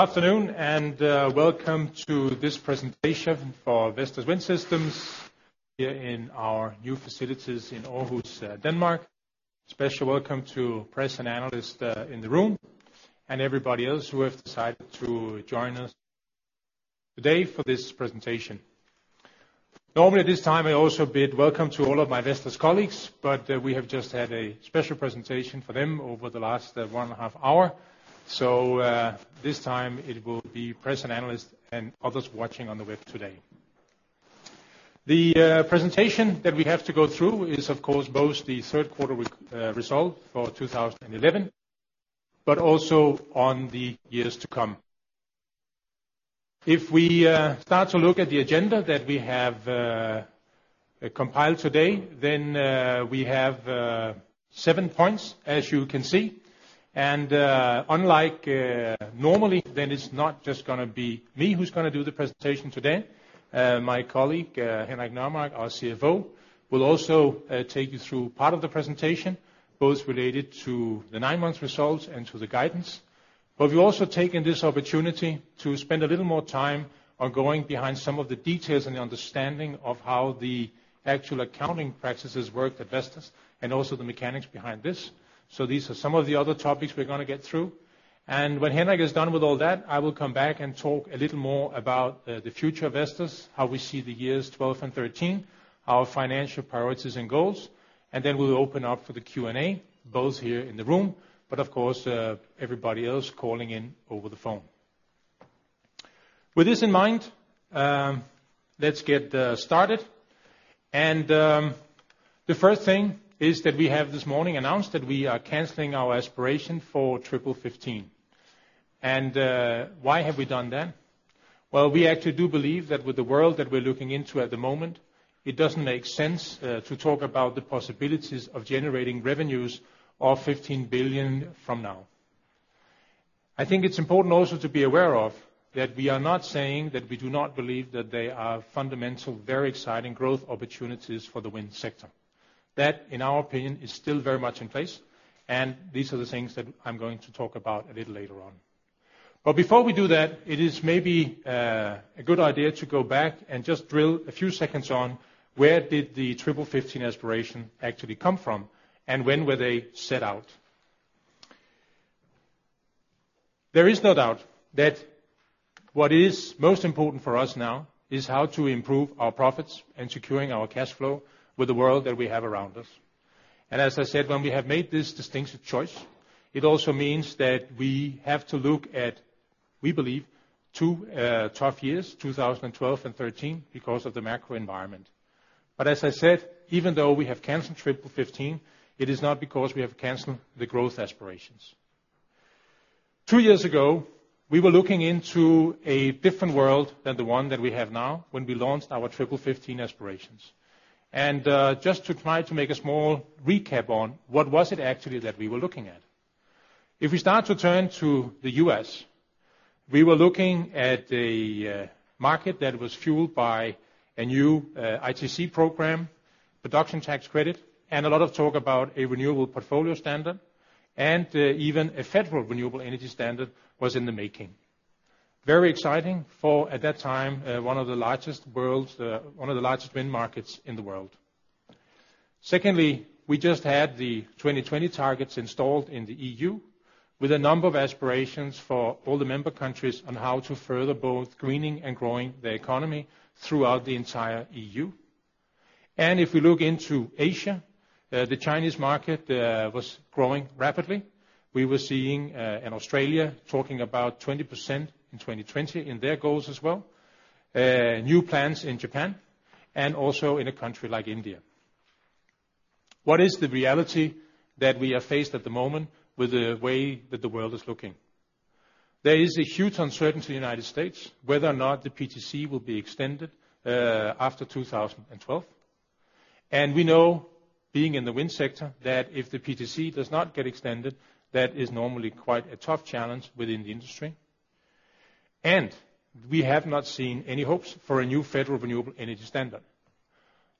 Afternoon and welcome to this presentation for Vestas Wind Systems here in our new facilities in Aarhus, Denmark. Special welcome to press and analysts in the room, and everybody else who have decided to join us today for this presentation. Normallyat this time I also bid welcome to all of my Vestas colleagues, but we have just had a special presentation for them over the last 1.5 hour. So, this time it will be press and analysts and others watching on the web today. The presentation that we have to go through is, of course, both the third quarter results for 2011, but also on the years to come. If we start to look at the agenda that we have compiled today, then we have seven points as you can see. Unlike, normally, then it's not just gonna be me who's gonna do the presentation today. My colleague, Henrik Nørremark, our CFO, will also take you through part of the presentation, both related to the nine-month results and to the guidance. But we've also taken this opportunity to spend a little more time on going behind some of the details and the understanding of how the actual accounting practices work at Vestas, and also the mechanics behind this. So these are some of the other topics we're gonna get through. And when Henrik is done with all that, I will come back and talk a little more about the future of Vestas, how we see the years 2012 and 2013, our financial priorities and goals. And then we'll open up for the Q&A, both here in the room, but of course, everybody else calling in over the phone. With this in mind, let's get started. The first thing is that we have this morning announced that we are canceling our aspiration for Triple15. Why have we done that? Well, we actually do believe that with the world that we're looking into at the moment, it doesn't make sense to talk about the possibilities of generating revenues of 15 billion from now. I think it's important also to be aware of that we are not saying that we do not believe that there are fundamental, very exciting growth opportunities for the wind sector. That, in our opinion, is still very much in place, and these are the things that I'm going to talk about a little later on. But before we do that, it is maybe a good idea to go back and just drill a few seconds on where did the Triple15 aspiration actually come from, and when were they set out? There is no doubt that what is most important for us now is how to improve our profits and securing our cash flow with the world that we have around us. And as I said, when we have made this distinctive choice, it also means that we have to look at, we believe, two tough years, 2012 and 2013, because of the macro environment. But as I said, even though we have canceled Triple15, it is not because we have canceled the growth aspirations. Two years ago, we were looking into a different world than the one that we have now when we launched our Triple15 aspirations. Just to try to make a small recap on what was it actually that we were looking at. If we start to turn to the U.S., we were looking at a market that was fueled by a new ITC program, Production Tax Credit, and a lot of talk about a renewable portfolio standard, and even a federal renewable energy standard was in the making. Very exciting for, at that time, one of the largest world's one of the largest wind markets in the world. Secondly, we just had the 2020 targets installed in the EU with a number of aspirations for all the member countries on how to further both greening and growing their economy throughout the entire EU. And if we look into Asia, the Chinese market was growing rapidly. We were seeing, and Australia talking about 20% in 2020 in their goals as well. New plans in Japan, and also in a country like India. What is the reality that we are faced at the moment with the way that the world is looking? There is a huge uncertainty in the United States whether or not the PTC will be extended, after 2012. And we know, being in the wind sector, that if the PTC does not get extended, that is normally quite a tough challenge within the industry. And we have not seen any hopes for a new federal renewable energy standard.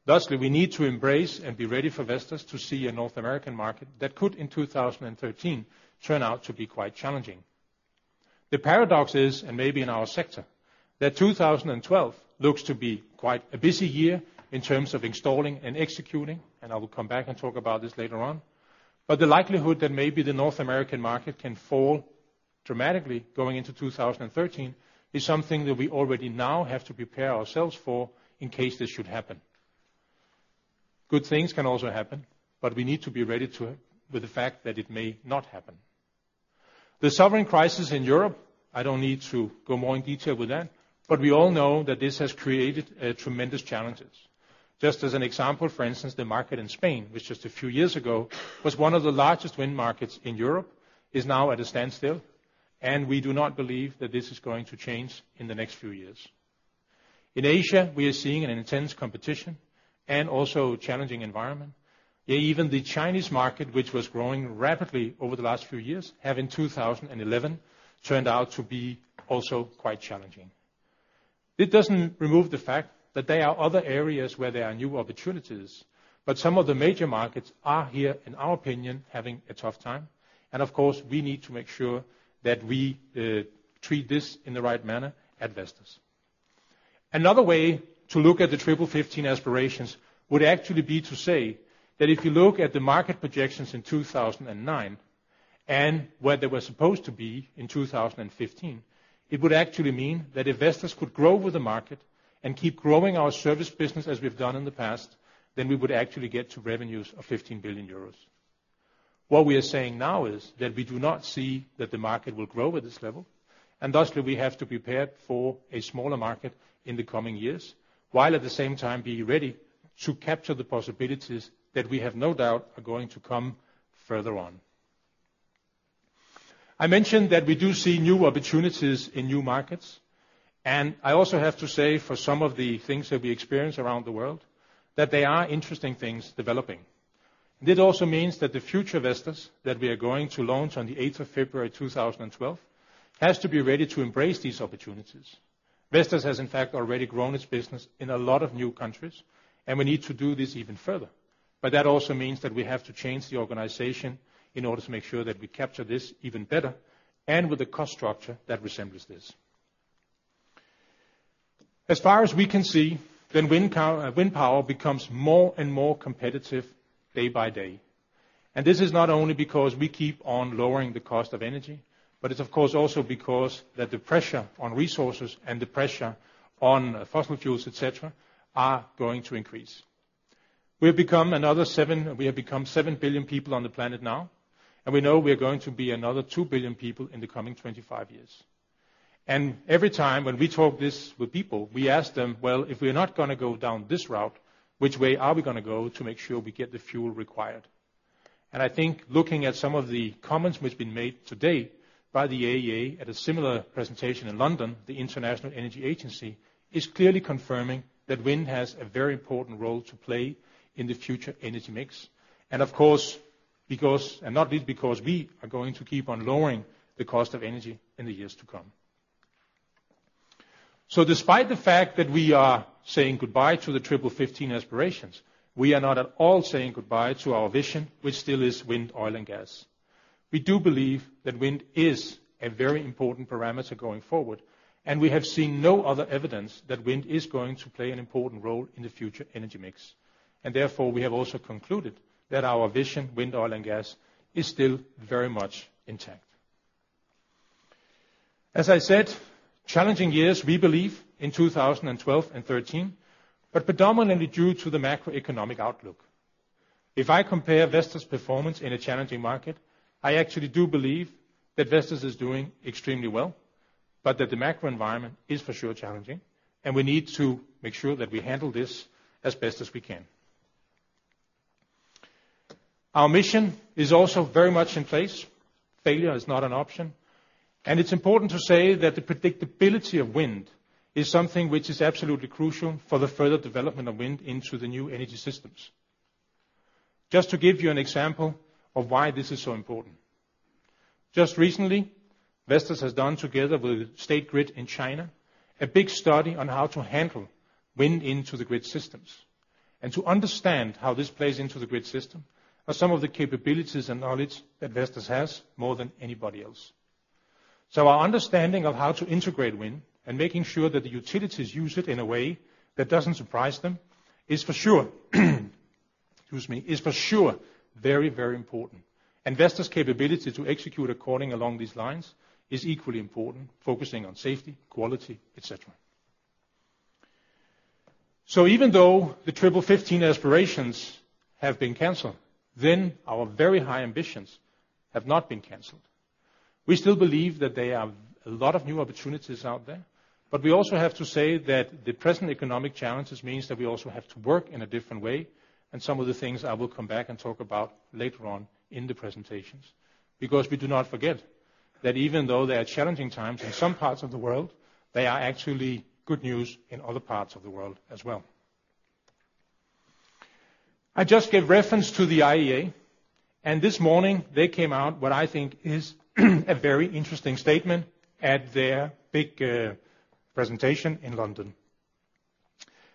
Thusly, we need to embrace and be ready for Vestas to see a North American market that could, in 2013, turn out to be quite challenging. The paradox is, and maybe in our sector, that 2012 looks to be quite a busy year in terms of installing and executing, and I will come back and talk about this later on. But the likelihood that maybe the North American market can fall dramatically going into 2013 is something that we already now have to prepare ourselves for in case this should happen. Good things can also happen, but we need to be ready to with the fact that it may not happen. The sovereign crisis in Europe I don't need to go more in detail with that, but we all know that this has created tremendous challenges. Just as an example, for instance, the market in Spain, which just a few years ago was one of the largest wind markets in Europe, is now at a standstill, and we do not believe that this is going to change in the next few years. In Asia, we are seeing an intense competition and also challenging environment. Yeah, even the Chinese market, which was growing rapidly over the last few years, have, in 2011, turned out to be also quite challenging. It doesn't remove the fact that there are other areas where there are new opportunities, but some of the major markets are here, in our opinion, having a tough time. And of course, we need to make sure that we, treat this in the right manner at Vestas. Another way to look at the Triple15 aspirations would actually be to say that if you look at the market projections in 2009 and where they were supposed to be in 2015, it would actually mean that if Vestas could grow with the market and keep growing our service business as we've done in the past, then we would actually get to revenues of 15 billion euros. What we are saying now is that we do not see that the market will grow at this level, and thusly we have to prepare for a smaller market in the coming years, while at the same time be ready to capture the possibilities that we have no doubt are going to come further on. I mentioned that we do see new opportunities in new markets, and I also have to say for some of the things that we experience around the world that there are interesting things developing. And it also means that the future Vestas that we are going to launch on the 8th of February, 2012, has to be ready to embrace these opportunities. Vestas has, in fact, already grown its business in a lot of new countries, and we need to do this even further. But that also means that we have to change the organization in order to make sure that we capture this even better and with a cost structure that resembles this. As far as we can see, then wind power becomes more and more competitive day by day. And this is not only because we keep on lowering the cost of energy, but it's, of course, also because that the pressure on resources and the pressure on fossil fuels, etc., are going to increase. We have become 7 billion people on the planet now, and we know we are going to be another 2 billion people in the coming 25 years. And every time when we talk this with people, we ask them, "Well, if we are not gonna go down this route, which way are we gonna go to make sure we get the fuel required?" And I think looking at some of the comments which have been made today by the IEA at a similar presentation in London, the International Energy Agency, is clearly confirming that wind has a very important role to play in the future energy mix. And of course, because and not least because we are going to keep on lowering the cost of energy in the years to come. So despite the fact that we are saying goodbye to the triple 15 aspirations, we are not at all saying goodbye to our vision, which still is Wind, Oil, and Gas. We do believe that wind is a very important parameter going forward, and we have seen no other evidence that wind is going to play an important role in the future energy mix. Therefore, we have also concluded that our vision, Wind, Oil, and Gas, is still very much intact. As I said, challenging years, we believe, in 2012 and 2013, but predominantly due to the macroeconomic outlook. If I compare Vestas performance in a challenging market, I actually do believe that Vestas is doing extremely well, but that the macro environment is for sure challenging, and we need to make sure that we handle this as best as we can. Our mission is also very much in place. Failure is not an option. It's important to say that the predictability of wind is something which is absolutely crucial for the further development of wind into the new energy systems. Just to give you an example of why this is so important. Just recently, Vestas has done, together with State Grid in China, a big study on how to handle wind into the grid systems. To understand how this plays into the grid system are some of the capabilities and knowledge that Vestas has more than anybody else. So our understanding of how to integrate wind and making sure that the utilities use it in a way that doesn't surprise them is for sure excuse me, is for sure very, very important. Vestas' capability to execute according along these lines is equally important, focusing on safety, quality, etc. Even though the Triple15 aspirations have been canceled, then our very high ambitions have not been canceled. We still believe that there are a lot of new opportunities out there, but we also have to say that the present economic challenges means that we also have to work in a different way. Some of the things I will come back and talk about later on in the presentations, because we do not forget that even though there are challenging times in some parts of the world, they are actually good news in other parts of the world as well. I just gave reference to the IEA, and this morning they came out with what I think is a very interesting statement at their big presentation in London.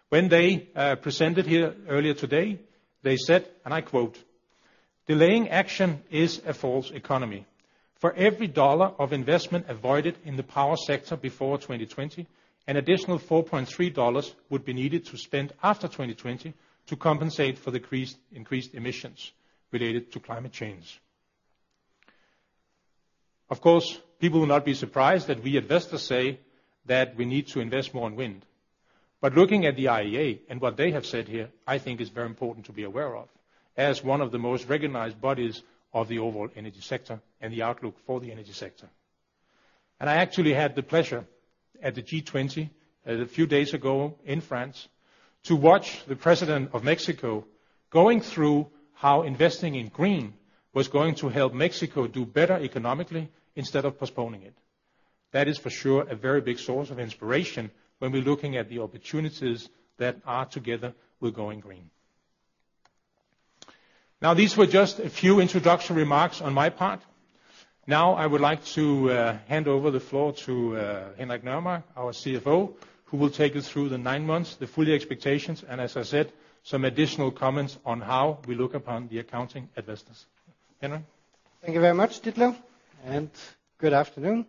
When they presented here earlier today, they said, and I quote, "Delaying action is a false economy. For every $1 of investment avoided in the power sector before 2020, an additional $4.30 would be needed to spend after 2020 to compensate for decreased increased emissions related to climate change." Of course, people will not be surprised that we at Vestas say that we need to invest more in wind. But looking at the IEA and what they have said here, I think is very important to be aware of as one of the most recognized bodies of the overall energy sector and the outlook for the energy sector. And I actually had the pleasure at the G20, a few days ago in France, to watch the President of Mexico going through how investing in green was going to help Mexico do better economically instead of postponing it. That is for sure a very big source of inspiration when we're looking at the opportunities that are together with going green. Now, these were just a few introductory remarks on my part. Now, I would like to hand over the floor to Henrik Nørremark, our CFO, who will take us through the nine months, the full-year expectations, and, as I said, some additional comments on how we look upon the accounting at Vestas. Henrik? Thank you very much, Ditlev. And good afternoon.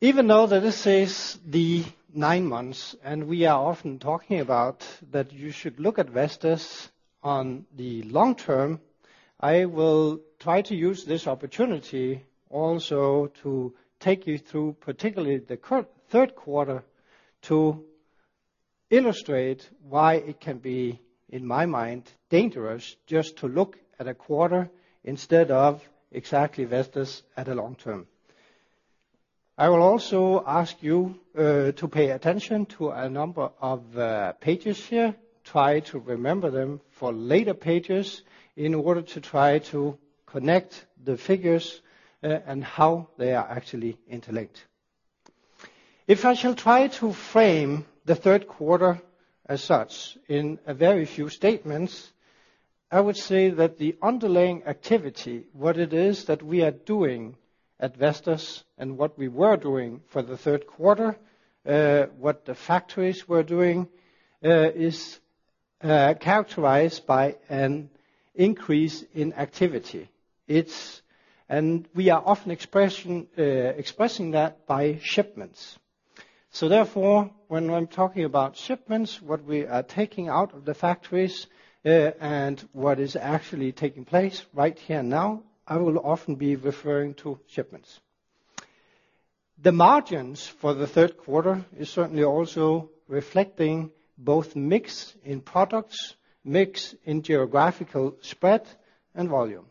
Even though that this says the nine months, and we are often talking about that you should look at Vestas on the long term, I will try to use this opportunity also to take you through, particularly the third quarter, to illustrate why it can be, in my mind, dangerous just to look at a quarter instead of exactly Vestas at the long term. I will also ask you to pay attention to a number of pages here. Try to remember them for later pages in order to try to connect the figures, and how they are actually interlinked. If I shall try to frame the third quarter as such in a very few statements, I would say that the underlying activity, what it is that we are doing at Vestas and what we were doing for the third quarter, what the factories were doing, is characterized by an increase in activity. It's and we are often expressing that by shipments. So therefore, when I'm talking about shipments, what we are taking out of the factories, and what is actually taking place right here and now, I will often be referring to shipments. The margins for the third quarter is certainly also reflecting both mix in products, mix in geographical spread, and volume.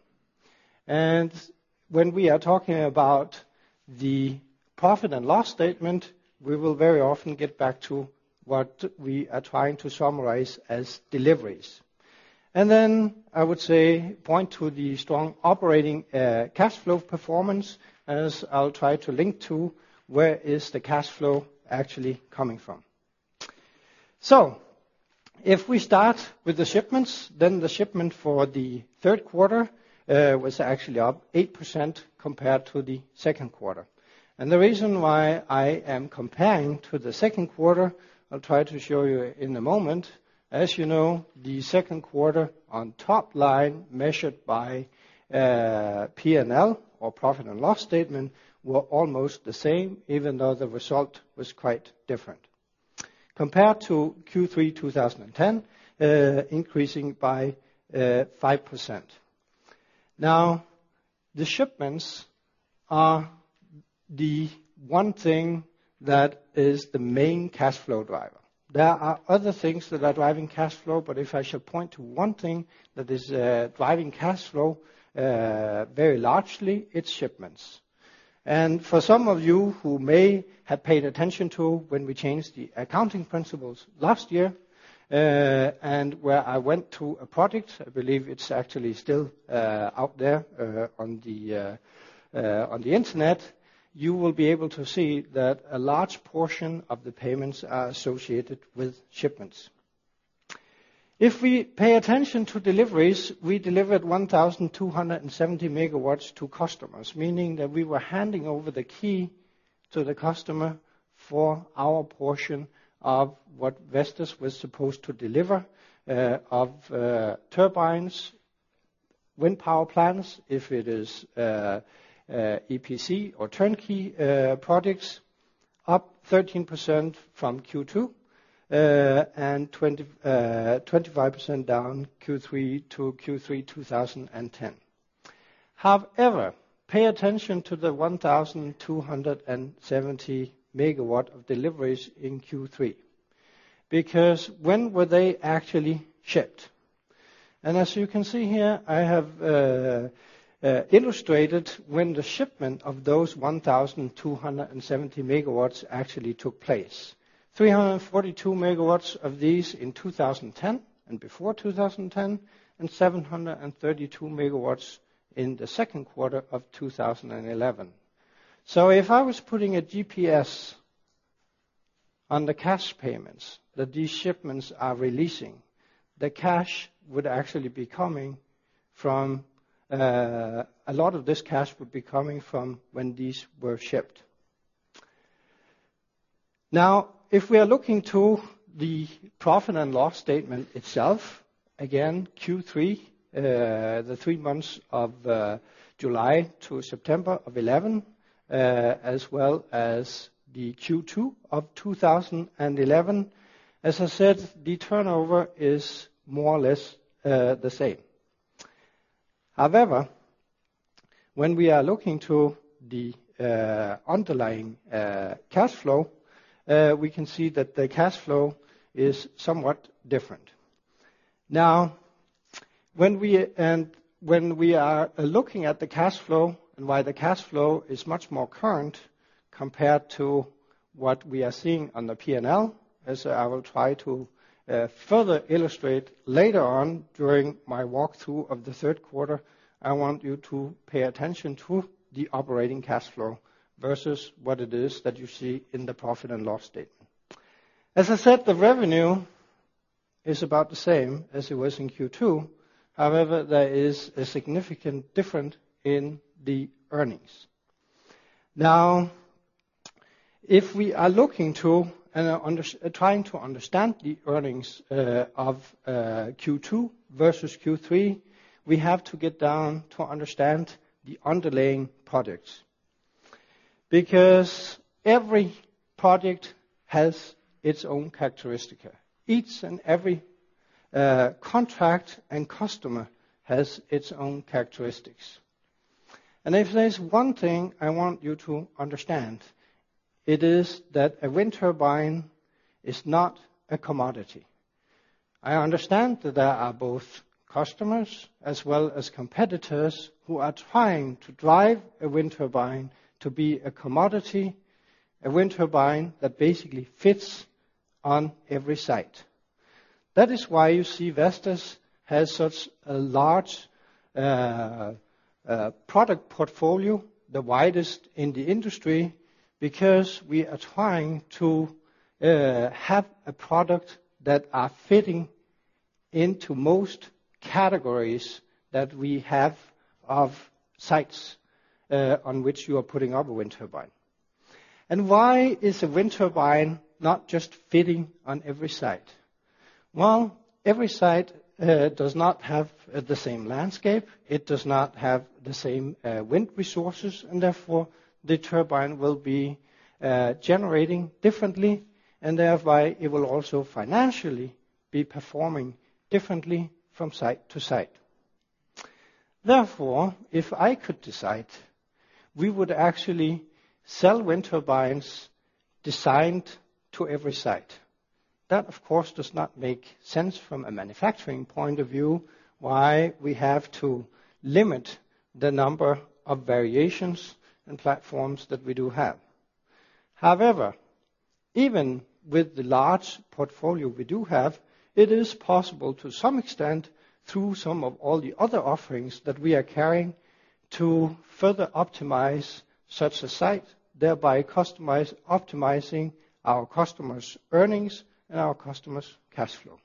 When we are talking about the profit and loss statement, we will very often get back to what we are trying to summarize as deliveries. Then I would say point to the strong operating cash flow performance, as I'll try to link to where is the cash flow actually coming from. If we start with the shipments, then the shipment for the third quarter was actually up 8% compared to the second quarter. And the reason why I am comparing to the second quarter, I'll try to show you in a moment. As you know, the second quarter on top line measured by P&L or profit and loss statement were almost the same, even though the result was quite different. Compared to Q3 2010, increasing by 5%. Now, the shipments are the one thing that is the main cash flow driver. There are other things that are driving cash flow, but if I shall point to one thing that is driving cash flow very largely, it's shipments. For some of you who may have paid attention to when we changed the accounting principles last year, and where I went to a product, I believe it's actually still out there on the internet, you will be able to see that a large portion of the payments are associated with shipments. If we pay attention to deliveries, we delivered 1,270 MW to customers, meaning that we were handing over the key to the customer for our portion of what Vestas was supposed to deliver of turbines, wind power plants, if it is EPC or turnkey products, up 13% from Q2, and 25% down Q3 to Q3 2010. However, pay attention to the 1,270 MW of deliveries in Q3, because when were they actually shipped? And as you can see here, I have illustrated when the shipment of those 1,270 MW actually took place: 342 MW of these in 2010 and before 2010, and 732 MW in the second quarter of 2011. So if I was putting a GPS on the cash payments that these shipments are releasing, the cash would actually be coming from, a lot of this cash would be coming from when these were shipped. Now, if we are looking to the profit and loss statement itself, again, Q3, the three months of July to September of 2011, as well as the Q2 of 2011, as I said, the turnover is more or less the same. However, when we are looking to the underlying cash flow, we can see that the cash flow is somewhat different. Now, when we and when we are looking at the cash flow and why the cash flow is much more current compared to what we are seeing on the P&L, as I will try to further illustrate later on during my walkthrough of the third quarter, I want you to pay attention to the operating cash flow versus what it is that you see in the profit and loss statement. As I said, the revenue is about the same as it was in Q2. However, there is a significant difference in the earnings. Now, if we are looking to and trying to understand the earnings of Q2 versus Q3, we have to get down to understand the underlying products, because every product has its own characteristics. Each and every contract and customer has its own characteristics. And if there's one thing I want you to understand, it is that a wind turbine is not a commodity. I understand that there are both customers as well as competitors who are trying to drive a wind turbine to be a commodity, a wind turbine that basically fits on every site. That is why you see Vestas has such a large product portfolio, the widest in the industry, because we are trying to have a product that is fitting into most categories that we have of sites, on which you are putting up a wind turbine. And why is a wind turbine not just fitting on every site? Well, every site does not have the same landscape. It does not have the same wind resources. Therefore, the turbine will be generating differently, and thereby it will also financially be performing differently from site to site. Therefore, if I could decide, we would actually sell wind turbines designed to every site. That, of course, does not make sense from a manufacturing point of view why we have to limit the number of variations and platforms that we do have. However, even with the large portfolio we do have, it is possible to some extent, through some of all the other offerings that we are carrying, to further optimize such a site, thereby optimizing our customers' earnings and our customers' cash flow.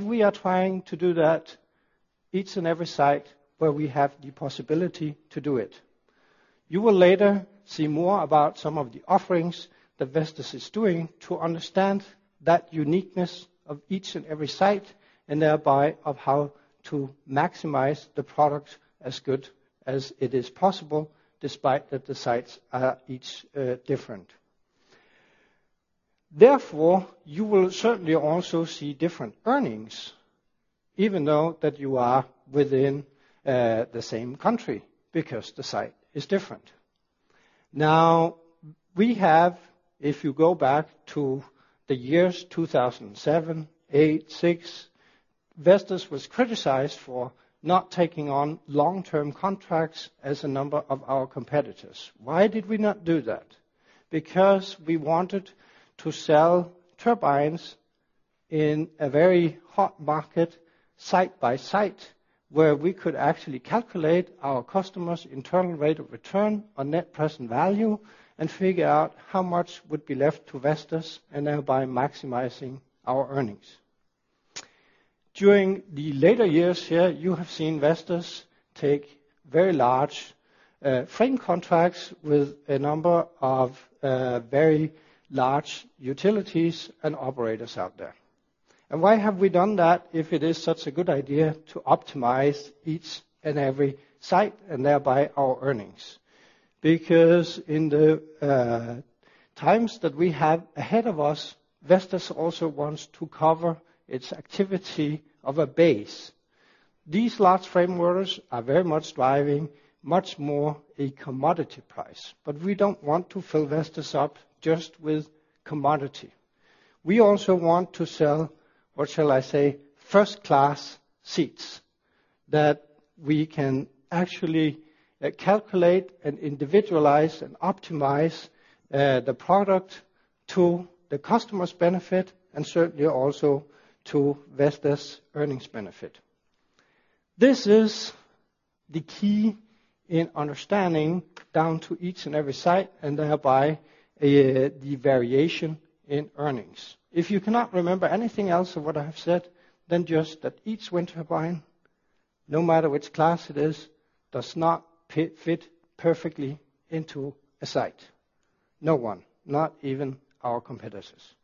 We are trying to do that each and every site where we have the possibility to do it. You will later see more about some of the offerings that Vestas is doing to understand that uniqueness of each and every site and thereby of how to maximize the product as good as it is possible, despite that the sites are each different. Therefore, you will certainly also see different earnings, even though that you are within, the same country, because the site is different. Now, we have, if you go back to the years 2007, 2008, 2006, Vestas was criticized for not taking on long-term contracts as a number of our competitors. Why did we not do that? Because we wanted to sell turbines in a very hot market, site by site, where we could actually calculate our customers' internal rate of return or net present value and figure out how much would be left to Vestas and thereby maximizing our earnings. During the later years here, you have seen Vestas take very large frame contracts with a number of very large utilities and operators out there. Why have we done that if it is such a good idea to optimize each and every site and thereby our earnings? Because in the times that we have ahead of us, Vestas also wants to cover its activity of a base. These large frameworks are very much driving much more a commodity price. But we don't want to fill Vestas up just with commodity. We also want to sell, what shall I say, first-class seats that we can actually calculate and individualize and optimize the product to the customer's benefit and certainly also to Vestas' earnings benefit. This is the key in understanding down to each and every site and thereby the variation in earnings. If you cannot remember anything else of what I have said, then just that each wind turbine, no matter which class it is, does not fit perfectly into a site. No one, not even our competitors.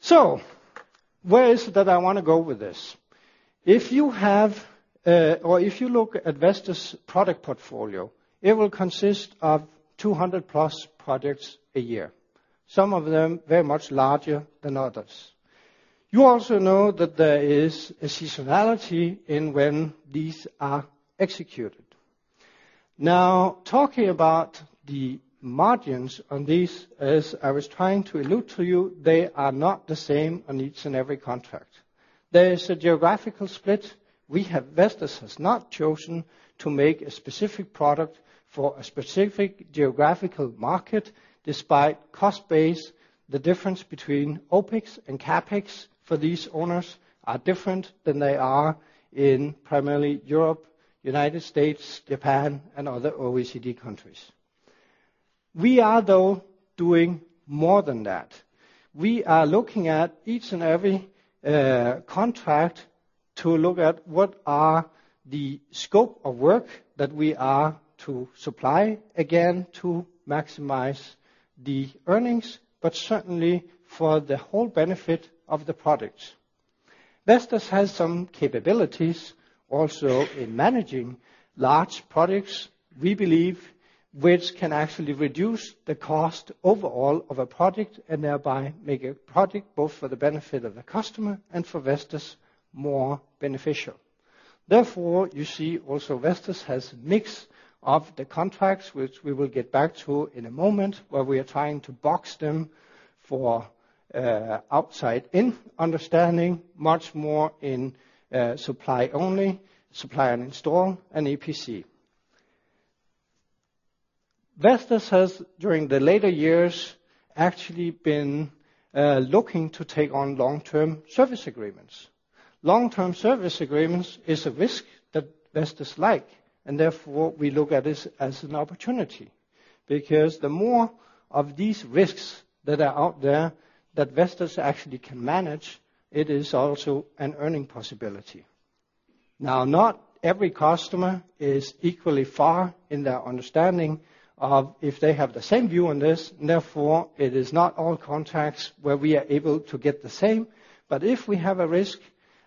So where is it that I want to go with this? If you have, or if you look at Vestas' product portfolio, it will consist of 200+ projects a year, some of them very much larger than others. You also know that there is a seasonality in when these are executed. Now, talking about the margins on these, as I was trying to allude to you, they are not the same on each and every contract. There is a geographical split. We have Vestas has not chosen to make a specific product for a specific geographical market, despite cost base. The difference between OpEx and CapEx for these owners is different than they are in primarily Europe, United States, Japan, and other OECD countries. We are, though, doing more than that. We are looking at each and every, contract to look at what is the scope of work that we are to supply, again, to maximize the earnings, but certainly for the whole benefit of the product. Vestas has some capabilities also in managing large products, we believe, which can actually reduce the cost overall of a product and thereby make a product both for the benefit of the customer and for Vestas more beneficial. Therefore, you see also Vestas has a mix of the contracts, which we will get back to in a moment, where we are trying to box them for, outside-in understanding, much more in, supply only, supply and install, and EPC. Vestas has, during the later years, actually been looking to take on long-term service agreements. Long-term service agreements is a risk that Vestas likes, and therefore we look at this as an opportunity, because the more of these risks that are out there that Vestas actually can manage, it is also an earning possibility. Now, not every customer is equally far in their understanding of if they have the same view on this. Therefore, it is not all contracts where we are able to get the same. But if we have a risk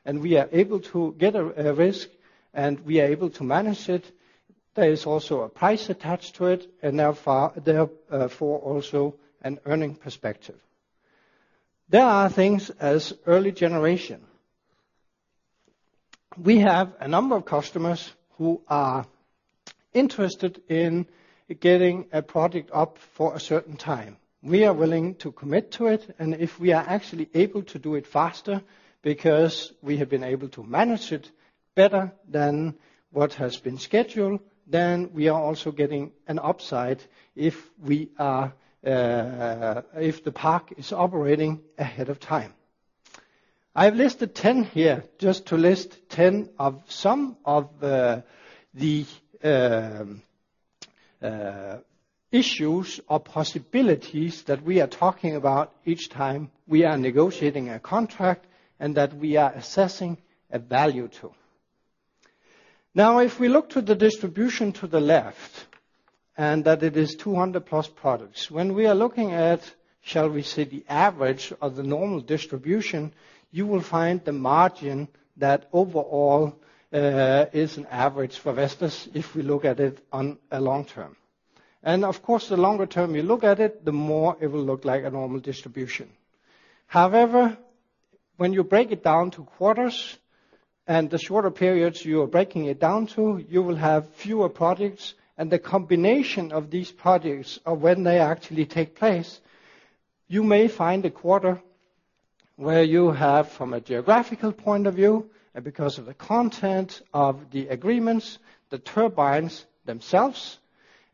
and we are able to get a risk and we are able to manage it, there is also a price attached to it and therefore also an earning perspective. There are things as early generation. We have a number of customers who are interested in getting a product up for a certain time. We are willing to commit to it, and if we are actually able to do it faster, because we have been able to manage it better than what has been scheduled, then we are also getting an upside if we are, if the park is operating ahead of time. I have listed 10 here just to list 10 of some of the issues or possibilities that we are talking about each time we are negotiating a contract and that we are assessing a value to. Now, if we look to the distribution to the left and that it is 200+ products, when we are looking at, shall we say, the average of the normal distribution, you will find the margin that overall, is an average for Vestas if we look at it on a long term. Of course, the longer term you look at it, the more it will look like a normal distribution. However, when you break it down to quarters and the shorter periods you are breaking it down to, you will have fewer products. The combination of these products or when they actually take place, you may find a quarter where you have, from a geographical point of view and because of the content of the agreements, the turbines themselves,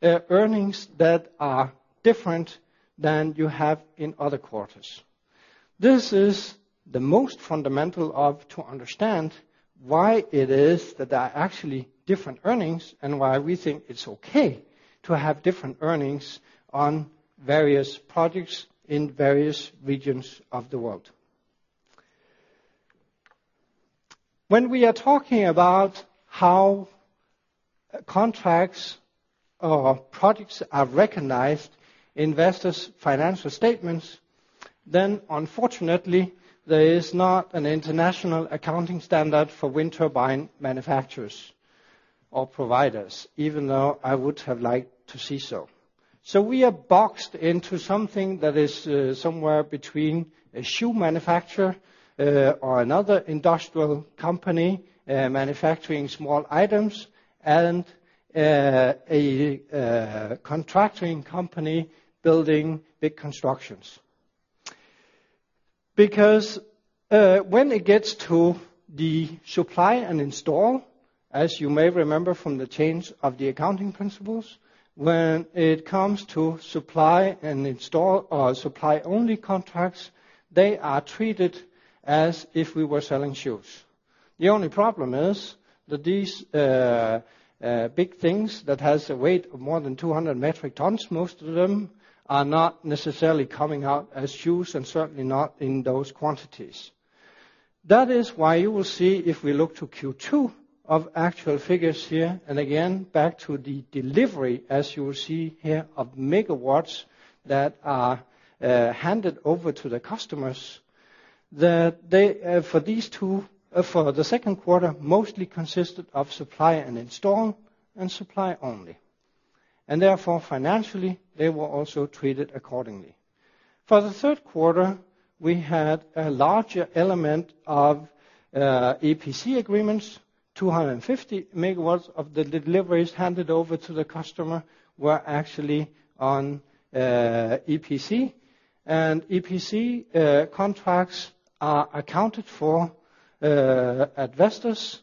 earnings that are different than you have in other quarters. This is the most fundamental of to understand why it is that there are actually different earnings and why we think it's okay to have different earnings on various projects in various regions of the world. When we are talking about how contracts or projects are recognized in Vestas' financial statements, then unfortunately, there is not an international accounting standard for wind turbine manufacturers or providers, even though I would have liked to see so. So we are boxed into something that is somewhere between a shoe manufacturer, or another industrial company, manufacturing small items, and a contracting company building big constructions. Because when it gets to the supply and install, as you may remember from the change of the accounting principles, when it comes to supply and install or supply-only contracts, they are treated as if we were selling shoes. The only problem is that these big things that have a weight of more than 200 metric tons, most of them, are not necessarily coming out as shoes and certainly not in those quantities. That is why you will see, if we look to Q2 of actual figures here, and again back to the delivery, as you will see here, of megawatts that are handed over to the customers, that they for these two, for the second quarter, mostly consisted of supply and install and supply only. And therefore, financially, they were also treated accordingly. For the third quarter, we had a larger element of EPC agreements. 250 MW of the deliveries handed over to the customer were actually on EPC. And EPC contracts are accounted for at Vestas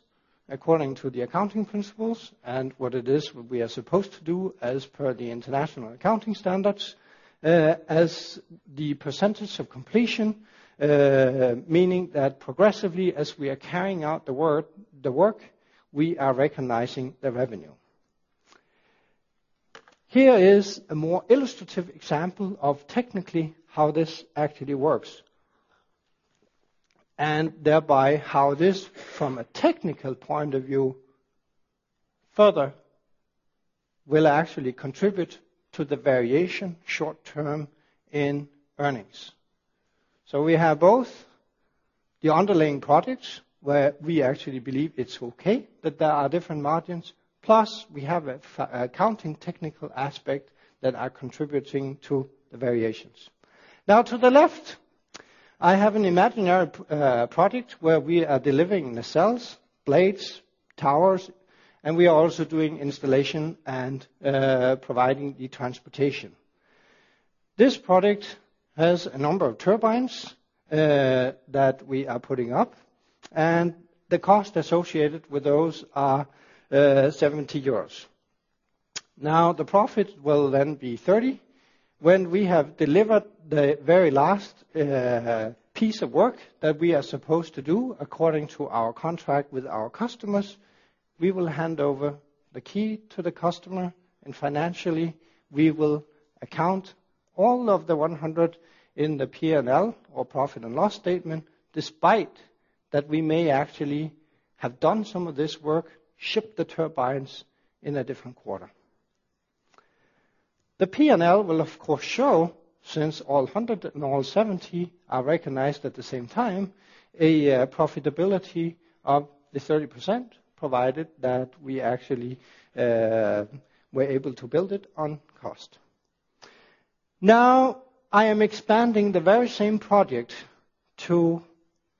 according to the accounting principles and what it is we are supposed to do as per the international accounting standards, as the percentage of completion, meaning that progressively, as we are carrying out the work, the work we are recognizing the revenue. Here is a more illustrative example of technically how this actually works and thereby how this, from a technical point of view, further will actually contribute to the variation short term in earnings. So we have both the underlying projects where we actually believe it's okay that there are different margins, plus we have an accounting technical aspect that is contributing to the variations. Now, to the left, I have an imaginary project where we are delivering the nacelles, blades, towers, and we are also doing installation and providing the transportation. This project has a number of turbines that we are putting up, and the cost associated with those is 70 euros. Now, the profit will then be 30. When we have delivered the very last piece of work that we are supposed to do according to our contract with our customers, we will hand over the key to the customer, and financially, we will account all of the 100 in the P&L or profit and loss statement, despite that we may actually have done some of this work, shipped the turbines in a different quarter. The P&L will, of course, show, since all 100 and all 70 are recognized at the same time, a profitability of the 30% provided that we actually were able to build it on cost. Now, I am expanding the very same project to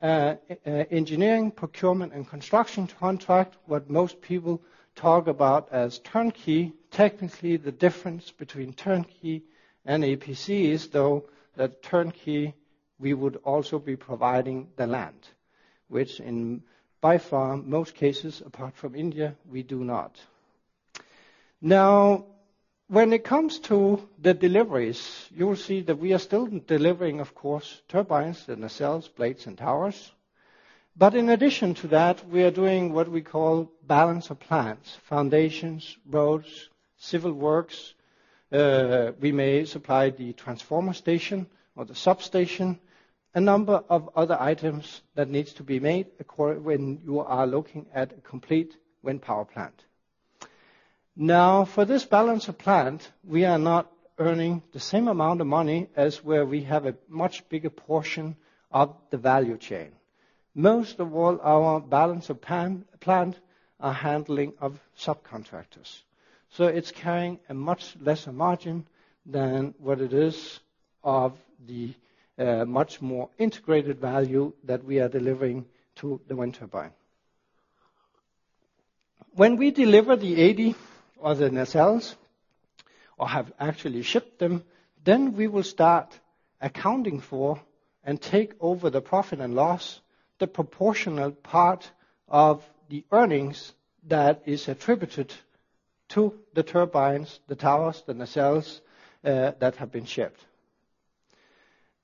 Engineering, Procurement, and Construction contract what most people talk about as turnkey. Technically, the difference between turnkey and EPC is, though, that turnkey we would also be providing the land, which in by far most cases, apart from India, we do not. Now, when it comes to the deliveries, you will see that we are still delivering, of course, turbines and the nacelles, blades, and towers. But in addition to that, we are doing what we call balance of plant: foundations, roads, civil works. We may supply the transformer station or the substation, a number of other items that need to be made when you are looking at a complete wind power plant. Now, for this balance of plant, we are not earning the same amount of money as where we have a much bigger portion of the value chain. Most of all, our balance of plant is handling of subcontractors. So it's carrying a much lesser margin than what it is of the much more integrated value that we are delivering to the wind turbine. When we deliver the 80 or the nacelles or have actually shipped them, then we will start accounting for and take over the profit and loss, the proportional part of the earnings that is attributed to the turbines, the towers, the nacelles that have been shipped.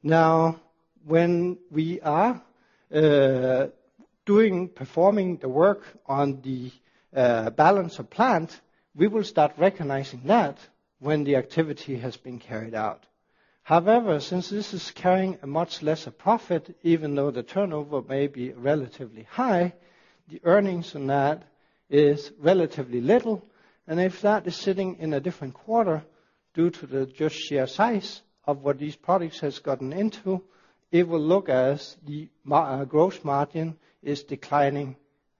Now, when we are performing the work on the balance of plant, we will start recognizing that when the activity has been carried out. However, since this is carrying a much lesser profit, even though the turnover may be relatively high, the earnings on that are relatively little. If that is sitting in a different quarter due to the just sheer size of what these products have gotten into, it will look as the gross margin is declining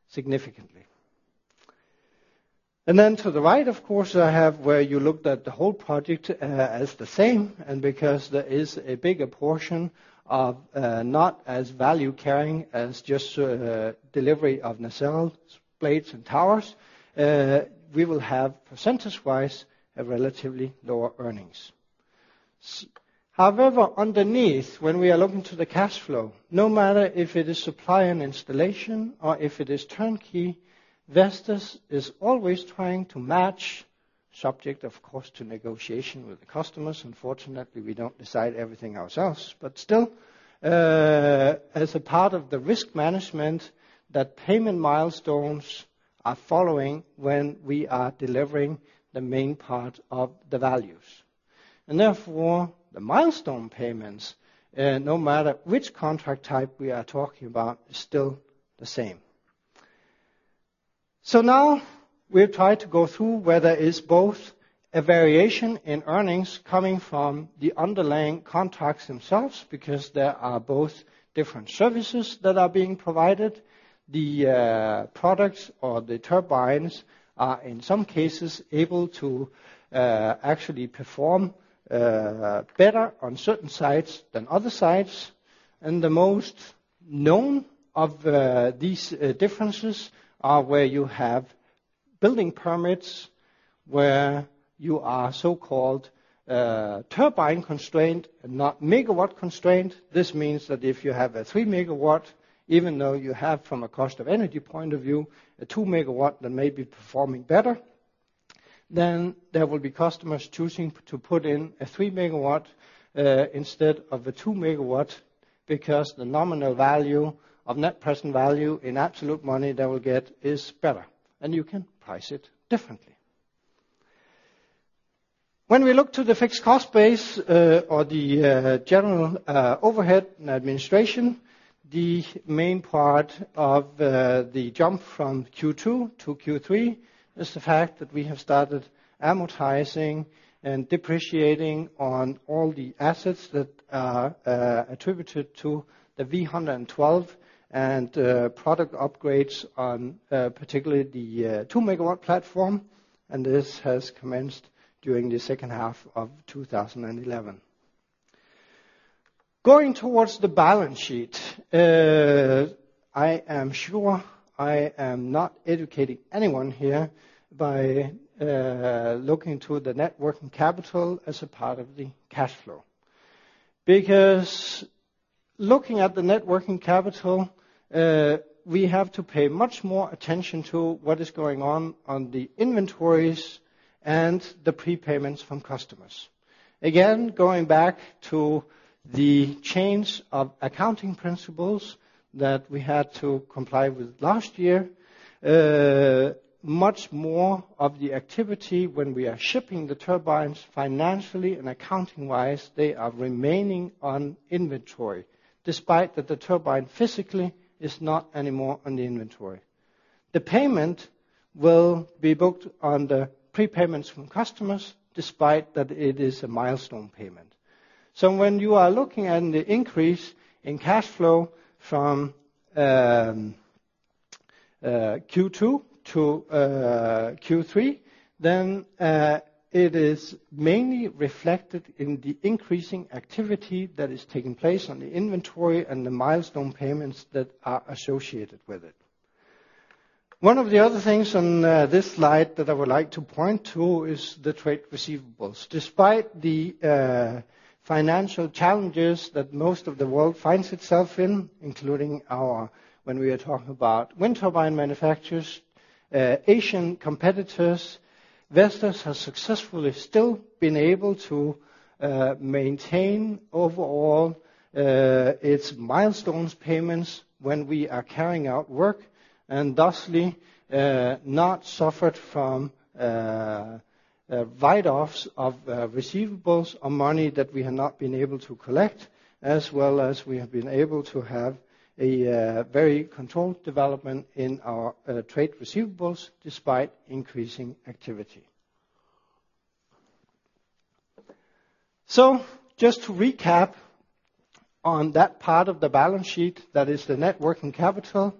significantly. Then to the right, of course, I have where you looked at the whole project as the same. Because there is a bigger portion of not as value-carrying as just delivery of nacelles, blades, and towers, we will have percentage-wise a relatively lower earnings. However, underneath, when we are looking to the cash flow, no matter if it is supply and installation or if it is turnkey, Vestas is always trying to match, subject, of course, to negotiation with the customers. Unfortunately, we don't decide everything ourselves. Still, as a part of the risk management that payment milestones are following when we are delivering the main part of the values. And therefore, the milestone payments, no matter which contract type we are talking about, are still the same. So now we'll try to go through whether there is both a variation in earnings coming from the underlying contracts themselves, because there are both different services that are being provided. The products or the turbines are, in some cases, able to actually perform better on certain sites than other sites. And the most known of these differences are where you have building permits where you are so-called turbine constrained and not megawatt constrained. This means that if you have a 3 MW, even though you have, from a cost of energy point of view, a 2 MW that may be performing better, then there will be customers choosing to put in a 3 MW, instead of a 2 MW, because the nominal value of net present value in absolute money they will get is better. And you can price it differently. When we look to the fixed cost base, or the, general, overhead and administration, the main part of, the jump from Q2 to Q3 is the fact that we have started amortizing and depreciating on all the assets that are, attributed to the V112 and, product upgrades on, particularly the, 2 MW platform. And this has commenced during the second half of 2011. Going towards the balance sheet, I am sure I am not educating anyone here by looking to the net working capital as a part of the cash flow. Because looking at the net working capital, we have to pay much more attention to what is going on on the inventories and the prepayments from customers. Again, going back to the change of accounting principles that we had to comply with last year, much more of the activity when we are shipping the turbines financially and accounting-wise, they are remaining on inventory, despite that the turbine physically is not anymore on the inventory. The payment will be booked on the prepayments from customers, despite that it is a milestone payment. So when you are looking at the increase in cash flow from Q2 to Q3, then, it is mainly reflected in the increasing activity that is taking place on the inventory and the milestone payments that are associated with it. One of the other things on this slide that I would like to point to is the trade receivables. Despite the, financial challenges that most of the world finds itself in, including our when we are talking about wind turbine manufacturers, Asian competitors, Vestas has successfully still been able to, maintain overall, its milestones payments when we are carrying out work and thusly, not suffered from, write-offs of, receivables or money that we have not been able to collect, as well as we have been able to have a, very controlled development in our, trade receivables despite increasing activity. So just to recap on that part of the balance sheet that is the net working capital,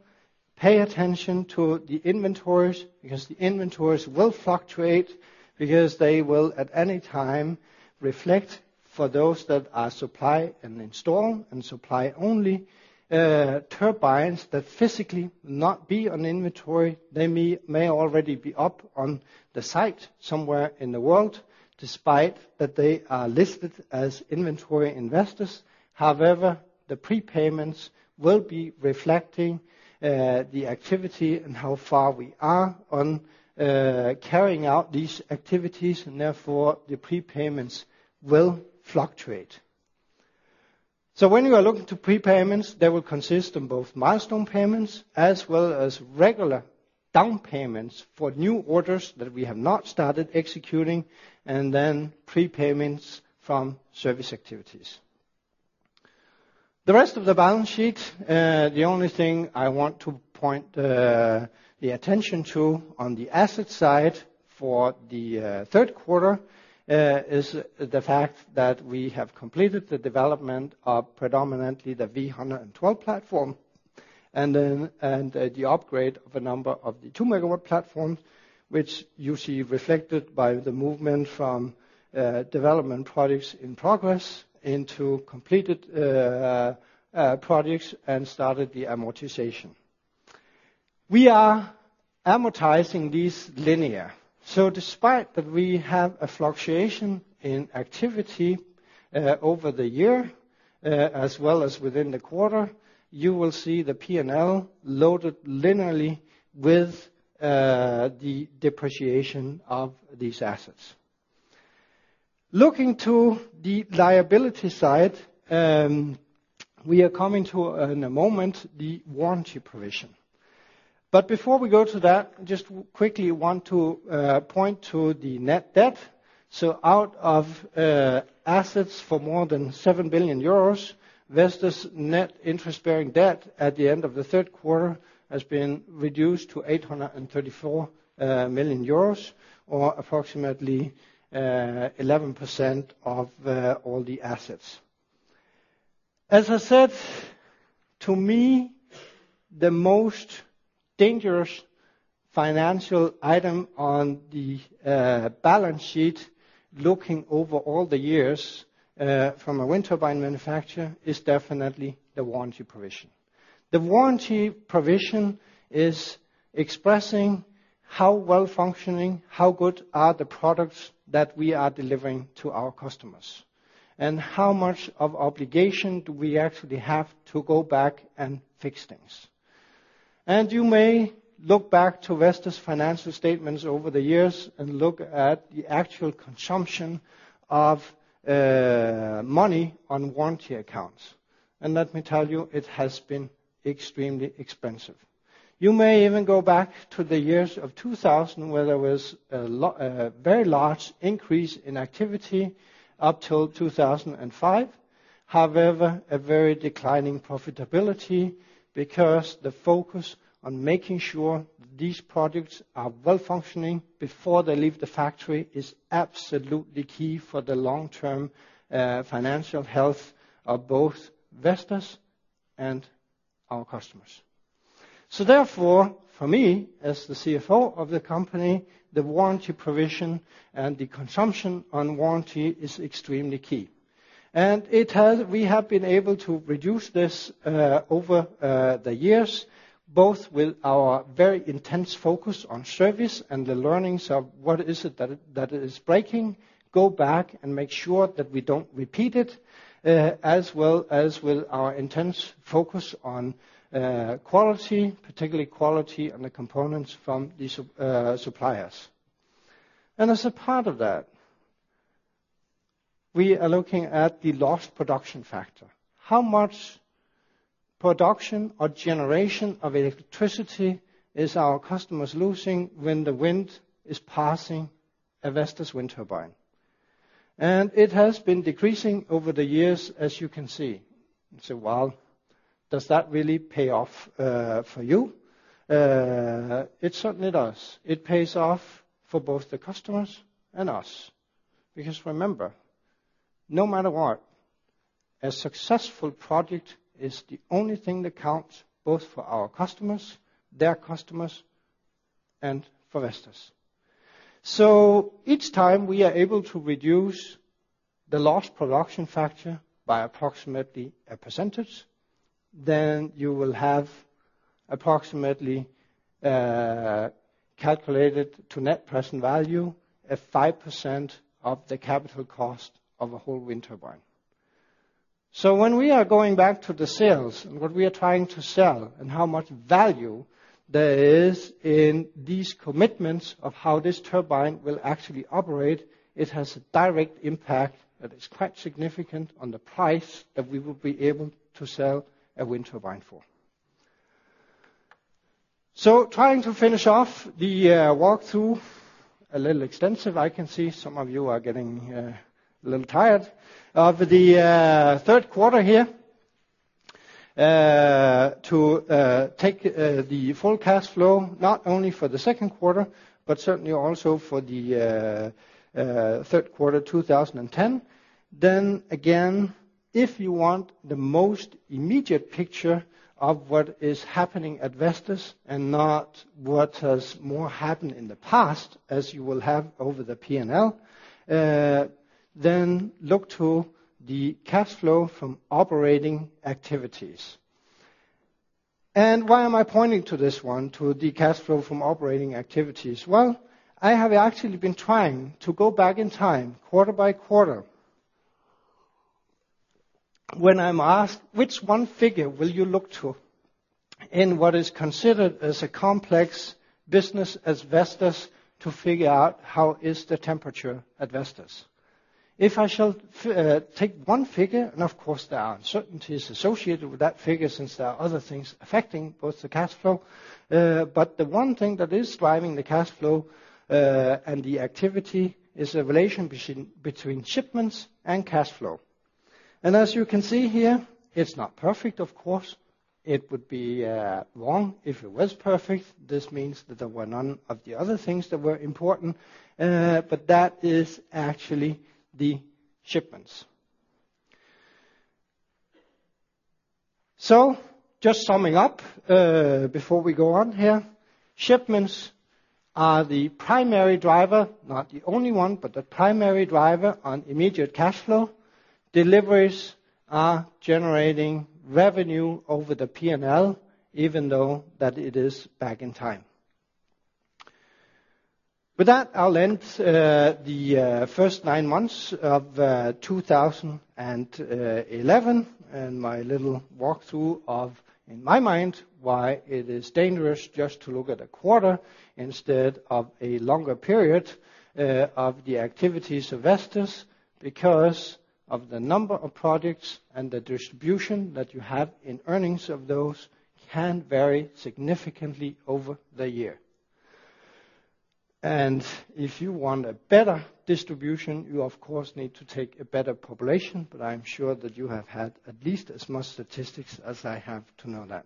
pay attention to the inventories, because the inventories will fluctuate, because they will at any time reflect for those that are supply and install and supply-only, turbines that physically not be on inventory. They may already be up on the site somewhere in the world, despite that they are listed as inventory investors. However, the prepayments will be reflecting the activity and how far we are on carrying out these activities. Therefore, the prepayments will fluctuate. So when you are looking to prepayments, they will consist of both milestone payments as well as regular down payments for new orders that we have not started executing, and then prepayments from service activities. The rest of the balance sheet, the only thing I want to point the attention to on the asset side for the third quarter, is the fact that we have completed the development of predominantly the V112 platform and then and the upgrade of a number of the 2 MW platforms, which you see reflected by the movement from development projects in progress into completed projects and started the amortization. We are amortizing these linearly. So despite that we have a fluctuation in activity over the year, as well as within the quarter, you will see the P&L loaded linearly with the depreciation of these assets. Looking to the liability side, we are coming to in a moment the warranty provision. But before we go to that, I just quickly want to point to the net debt. So out of assets for more than 7 billion euros, Vestas' net interest-bearing debt at the end of the third quarter has been reduced to 834 million euros, or approximately 11% of all the assets. As I said, to me, the most dangerous financial item on the balance sheet looking over all the years, from a wind turbine manufacturer is definitely the warranty provision. The warranty provision is expressing how well-functioning, how good are the products that we are delivering to our customers, and how much of obligation do we actually have to go back and fix things. And you may look back to Vestas' financial statements over the years and look at the actual consumption of money on warranty accounts. And let me tell you, it has been extremely expensive. You may even go back to the years of 2000 where there was a very large increase in activity up till 2005. However, a very declining profitability because the focus on making sure these products are well-functioning before they leave the factory is absolutely key for the long-term financial health of both Vestas and our customers. So therefore, for me, as the CFO of the company, the warranty provision and the consumption on warranty is extremely key. And it has we have been able to reduce this over the years, both with our very intense focus on service and the learnings of what is it that is breaking, go back and make sure that we don't repeat it, as well as with our intense focus on quality, particularly quality on the components from these suppliers. And as a part of that, we are looking at the Lost Production Factor. How much production or generation of electricity are our customers losing when the wind is passing a Vestas wind turbine? It has been decreasing over the years, as you can see. So well, does that really pay off, for you? It certainly does. It pays off for both the customers and us. Because remember, no matter what, a successful project is the only thing that counts both for our customers, their customers, and for Vestas. So each time we are able to reduce the Lost Production Factor by approximately a percentage, then you will have approximately, calculated to net present value, 5% of the capital cost of a whole wind turbine. So when we are going back to the sales and what we are trying to sell and how much value there is in these commitments of how this turbine will actually operate, it has a direct impact that is quite significant on the price that we will be able to sell a wind turbine for. So trying to finish off the walkthrough, a little extensive, I can see some of you are getting a little tired, of the third quarter here. To take the full cash flow, not only for the second quarter, but certainly also for the third quarter, 2010. Then again, if you want the most immediate picture of what is happening at Vestas and not what has more happened in the past, as you will have over the P&L, then look to the cash flow from operating activities. And why am I pointing to this one? To the cash flow from operating activities. Well, I have actually been trying to go back in time, quarter by quarter, when I'm asked, which one figure will you look to in what is considered as a complex business as Vestas to figure out how is the temperature at Vestas? If I shall take one figure, and of course there are uncertainties associated with that figure since there are other things affecting both the cash flow. But the one thing that is driving the cash flow, and the activity is a relation between shipments and cash flow. And as you can see here, it's not perfect, of course. It would be wrong if it was perfect. This means that there were none of the other things that were important. But that is actually the shipments. So just summing up, before we go on here, shipments are the primary driver, not the only one, but the primary driver on immediate cash flow. Deliveries are generating revenue over the P&L, even though that it is back in time. With that, I'll end the first 9 months of 2011 and my little walkthrough of, in my mind, why it is dangerous just to look at a quarter instead of a longer period of the activities of Vestas, because of the number of projects and the distribution that you have in earnings of those can vary significantly over the year. And if you want a better distribution, you of course need to take a better population, but I'm sure that you have had at least as much statistics as I have to know that.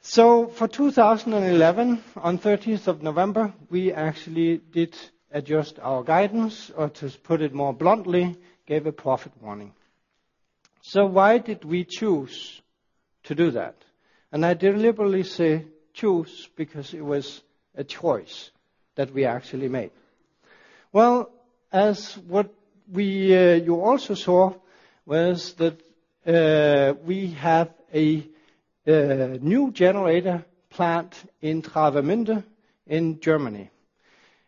So for 2011, on 13 November, we actually did adjust our guidance, or to put it more bluntly, gave a profit warning. Why did we choose to do that? I deliberately say choose because it was a choice that we actually made. Well, as what you also saw was that we have a new generator plant in Travemünde in Germany.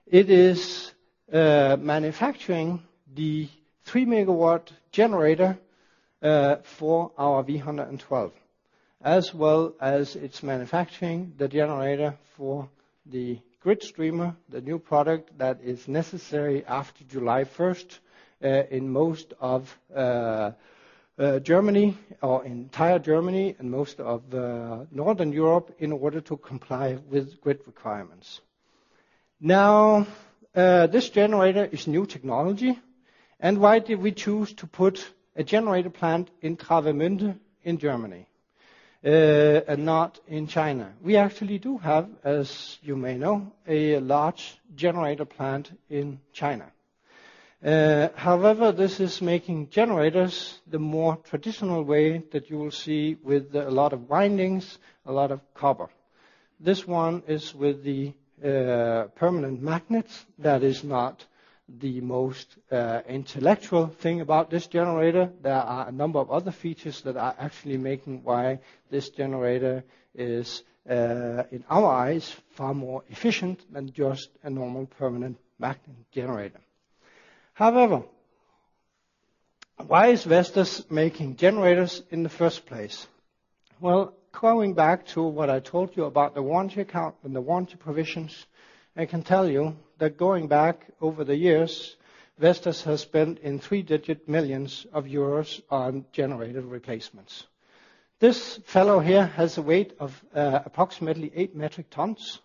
It is manufacturing the 3 MW generator for our V112, as well as it's manufacturing the generator for the GridStreamer, the new product that is necessary after July 1 in most of Germany or entire Germany and most of northern Europe in order to comply with grid requirements. Now, this generator is new technology. Why did we choose to put a generator plant in Travemünde in Germany, and not in China? We actually do have, as you may know, a large generator plant in China. However, this is making generators the more traditional way that you will see with a lot of bindings, a lot of copper. This one is with the permanent magnets. That is not the most intellectual thing about this generator. There are a number of other features that are actually making why this generator is, in our eyes, far more efficient than just a normal permanent magnet generator. However, why is Vestas making generators in the first place? Well, going back to what I told you about the warranty account and the warranty provisions, I can tell you that going back over the years, Vestas has spent EUR three-digit millions on generator replacements. This fellow here has a weight of approximately 8 metric tons.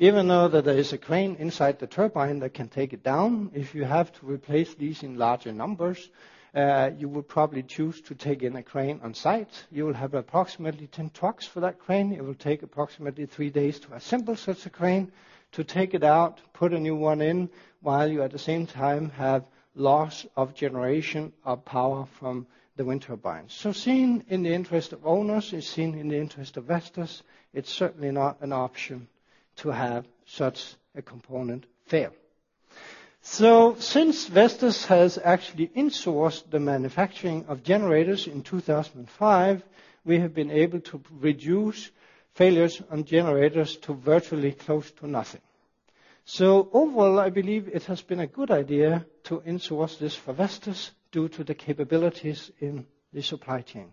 Even though that there is a crane inside the turbine that can take it down, if you have to replace these in larger numbers, you will probably choose to take in a crane on site. You will have approximately 10 trucks for that crane. It will take approximately 3 days to assemble such a crane, to take it out, put a new one in, while you at the same time have loss of generation of power from the wind turbines. So seen in the interest of owners, is seen in the interest of Vestas, it's certainly not an option to have such a component fail. So since Vestas has actually insourced the manufacturing of generators in 2005, we have been able to reduce failures on generators to virtually close to nothing. So overall, I believe it has been a good idea to insource this for Vestas due to the capabilities in the supply chain.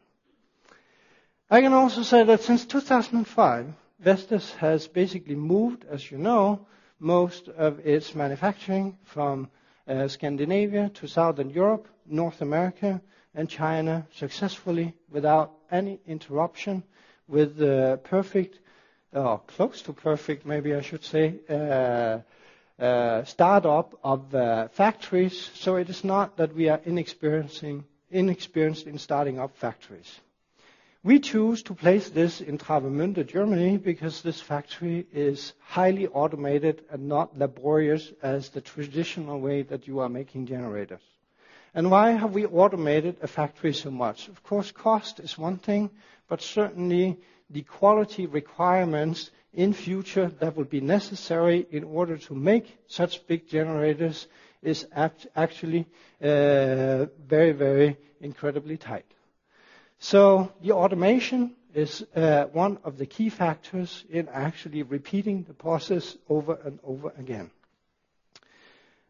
I can also say that since 2005, Vestas has basically moved, as you know, most of its manufacturing from Scandinavia to Southern Europe, North America, and China successfully without any interruption with the perfect or close to perfect, maybe I should say, startup of factories. So it is not that we are inexperienced in starting up factories. We choose to place this in Travemünde, Germany, because this factory is highly automated and not laborious as the traditional way that you are making generators. And why have we automated a factory so much? Of course, cost is one thing, but certainly the quality requirements in future that will be necessary in order to make such big generators is actually very, very incredibly tight. So the automation is one of the key factors in actually repeating the process over and over again.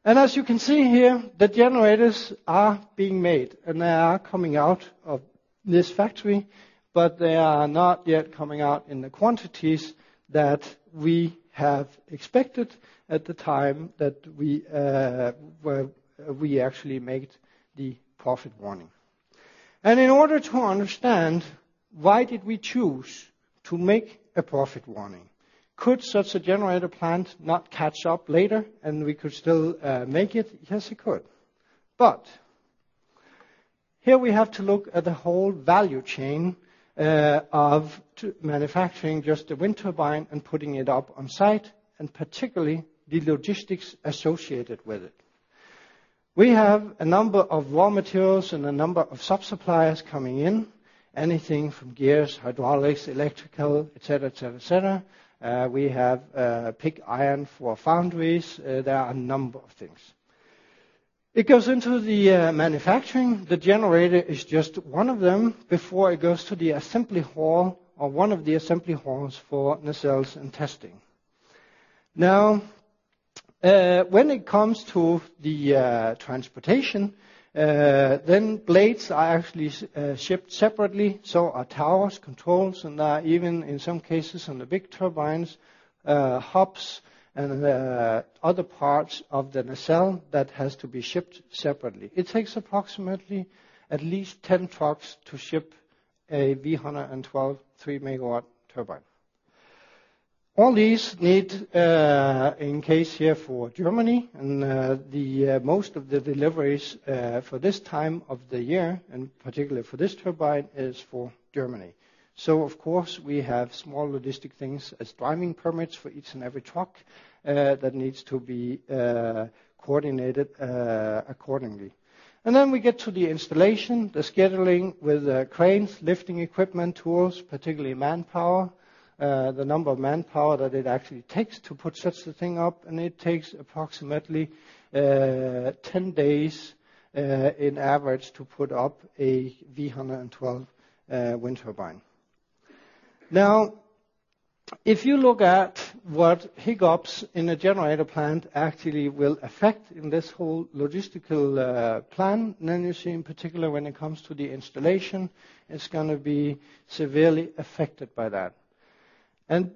As you can see here, the generators are being made, and they are coming out of this factory, but they are not yet coming out in the quantities that we have expected at the time that we were, we actually made the profit warning. In order to understand why did we choose to make a profit warning? Could such a generator plant not catch up later and we could still make it? Yes, it could. Here we have to look at the whole value chain of manufacturing just the wind turbine and putting it up on site, and particularly the logistics associated with it. We have a number of raw materials and a number of subsuppliers coming in, anything from gears, hydraulics, electrical, etc., etc., etc. We have pig iron for foundries. There are a number of things. It goes into the manufacturing. The generator is just one of them before it goes to the assembly hall or one of the assembly halls for nacelles and testing. Now, when it comes to the transportation, then blades are actually shipped separately. So are towers, controls, and there are even, in some cases, on the big turbines, hubs and other parts of the nacelle that has to be shipped separately. It takes approximately at least 10 trucks to ship a V112 3 MW turbine. All these need an escort here for Germany. And most of the deliveries for this time of the year, and particularly for this turbine, is for Germany. So of course, we have small logistic things as driving permits for each and every truck that needs to be coordinated accordingly. And then we get to the installation, the scheduling with cranes, lifting equipment, tools, particularly manpower, the number of manpower that it actually takes to put such a thing up. And it takes approximately 10 days, on average, to put up a V112 wind turbine. Now, if you look at what hiccups in a generator plant actually will affect in this whole logistical plan, then you see, in particular when it comes to the installation, it's going to be severely affected by that. In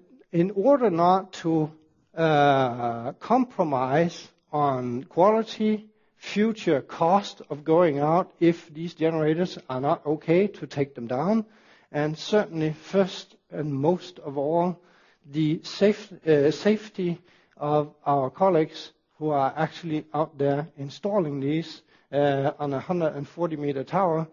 order not to compromise on quality, future cost of going out if these generators are not OK to take them down, and certainly first and most of all the safety of our colleagues who are actually out there installing these on a 140 m tower,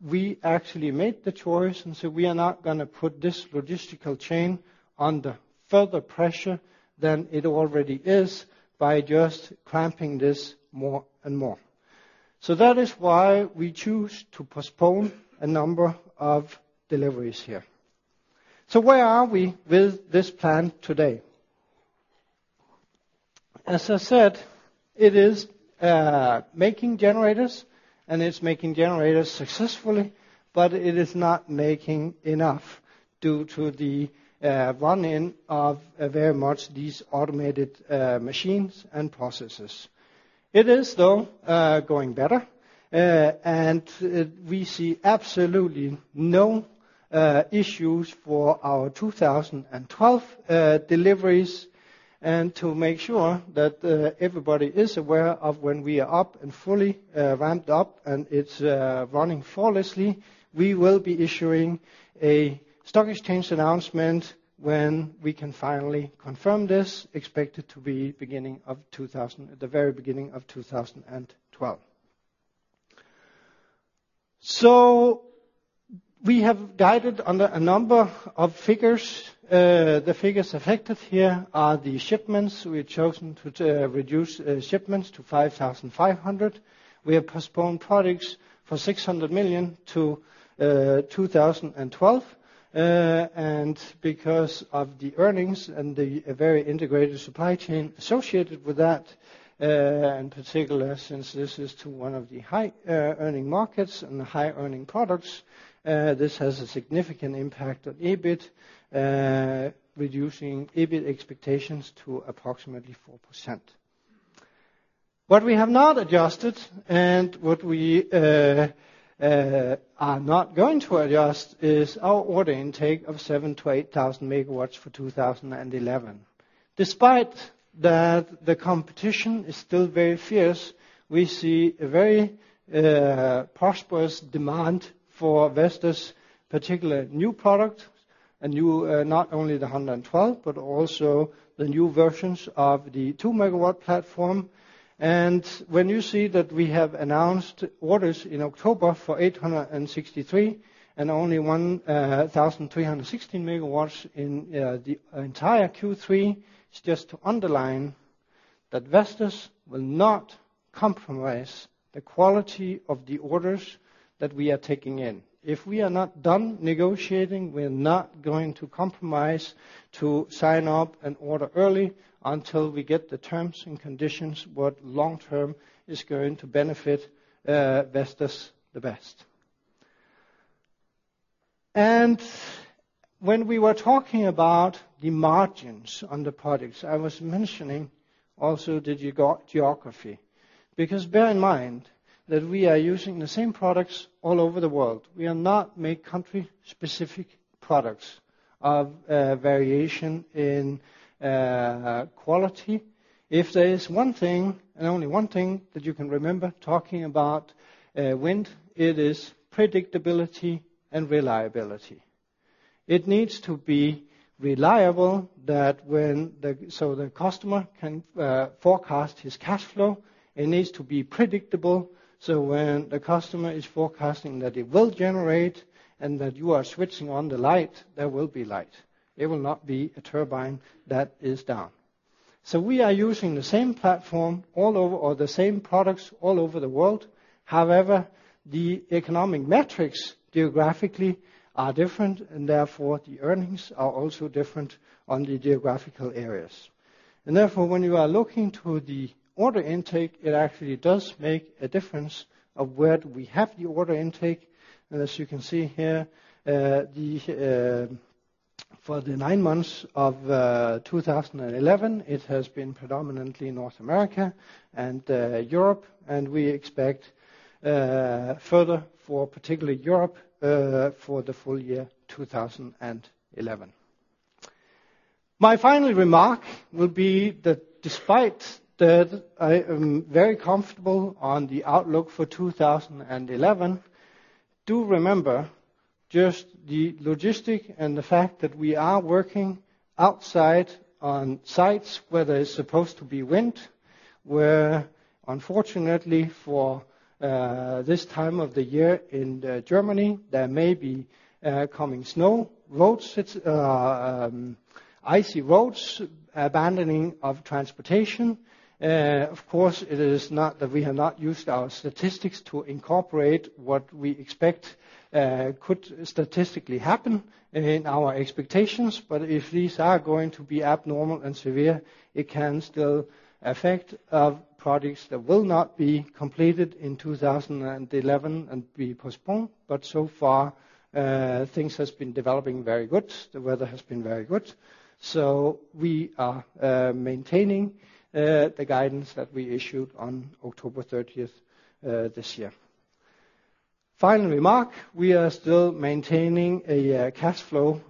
we actually made the choice and said we are not going to put this logistical chain under further pressure than it already is by just cramming this more and more. So that is why we choose to postpone a number of deliveries here. So where are we with this plant today? As I said, it is making generators and it's making generators successfully, but it is not making enough due to the run-in of very much these automated machines and processes. It is, though, going better. And we see absolutely no issues for our 2012 deliveries. To make sure that everybody is aware of when we are up and fully ramped up and it's running flawlessly, we will be issuing a stock exchange announcement when we can finally confirm this, expected to be beginning of 2000 at the very beginning of 2012. So we have guided under a number of figures. The figures affected here are the shipments. We have chosen to reduce shipments to 5,500. We have postponed products for 600 million to 2012. And because of the earnings and the very integrated supply chain associated with that, in particular since this is to one of the high-earning markets and high-earning products, this has a significant impact on EBIT, reducing EBIT expectations to approximately 4%. What we have not adjusted and what we are not going to adjust is our order intake of 7,000 MW-8,000 MW for 2011. Despite that the competition is still very fierce, we see a very prosperous demand for Vestas' particular new products, and not only the V112 but also the new versions of the 2 MW platform. And when you see that we have announced orders in October for 863 and only 1,316 MW in the entire Q3, it's just to underline that Vestas will not compromise the quality of the orders that we are taking in. If we are not done negotiating, we are not going to compromise to sign up and order early until we get the terms and conditions, what long-term is going to benefit, Vestas the best. And when we were talking about the margins on the products, I was mentioning also the geography. Because bear in mind that we are using the same products all over the world. We are not making country-specific products of variation in quality. If there is one thing, and only one thing that you can remember talking about, wind, it is predictability and reliability. It needs to be reliable that when the customer can forecast his cash flow, it needs to be predictable so when the customer is forecasting that it will generate and that you are switching on the light, there will be light. It will not be a turbine that is down. So we are using the same platform all over or the same products all over the world. However, the economic metrics geographically are different and therefore the earnings are also different on the geographical areas. Therefore, when you are looking to the order intake, it actually does make a difference of where we have the order intake. As you can see here, for the nine months of 2011, it has been predominantly North America and Europe. And we expect further, particularly for Europe, for the full year 2011. My final remark will be that despite that I am very comfortable on the outlook for 2011, do remember just the logistic and the fact that we are working outside on sites where there is supposed to be wind, where unfortunately for this time of the year in Germany, there may be coming snow, roads, icy roads, abandoning of transportation. Of course, it is not that we have not used our statistics to incorporate what we expect could statistically happen in our expectations. But if these are going to be abnormal and severe, it can still affect products that will not be completed in 2011 and be postponed. But so far, things have been developing very good. The weather has been very good. So we are maintaining the guidance that we issued on October 30th, this year. Final remark, we are still maintaining a cash flow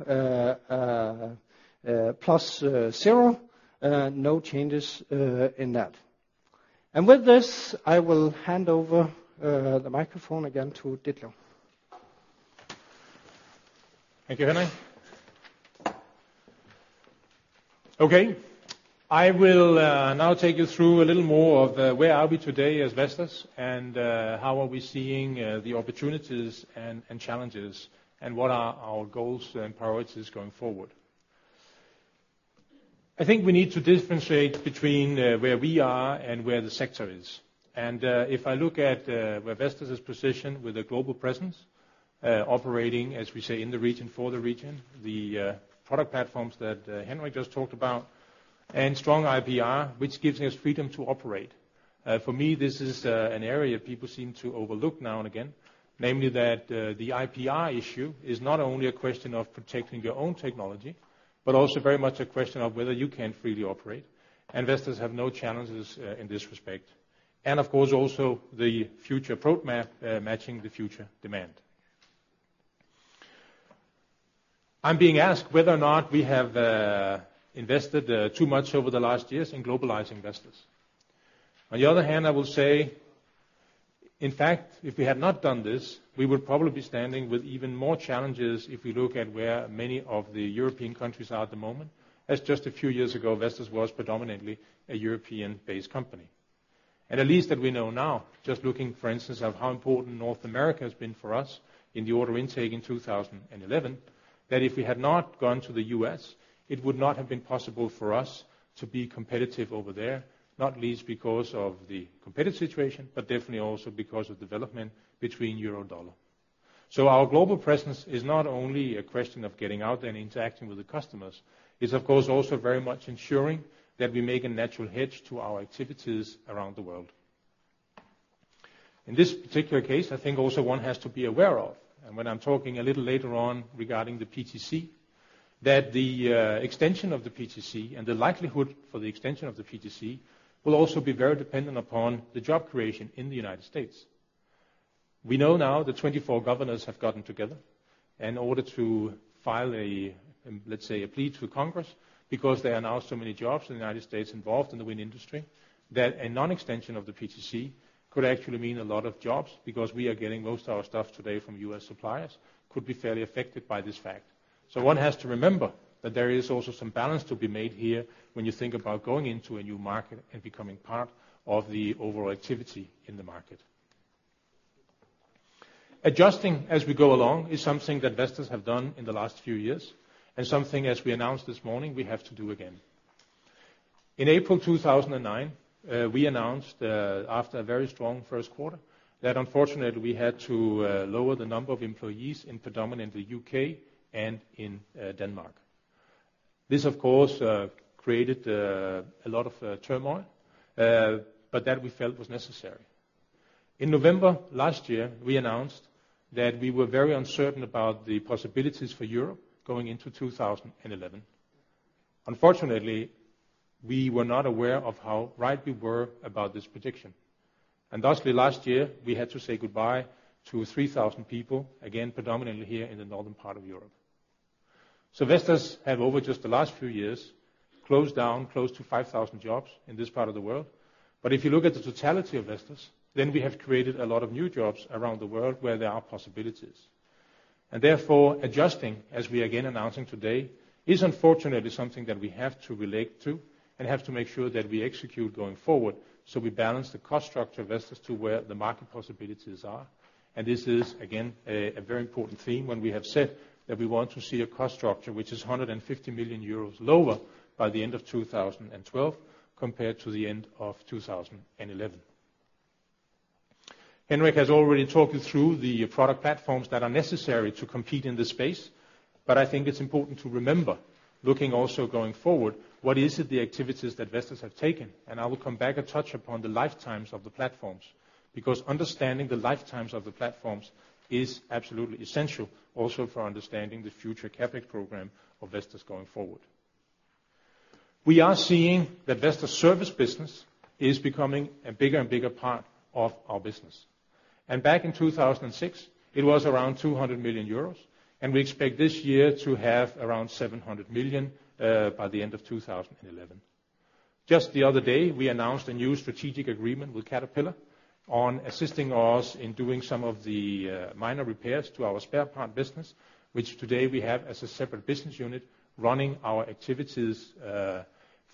plus zero, no changes in that. And with this, I will hand over the microphone again to Ditlev. Thank you, Henrik. Okay, I will now take you through a little more of where are we today as Vestas and how are we seeing the opportunities and challenges and what are our goals and priorities going forward. I think we need to differentiate between where we are and where the sector is. And if I look at where Vestas is positioned with a global presence, operating, as we say, in the region for the region, the product platforms that Henrik just talked about, and strong IPR, which gives us freedom to operate. For me, this is an area people seem to overlook now and again, namely that the IPR issue is not only a question of protecting your own technology but also very much a question of whether you can freely operate. And Vestas have no challenges in this respect. And of course, also the future roadmap matching the future demand. I'm being asked whether or not we have invested too much over the last years in globalizing Vestas. On the other hand, I will say, in fact, if we had not done this, we would probably be standing with even more challenges if we look at where many of the European countries are at the moment, as just a few years ago Vestas was predominantly a European-based company. At least that we know now, just looking, for instance, at how important North America has been for us in the order intake in 2011, that if we had not gone to the U.S., it would not have been possible for us to be competitive over there, not least because of the competitive situation but definitely also because of development between euro/dollar. Our global presence is not only a question of getting out there and interacting with the customers. It's, of course, also very much ensuring that we make a natural hedge to our activities around the world. In this particular case, I think also one has to be aware of, and when I'm talking a little later on regarding the PTC, that the extension of the PTC and the likelihood for the extension of the PTC will also be very dependent upon the job creation in the United States. We know now the 24 governors have gotten together in order to file a, let's say, a plea to Congress because there are now so many jobs in the United States involved in the wind industry that a non-extension of the PTC could actually mean a lot of jobs because we are getting most of our stuff today from U.S. suppliers, could be fairly affected by this fact. One has to remember that there is also some balance to be made here when you think about going into a new market and becoming part of the overall activity in the market. Adjusting as we go along is something that Vestas have done in the last few years and something, as we announced this morning, we have to do again. In April 2009, we announced, after a very strong first quarter, that unfortunately we had to lower the number of employees in predominantly the U.K. and in Denmark. This, of course, created a lot of turmoil, but that we felt was necessary. In November last year, we announced that we were very uncertain about the possibilities for Europe going into 2011. Unfortunately, we were not aware of how right we were about this prediction. Thusly, last year, we had to say goodbye to 3,000 people, again, predominantly here in the northern part of Europe. So Vestas have, over just the last few years, closed down close to 5,000 jobs in this part of the world. But if you look at the totality of Vestas, then we have created a lot of new jobs around the world where there are possibilities. And therefore, adjusting, as we are again announcing today, is unfortunately something that we have to relate to and have to make sure that we execute going forward so we balance the cost structure of Vestas to where the market possibilities are. And this is, again, a very important theme when we have said that we want to see a cost structure which is 150 million euros lower by the end of 2012 compared to the end of 2011. Henrik has already talked you through the product platforms that are necessary to compete in this space. But I think it's important to remember, looking also going forward, what is it the activities that Vestas have taken? And I will come back and touch upon the lifetimes of the platforms because understanding the lifetimes of the platforms is absolutely essential also for understanding the future CapEx program of Vestas going forward. We are seeing that Vestas' service business is becoming a bigger and bigger part of our business. And back in 2006, it was around 200 million euros. And we expect this year to have around 700 million by the end of 2011. Just the other day, we announced a new strategic agreement with Caterpillar on assisting us in doing some of the minor repairs to our spare part business, which today we have as a separate business unit running our activities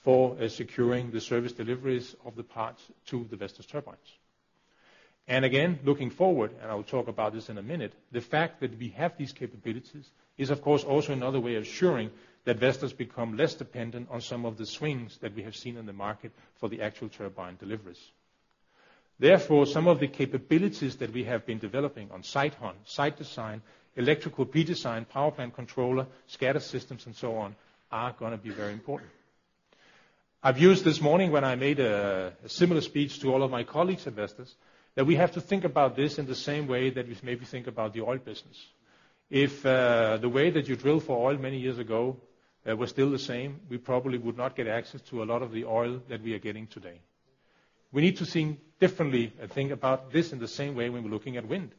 for securing the service deliveries of the parts to the Vestas turbines. And again, looking forward, and I will talk about this in a minute, the fact that we have these capabilities is, of course, also another way of assuring that Vestas become less dependent on some of the swings that we have seen in the market for the actual turbine deliveries. Therefore, some of the capabilities that we have been developing on SiteHunt, SiteDesign, electrical redesign, Power Plant Controller, SCADA systems, and so on, are going to be very important. I've used this morning when I made a similar speech to all of my colleagues at Vestas that we have to think about this in the same way that we maybe think about the oil business. If the way that you drilled for oil many years ago was still the same, we probably would not get access to a lot of the oil that we are getting today. We need to think differently and think about this in the same way when we're looking at wind.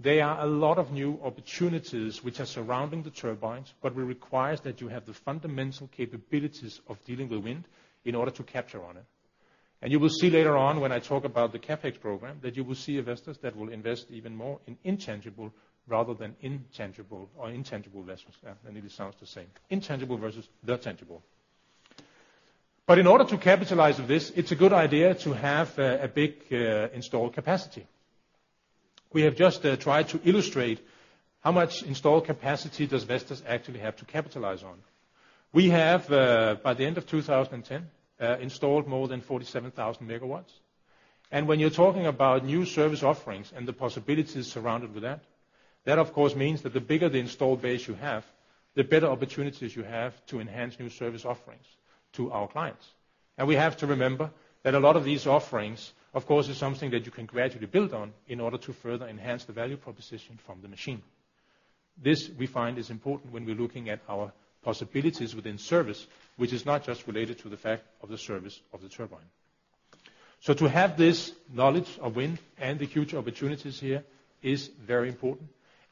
There are a lot of new opportunities which are surrounding the turbines, but it requires that you have the fundamental capabilities of dealing with wind in order to capitalize on it. And you will see later on when I talk about the CapEx program that you will see a Vestas that will invest even more in intangible rather than tangible investments. I mean, it sounds the same, intangible versus the tangible. But in order to capitalize on this, it's a good idea to have a big installed capacity. We have just tried to illustrate how much installed capacity does Vestas actually have to capitalize on. We have, by the end of 2010, installed more than 47,000 MW. And when you're talking about new service offerings and the possibilities surrounded with that, that, of course, means that the bigger the installed base you have, the better opportunities you have to enhance new service offerings to our clients. And we have to remember that a lot of these offerings, of course, is something that you can gradually build on in order to further enhance the value proposition from the machine. This, we find, is important when we're looking at our possibilities within service, which is not just related to the fact of the service of the turbine. So to have this knowledge of wind and the future opportunities here is very important.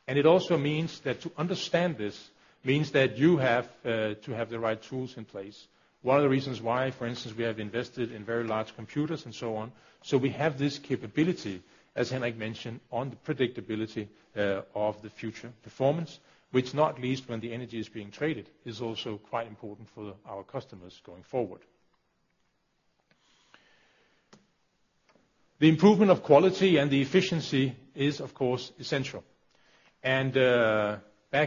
And it also means that to understand this means that you have to have the right tools in place. One of the reasons why, for instance, we have invested in very large computers and so on so we have this capability, as Henrik mentioned, on the predictability of the future performance, which, not least when the energy is being traded, is also quite important for our customers going forward. The improvement of quality and the efficiency is, of course, essential. Back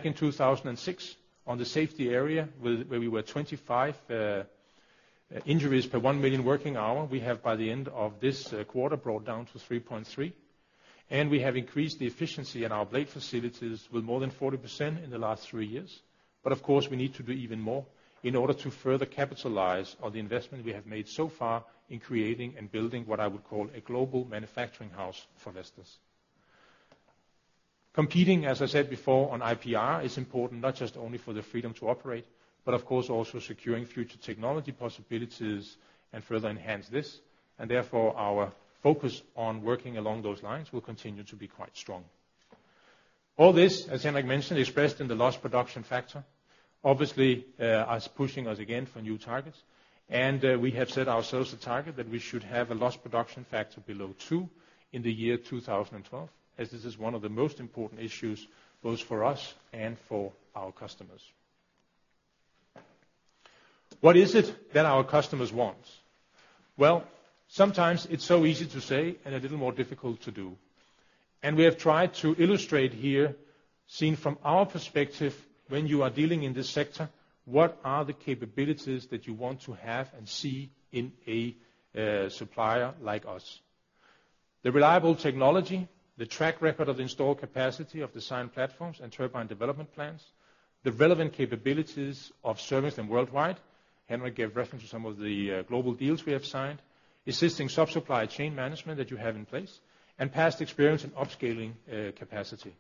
in 2006, on the safety area, where we were 25 injuries per 1 million working hour, we have, by the end of this quarter, brought down to 3.3. And we have increased the efficiency in our blade facilities with more than 40% in the last three years. But of course, we need to do even more in order to further capitalize on the investment we have made so far in creating and building what I would call a global manufacturing house for Vestas. Competing, as I said before, on IPR is important not just only for the freedom to operate but, of course, also securing future technology possibilities and further enhance this. And therefore, our focus on working along those lines will continue to be quite strong. All this, as Henrik mentioned, expressed in the lost production factor, obviously is pushing us again for new targets. We have set ourselves a target that we should have a Lost Production Factor below 2 in the year 2012, as this is one of the most important issues both for us and for our customers. What is it that our customers want? Well, sometimes it's so easy to say and a little more difficult to do. And we have tried to illustrate here, seen from our perspective, when you are dealing in this sector, what are the capabilities that you want to have and see in a supplier like us. The reliable technology, the track record of installed capacity of design platforms and turbine development plants, the relevant capabilities of servicing them worldwide, Henrik gave reference to some of the global deals we have signed, assisting subsupply chain management that you have in place, and past experience in upscaling capacity.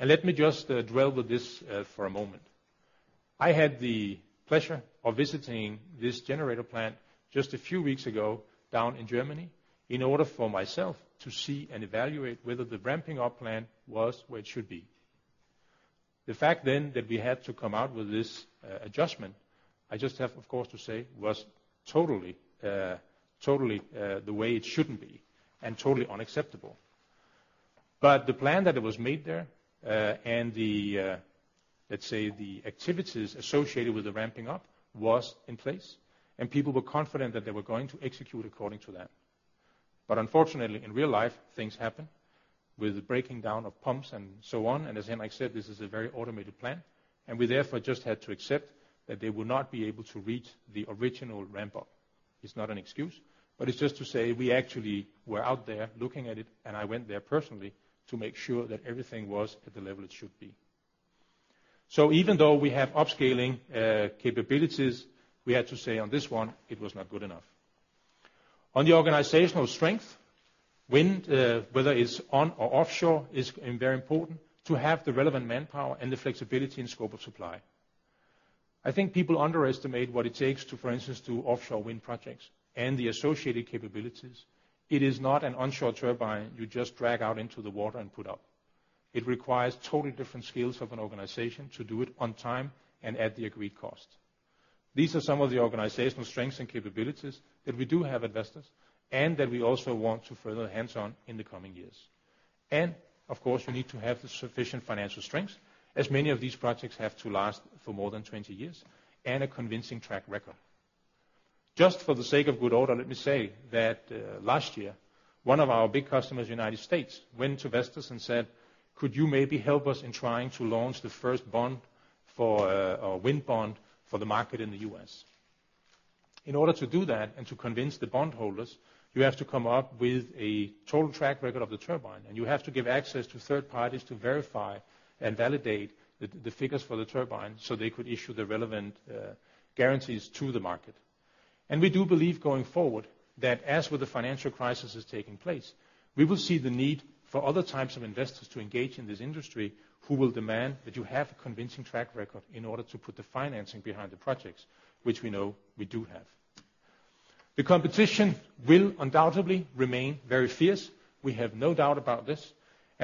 Let me just dwell with this for a moment. I had the pleasure of visiting this generator plant just a few weeks ago down in Germany in order for myself to see and evaluate whether the ramping up plant was where it should be. The fact then that we had to come out with this adjustment, I just have, of course, to say, was totally the way it shouldn't be and totally unacceptable. But the plant that was made there and, let's say, the activities associated with the ramping up was in place. And people were confident that they were going to execute according to that. But unfortunately, in real life, things happen with the breaking down of pumps and so on. And as Henrik said, this is a very automated plant. We therefore just had to accept that they would not be able to reach the original ramp up. It's not an excuse, but it's just to say we actually were out there looking at it. I went there personally to make sure that everything was at the level it should be. Even though we have upscaling capabilities, we had to say on this one, it was not good enough. On the organizational strength, wind, whether it's on or offshore, is very important to have the relevant manpower and the flexibility and scope of supply. I think people underestimate what it takes to, for instance, do offshore wind projects and the associated capabilities. It is not an onshore turbine you just drag out into the water and put up. It requires totally different skills of an organization to do it on time and at the agreed cost. These are some of the organizational strengths and capabilities that we do have at Vestas and that we also want to further enhance in the coming years. Of course, you need to have the sufficient financial strengths, as many of these projects have to last for more than 20 years, and a convincing track record. Just for the sake of good order, let me say that last year, one of our big customers, the United States, went to Vestas and said, "Could you maybe help us in trying to launch the first bond for a wind bond for the market in the U.S.?" In order to do that and to convince the bondholders, you have to come up with a total track record of the turbine. And you have to give access to third parties to verify and validate the figures for the turbine so they could issue the relevant guarantees to the market. And we do believe going forward that, as with the financial crisis is taking place, we will see the need for other types of investors to engage in this industry who will demand that you have a convincing track record in order to put the financing behind the projects, which we know we do have. The competition will undoubtedly remain very fierce. We have no doubt about this.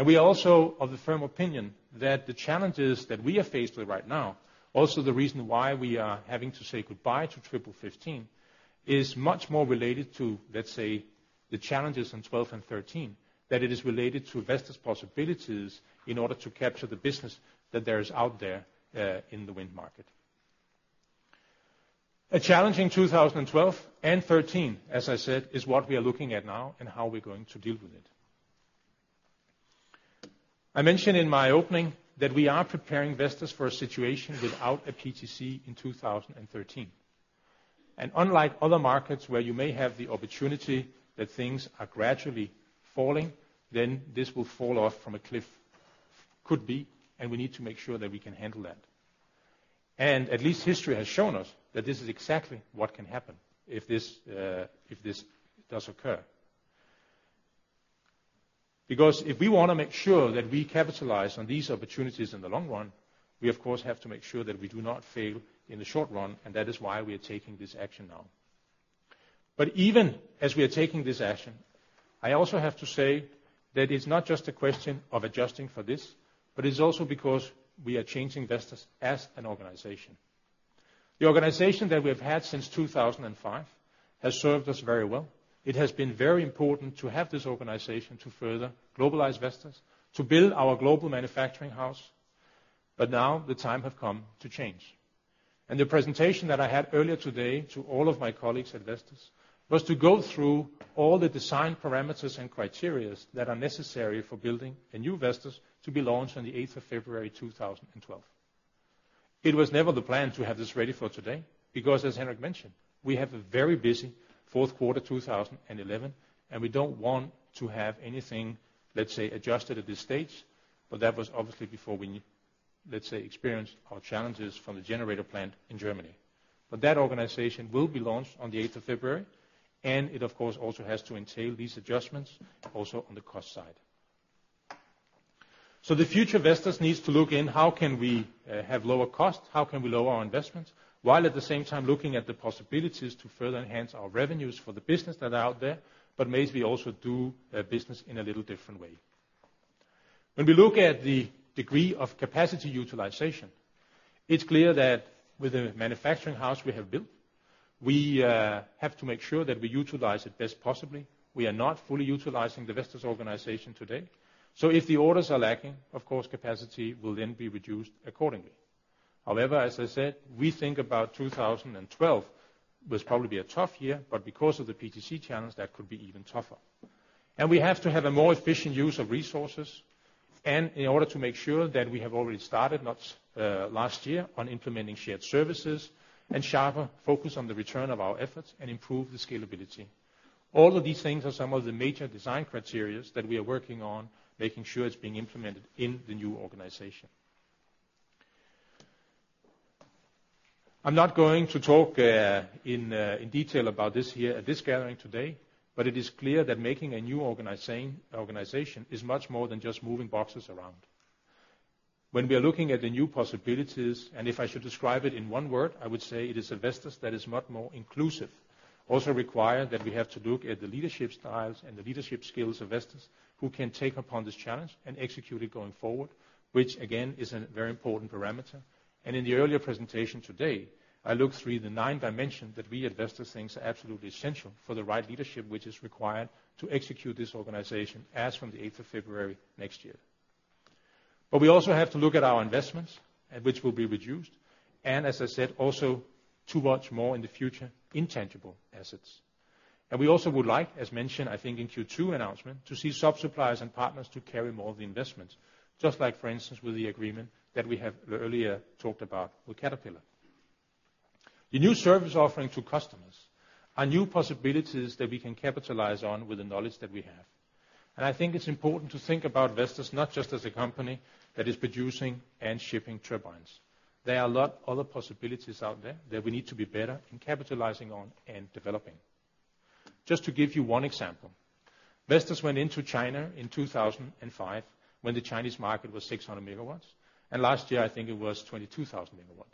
We are also of the firm opinion that the challenges that we are faced with right now, also the reason why we are having to say goodbye to Triple15, is much more related to, let's say, the challenges in 2012 and 2013 than it is related to Vestas' possibilities in order to capture the business that there is out there in the wind market. A challenging 2012 and 2013, as I said, is what we are looking at now and how we're going to deal with it. I mentioned in my opening that we are preparing Vestas for a situation without a PTC in 2013. Unlike other markets where you may have the opportunity that things are gradually falling, then this will fall off from a cliff, could be. We need to make sure that we can handle that. At least history has shown us that this is exactly what can happen if this does occur. Because if we want to make sure that we capitalize on these opportunities in the long run, we, of course, have to make sure that we do not fail in the short run. That is why we are taking this action now. But even as we are taking this action, I also have to say that it's not just a question of adjusting for this, but it's also because we are changing Vestas as an organization. The organization that we have had since 2005 has served us very well. It has been very important to have this organization to further globalize Vestas, to build our global manufacturing house. But now the time has come to change. The presentation that I had earlier today to all of my colleagues at Vestas was to go through all the design parameters and criteria that are necessary for building a new Vestas to be launched on the 8th of February, 2012. It was never the plan to have this ready for today because, as Henrik mentioned, we have a very busy fourth quarter, 2011. We don't want to have anything, let's say, adjusted at this stage. But that was obviously before we, let's say, experienced our challenges from the generator plant in Germany. But that organization will be launched on the 8th of February. And it, of course, also has to entail these adjustments also on the cost side. So the future Vestas needs to look into how can we have lower cost? How can we lower our investments while at the same time looking at the possibilities to further enhance our revenues for the business that are out there but maybe also do business in a little different way? When we look at the degree of capacity utilization, it's clear that with the manufacturing house we have built, we have to make sure that we utilize it best possibly. We are not fully utilizing the Vestas organization today. So if the orders are lacking, of course, capacity will then be reduced accordingly. However, as I said, we think about 2012 was probably a tough year. But because of the PTC challenge, that could be even tougher. We have to have a more efficient use of resources. In order to make sure that we have already started, not last year, on implementing shared services and sharper focus on the return of our efforts and improve the scalability, all of these things are some of the major design criteria that we are working on, making sure it's being implemented in the new organization. I'm not going to talk in detail about this here at this gathering today. It is clear that making a new organization is much more than just moving boxes around. When we are looking at the new possibilities and if I should describe it in one word, I would say it is a Vestas that is much more inclusive, also require that we have to look at the leadership styles and the leadership skills of Vestas who can take upon this challenge and execute it going forward, which, again, is a very important parameter. In the earlier presentation today, I looked through the nine dimensions that we at Vestas think are absolutely essential for the right leadership which is required to execute this organization as from the 8th of February next year. We also have to look at our investments which will be reduced and, as I said, also to watch more in the future intangible assets. And we also would like, as mentioned, I think, in Q2 announcement, to see sub-suppliers and partners to carry more of the investments, just like, for instance, with the agreement that we have earlier talked about with Caterpillar. The new service offering to customers are new possibilities that we can capitalize on with the knowledge that we have. And I think it's important to think about Vestas not just as a company that is producing and shipping turbines. There are a lot of other possibilities out there that we need to be better in capitalizing on and developing. Just to give you one example, Vestas went into China in 2005 when the Chinese market was 600 MW. And last year, I think it was 22,000 MW.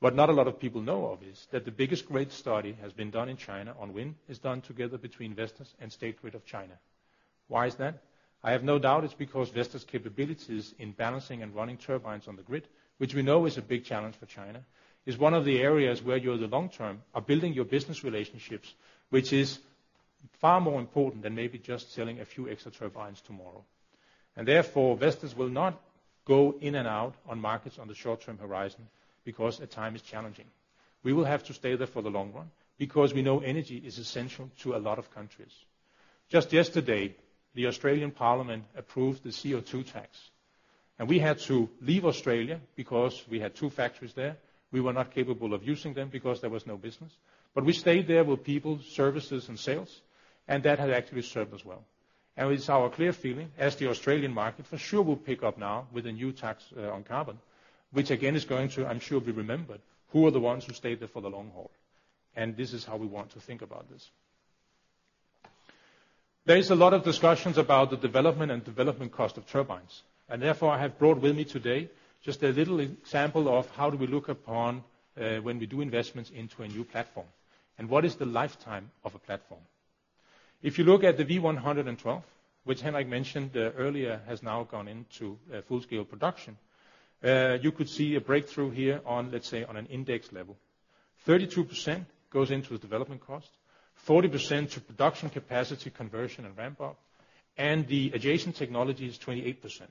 What not a lot of people know is that the biggest grid study has been done in China on wind is done together between Vestas and State Grid of China. Why is that? I have no doubt it's because Vestas' capabilities in balancing and running turbines on the grid, which we know is a big challenge for China, is one of the areas where you, in the long term, are building your business relationships, which is far more important than maybe just selling a few extra turbines tomorrow. Therefore, Vestas will not go in and out on markets on the short-term horizon because the time is challenging. We will have to stay there for the long run because we know energy is essential to a lot of countries. Just yesterday, the Australian Parliament approved the CO2 tax. We had to leave Australia because we had two factories there. We were not capable of using them because there was no business. But we stayed there with people, services, and sales. That has actually served us well. It's our clear feeling as the Australian market for sure will pick up now with a new tax on carbon, which, again, is going to, I'm sure we remembered, who are the ones who stayed there for the long haul. This is how we want to think about this. There is a lot of discussions about the development and development cost of turbines. Therefore, I have brought with me today just a little example of how do we look upon when we do investments into a new platform and what is the lifetime of a platform. If you look at the V112, which Henrik mentioned earlier, has now gone into full-scale production, you could see a breakthrough here on, let's say, on an index level. 32% goes into the development cost, 40% to production capacity conversion and ramp up. And the adjacent technologies, 28%,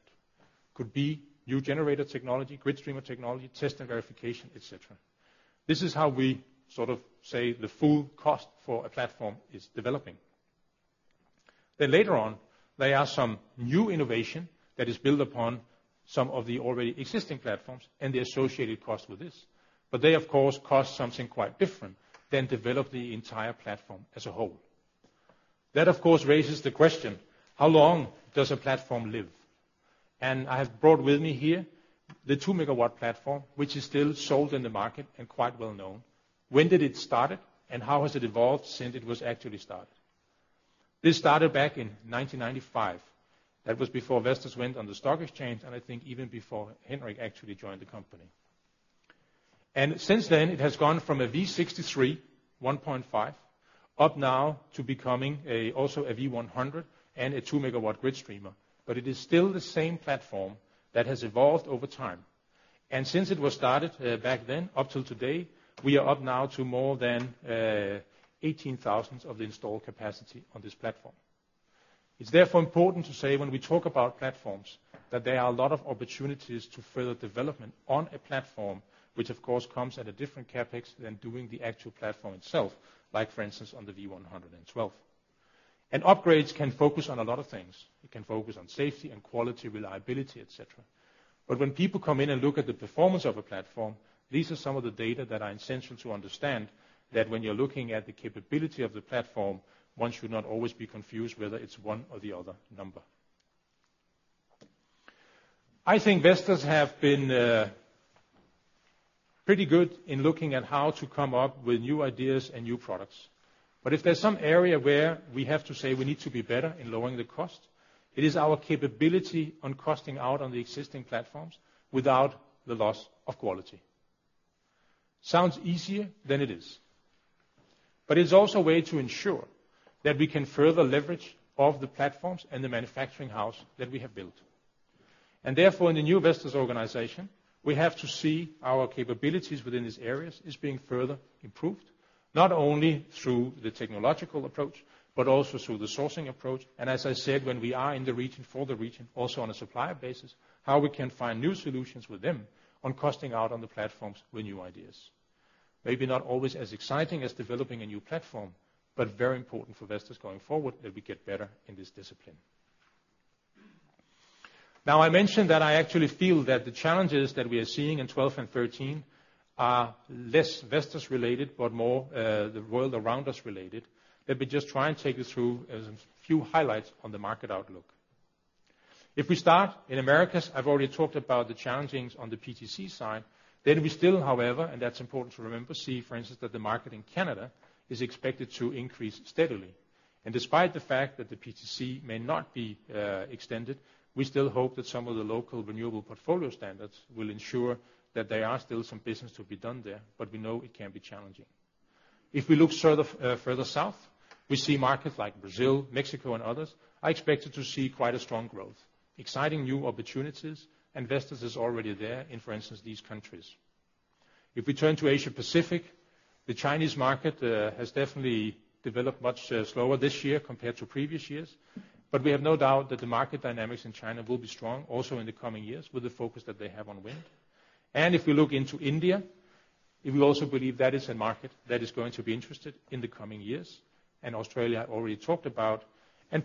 could be new generator technology, GridStreamer technology, test and verification, et cetera. This is how we sort of say the full cost for a platform is developing. Then later on, there are some new innovation that is built upon some of the already existing platforms and the associated cost with this. But they, of course, cost something quite different than develop the entire platform as a whole. That, of course, raises the question, how long does a platform live? I have brought with me here the 2-MW platform, which is still sold in the market and quite well-known. When did it start it? And how has it evolved since it was actually started? This started back in 1995. That was before Vestas went on the stock exchange and I think even before Henrik actually joined the company. And since then, it has gone from a V63-1.5 up now to becoming also a V100 and a 2-MW GridStreamer. But it is still the same platform that has evolved over time. And since it was started back then up till today, we are up now to more than 18,000 of the installed capacity on this platform. It's therefore important to say when we talk about platforms that there are a lot of opportunities to further development on a platform which, of course, comes at a different CapEx than doing the actual platform itself, like, for instance, on the V112. Upgrades can focus on a lot of things. It can focus on safety and quality, reliability, et cetera. But when people come in and look at the performance of a platform, these are some of the data that are essential to understand that when you're looking at the capability of the platform, one should not always be confused whether it's one or the other number. I think Vestas have been pretty good in looking at how to come up with new ideas and new products. But if there's some area where we have to say we need to be better in lowering the cost, it is our capability on costing out on the existing platforms without the loss of quality. Sounds easier than it is. But it's also a way to ensure that we can further leverage of the platforms and the manufacturing house that we have built. And therefore, in the new Vestas organization, we have to see our capabilities within these areas being further improved, not only through the technological approach but also through the sourcing approach. And as I said, when we are in the region for the region, also on a supplier basis, how we can find new solutions with them on costing out on the platforms with new ideas. Maybe not always as exciting as developing a new platform but very important for Vestas going forward that we get better in this discipline. Now, I mentioned that I actually feel that the challenges that we are seeing in 2012 and 2013 are less Vestas-related but more the world around us-related. Let me just try and take you through a few highlights on the market outlook. If we start in Americas I've already talked about the challenges on the PTC side. Then we still, however, and that's important to remember, see, for instance, that the market in Canada is expected to increase steadily. And despite the fact that the PTC may not be extended, we still hope that some of the local renewable portfolio standards will ensure that there are still some business to be done there. But we know it can be challenging. If we look further south, we see markets like Brazil, Mexico, and others are expected to see quite a strong growth, exciting new opportunities. Vestas is already there in, for instance, these countries. If we turn to Asia-Pacific, the Chinese market has definitely developed much slower this year compared to previous years. But we have no doubt that the market dynamics in China will be strong also in the coming years with the focus that they have on wind. If we look into India, we also believe that is a market that is going to be interested in the coming years. Australia I already talked about.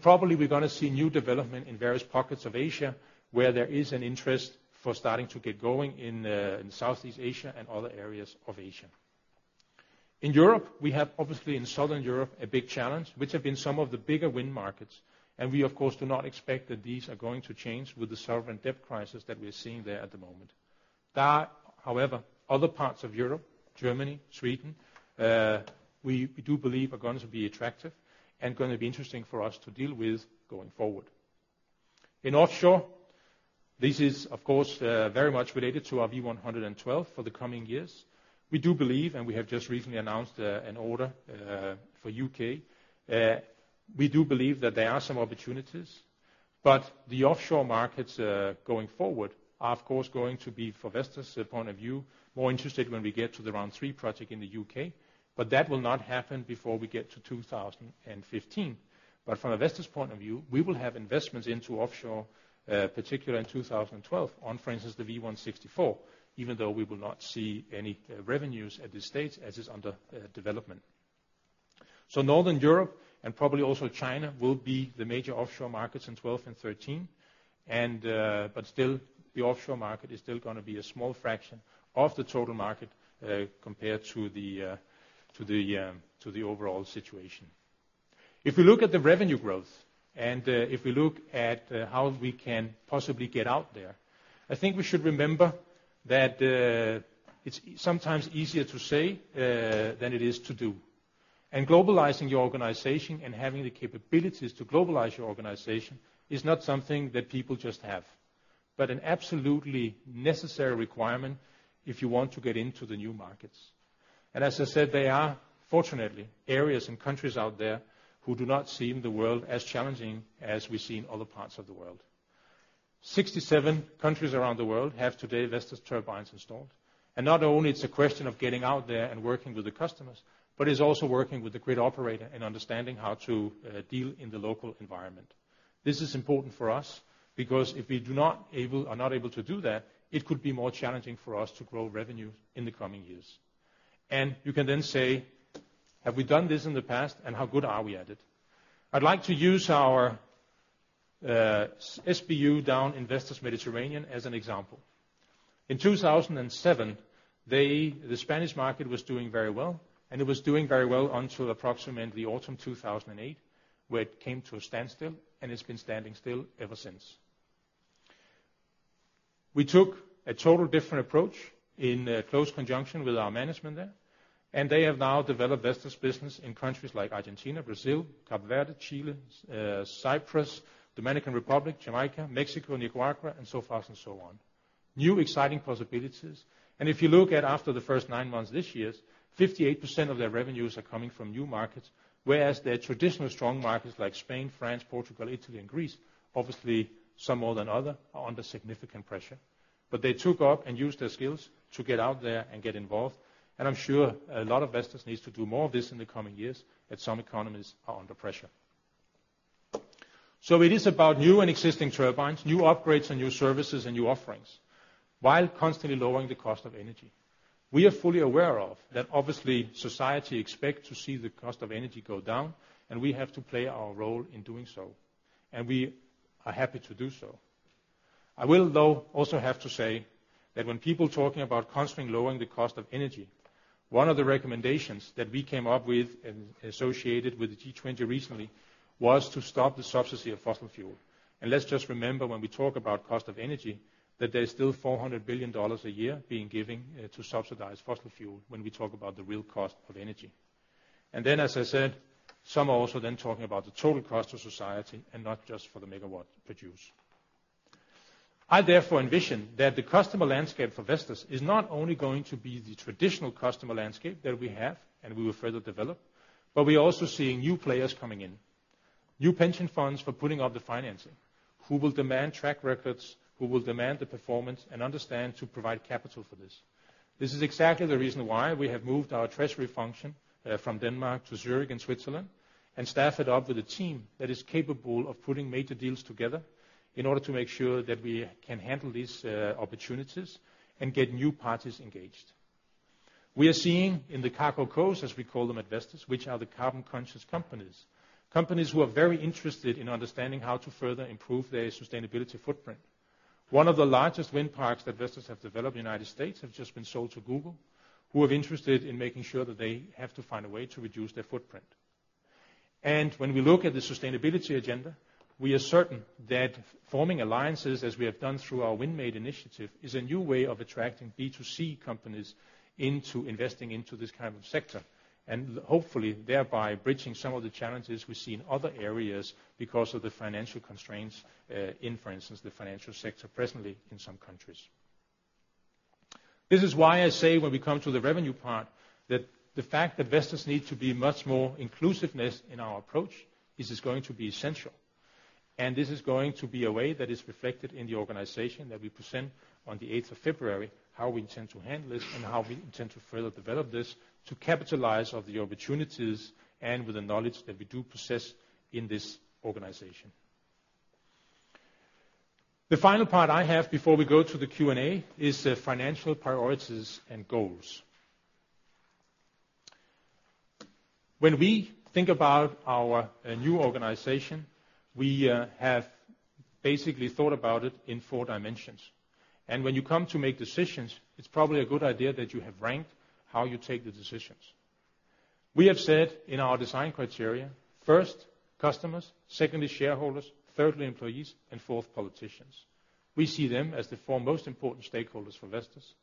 Probably, we're going to see new development in various pockets of Asia where there is an interest for starting to get going in Southeast Asia and other areas of Asia. In Europe, we have obviously, in southern Europe, a big challenge which have been some of the bigger wind markets. We, of course, do not expect that these are going to change with the sovereign debt crisis that we are seeing there at the moment. There, however, other parts of Europe, Germany, Sweden, we do believe are going to be attractive and going to be interesting for us to deal with going forward. In offshore, this is, of course, very much related to our V112 for the coming years. We do believe and we have just recently announced an order for U.K. We do believe that there are some opportunities. But the offshore markets going forward are, of course, going to be, from Vestas' point of view, more interested when we get to the Round 3 project in the U.K. But that will not happen before we get to 2015. But from a Vestas's point of view, we will have investments into offshore, particularly in 2012, on, for instance, the V164, even though we will not see any revenues at this stage as it's under development. So northern Europe and probably also China will be the major offshore markets in 2012 and 2013. And but still, the offshore market is still going to be a small fraction of the total market compared to the overall situation. If we look at the revenue growth and if we look at how we can possibly get out there, I think we should remember that it's sometimes easier to say than it is to do. Globalizing your organization and having the capabilities to globalize your organization is not something that people just have but an absolutely necessary requirement if you want to get into the new markets. And as I said, there are, fortunately, areas and countries out there who do not see the world as challenging as we see in other parts of the world. Sixty seven countries around the world have today Vestas turbines installed. And not only it's a question of getting out there and working with the customers but it's also working with the grid operator and understanding how to deal in the local environment. This is important for us because if we are not able to do that, it could be more challenging for us to grow revenues in the coming years. And you can then say, "Have we done this in the past? And how good are we at it?" I'd like to use our SBU down in Vestas Mediterranean as an example. In 2007, the Spanish market was doing very well. It was doing very well until approximately autumn 2008 where it came to a standstill. It's been standing still ever since. We took a total different approach in close conjunction with our management there. They have now developed Vestas business in countries like Argentina, Brazil, Cape Verde, Chile, Cyprus, Dominican Republic, Jamaica, Mexico, Nicaragua, and so forth and so on, new exciting possibilities. If you look at after the first nine months this year, 58% of their revenues are coming from new markets whereas their traditional strong markets like Spain, France, Portugal, Italy, and Greece, obviously, some more than others, are under significant pressure. But they took up and used their skills to get out there and get involved. And I'm sure a lot of Vestas needs to do more of this in the coming years as some economies are under pressure. So it is about new and existing turbines, new upgrades, and new services and new offerings while constantly lowering the cost of energy. We are fully aware of that, obviously, society expects to see the cost of energy go down. And we have to play our role in doing so. And we are happy to do so. I will, though, also have to say that when people talking about constantly lowering the cost of energy, one of the recommendations that we came up with and associated with the G20 recently was to stop the subsidy of fossil fuel. Let's just remember when we talk about cost of energy that there's still $400 billion a year being given to subsidize fossil fuel when we talk about the real cost of energy. Then, as I said, some are also then talking about the total cost to society and not just for the megawatt produced. I, therefore, envision that the customer landscape for Vestas is not only going to be the traditional customer landscape that we have and we will further develop but we are also seeing new players coming in, new pension funds for putting up the financing, who will demand track records, who will demand the performance, and understand to provide capital for this. This is exactly the reason why we have moved our treasury function from Denmark to Zurich in Switzerland and staffed it up with a team that is capable of putting major deals together in order to make sure that we can handle these opportunities and get new parties engaged. We are seeing in the CarbonCos, as we call them at Vestas, which are the carbon-conscious companies, companies who are very interested in understanding how to further improve their sustainability footprint. One of the largest wind parks that Vestas have developed in the United States has just been sold to Google, who are interested in making sure that they have to find a way to reduce their footprint. When we look at the sustainability agenda, we are certain that forming alliances, as we have done through our WindMade initiative, is a new way of attracting B2C companies into investing into this kind of sector and hopefully thereby bridging some of the challenges we see in other areas because of the financial constraints in, for instance, the financial sector presently in some countries. This is why I say when we come to the revenue part that the fact that Vestas need to be much more inclusive in our approach is going to be essential. This is going to be a way that is reflected in the organization that we present on the 8th of February, how we intend to handle this and how we intend to further develop this to capitalize on the opportunities and with the knowledge that we do possess in this organization. The final part I have before we go to the Q&A is financial priorities and goals. When we think about our new organization, we have basically thought about it in four dimensions. When you come to make decisions, it's probably a good idea that you have ranked how you take the decisions. We have said in our design criteria, first, customers, secondly, shareholders, thirdly, employees, and fourth, politicians. We see them as the four most important stakeholders for Vestas.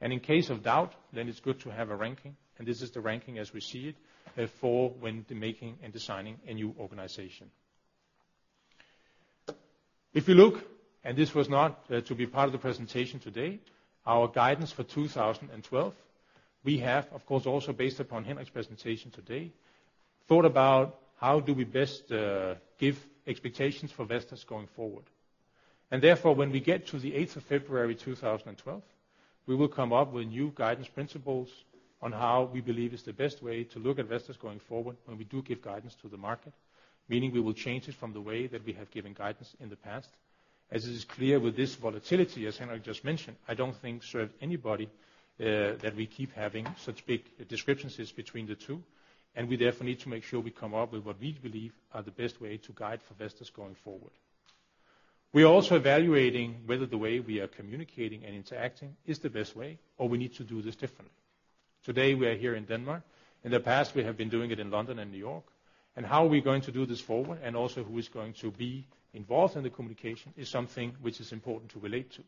In case of doubt, then it's good to have a ranking. This is the ranking as we see it for when making and designing a new organization. If you look, and this was not to be part of the presentation today, our guidance for 2012, we have, of course, also based upon Henrik's presentation today, thought about how do we best give expectations for Vestas going forward. And therefore, when we get to the 8th of February, 2012, we will come up with new guidance principles on how we believe is the best way to look at Vestas going forward when we do give guidance to the market, meaning we will change it from the way that we have given guidance in the past. As it is clear, with this volatility, as Henrik just mentioned, I don't think serves anybody that we keep having such big discrepancies between the two. And we, therefore, need to make sure we come up with what we believe are the best way to guide for Vestas going forward. We are also evaluating whether the way we are communicating and interacting is the best way or we need to do this differently. Today, we are here in Denmark. In the past, we have been doing it in London and New York. How are we going to do this forward and also who is going to be involved in the communication is something which is important to relate to.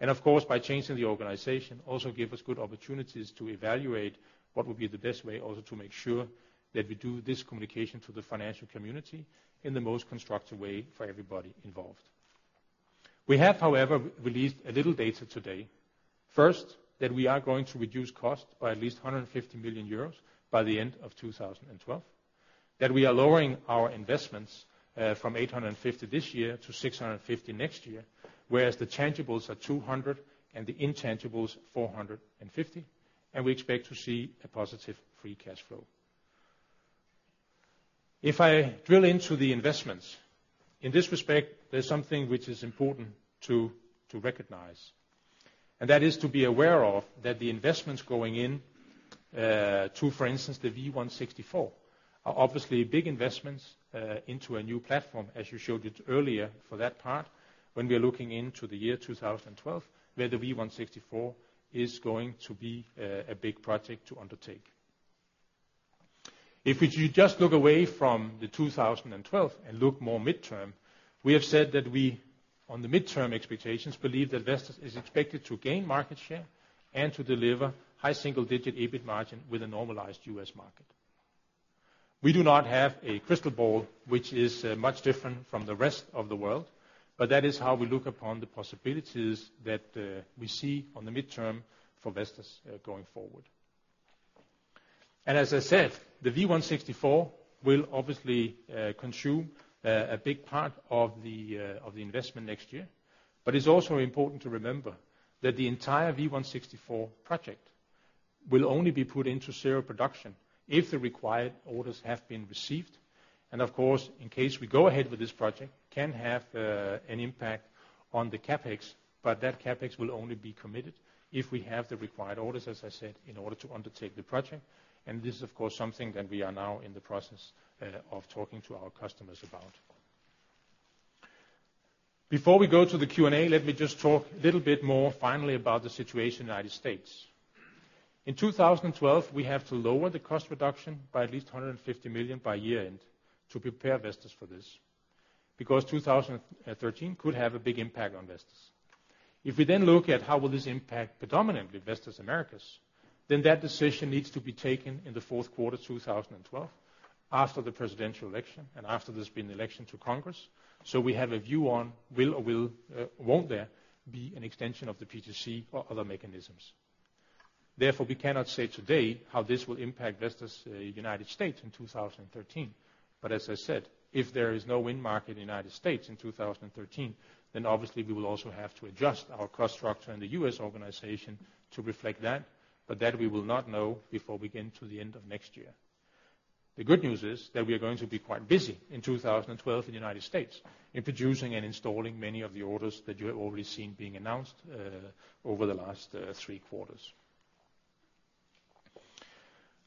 And, of course, by changing the organization, also give us good opportunities to evaluate what would be the best way also to make sure that we do this communication to the financial community in the most constructive way for everybody involved. We have, however, released a little data today, first, that we are going to reduce cost by at least 150 million euros by the end of 2012, that we are lowering our investments from 850 this year to 650 next year whereas the tangibles are 200 and the intangibles 450. We expect to see a positive free cash flow. If I drill into the investments, in this respect, there's something which is important to recognize. That is to be aware of that the investments going in to, for instance, the V164 are obviously big investments into a new platform, as you showed earlier for that part when we are looking into the year 2012 where the V164 is going to be a big project to undertake. If we just look away from the 2012 and look more midterm, we have said that we, on the midterm expectations, believe that Vestas is expected to gain market share and to deliver high single-digit EBIT margin with a normalized U.S. market. We do not have a crystal ball which is much different from the rest of the world. That is how we look upon the possibilities that we see on the midterm for Vestas going forward. And as I said, the V164 will obviously consume a big part of the investment next year. But it's also important to remember that the entire V164 project will only be put into serial production if the required orders have been received. And, of course, in case we go ahead with this project, can have an impact on the CapEx. But that CapEx will only be committed if we have the required orders, as I said, in order to undertake the project. And this is, of course, something that we are now in the process of talking to our customers about. Before we go to the Q&A, let me just talk a little bit more finally about the situation in the United States. In 2012, we have to lower the cost reduction by at least 150 million by year-end to prepare Vestas for this because 2013 could have a big impact on Vestas. If we then look at how will this impact predominantly Vestas Americas, then that decision needs to be taken in the fourth quarter of 2012 after the presidential election and after there's been an election to Congress so we have a view on will or won't there be an extension of the PTC or other mechanisms. Therefore, we cannot say today how this will impact Vestas United States in 2013. But as I said, if there is no wind market in the United States in 2013, then obviously, we will also have to adjust our cost structure in the U.S. organization to reflect that. But that we will not know before we get into the end of next year. The good news is that we are going to be quite busy in 2012 in the United States in producing and installing many of the orders that you have already seen being announced over the last three quarters.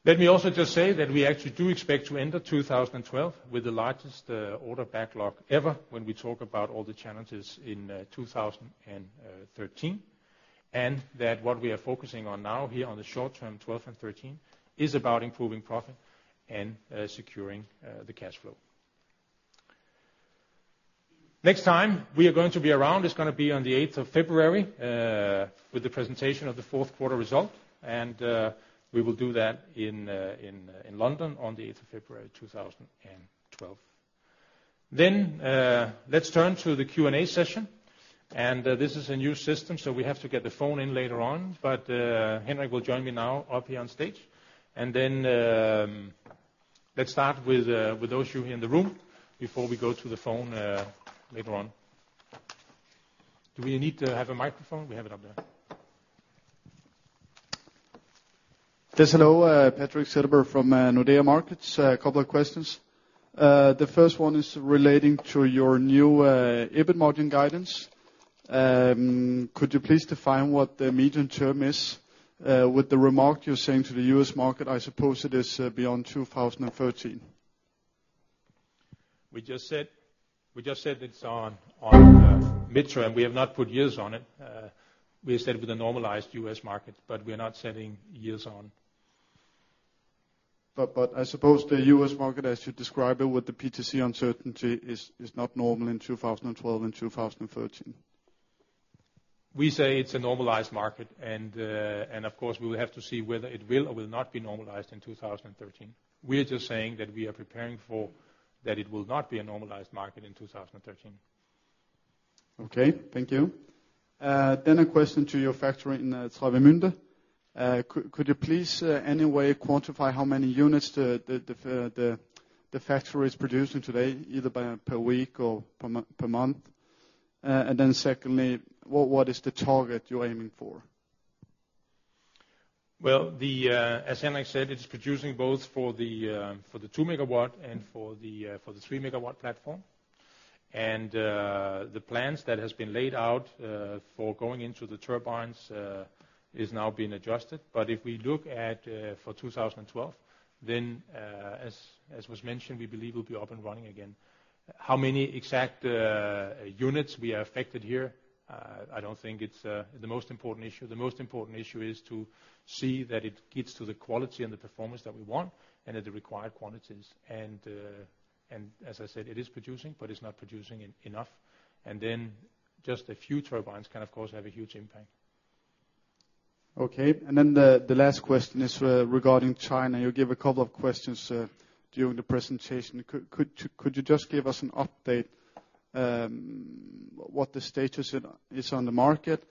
Let me also just say that we actually do expect to end up 2012 with the largest order backlog ever when we talk about all the challenges in 2013 and that what we are focusing on now here on the short term, 2012 and 2013, is about improving profit and securing the cash flow. Next time we are going to be around is going to be on the 8th of February with the presentation of the fourth quarter result. We will do that in London on the 8th of February, 2012. Let's turn to the Q&A session. This is a new system. So we have to get the phone in later on. But Henrik will join me now up here on stage. And then, let's start with those of you here in the room before we go to the phone later on. Do we need to have a microphone? We have it up there. Yes. Hello. Patrik Setterberg from Nordea Markets. A couple of questions. The first one is relating to your new EBIT margin guidance. Could you please define what the medium term is with the remark you're saying to the U.S. market? I suppose it is beyond 2013. We just said we just said it's on midterm. We have not put years on it. We said with a normalized U.S. market. But we are not setting years on. But I suppose the U.S. market, as you describe it with the PTC uncertainty, is not normal in 2012 and 2013. We say it's a normalized market. And, of course, we will have to see whether it will or will not be normalized in 2013. We are just saying that we are preparing for that it will not be a normalized market in 2013. Okay. Thank you. Then a question to your factory in Travemünde. Could you please, anyway, quantify how many units the factory is producing today, either per week or per month? And then, secondly, what is the target you're aiming for? Well, as Henrik said, it's producing both for the 2 MW and for the 3 MW platform. And the plans that have been laid out for going into the turbines is now being adjusted. But if we look at for 2012, then, as was mentioned, we believe we'll be up and running again. How many exact units we are affected here, I don't think it's the most important issue. The most important issue is to see that it gets to the quality and the performance that we want and at the required quantities. And as I said, it is producing. But it's not producing enough. And then, just a few turbines can, of course, have a huge impact. Okay. And then, the last question is regarding China. You gave a couple of questions during the presentation. Could you just give us an update what the status is on the market?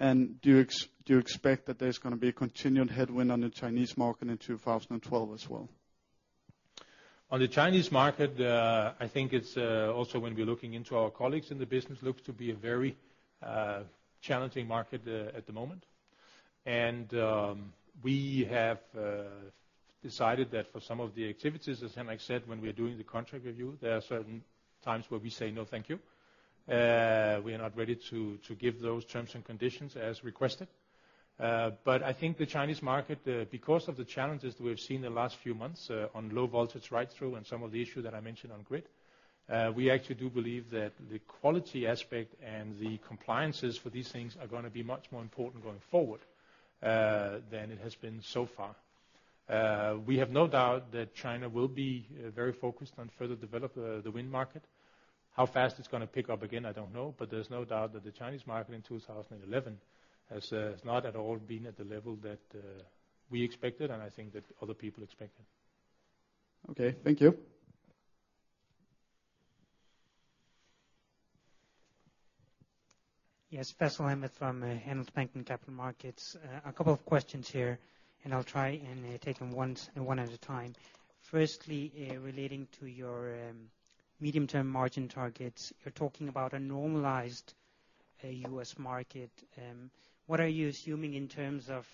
And do you expect that there's going to be a continued headwind on the Chinese market in 2012 as well? On the Chinese market, I think it's also when we're looking into our colleagues in the business, looks to be a very challenging market at the moment. And we have decided that for some of the activities, as Henrik said, when we are doing the contract review, there are certain times where we say, "No, thank you." We are not ready to give those terms and conditions as requested. But I think the Chinese market, because of the challenges that we have seen the last few months on Low Voltage Ride Through and some of the issue that I mentioned on grid, we actually do believe that the quality aspect and the compliances for these things are going to be much more important going forward than it has been so far. We have no doubt that China will be very focused on further developing the wind market. How fast it's going to pick up again, I don't know. But there's no doubt that the Chinese market in 2011 has not at all been at the level that we expected. And I think that other people expect it. Okay. Thank you. Yes. Faisal Ahmad from Handelsbanken Capital Markets. A couple of questions here. And I'll try and take them one at a time. Firstly, relating to your medium-term margin targets, you're talking about a normalized U.S. market. What are you assuming in terms of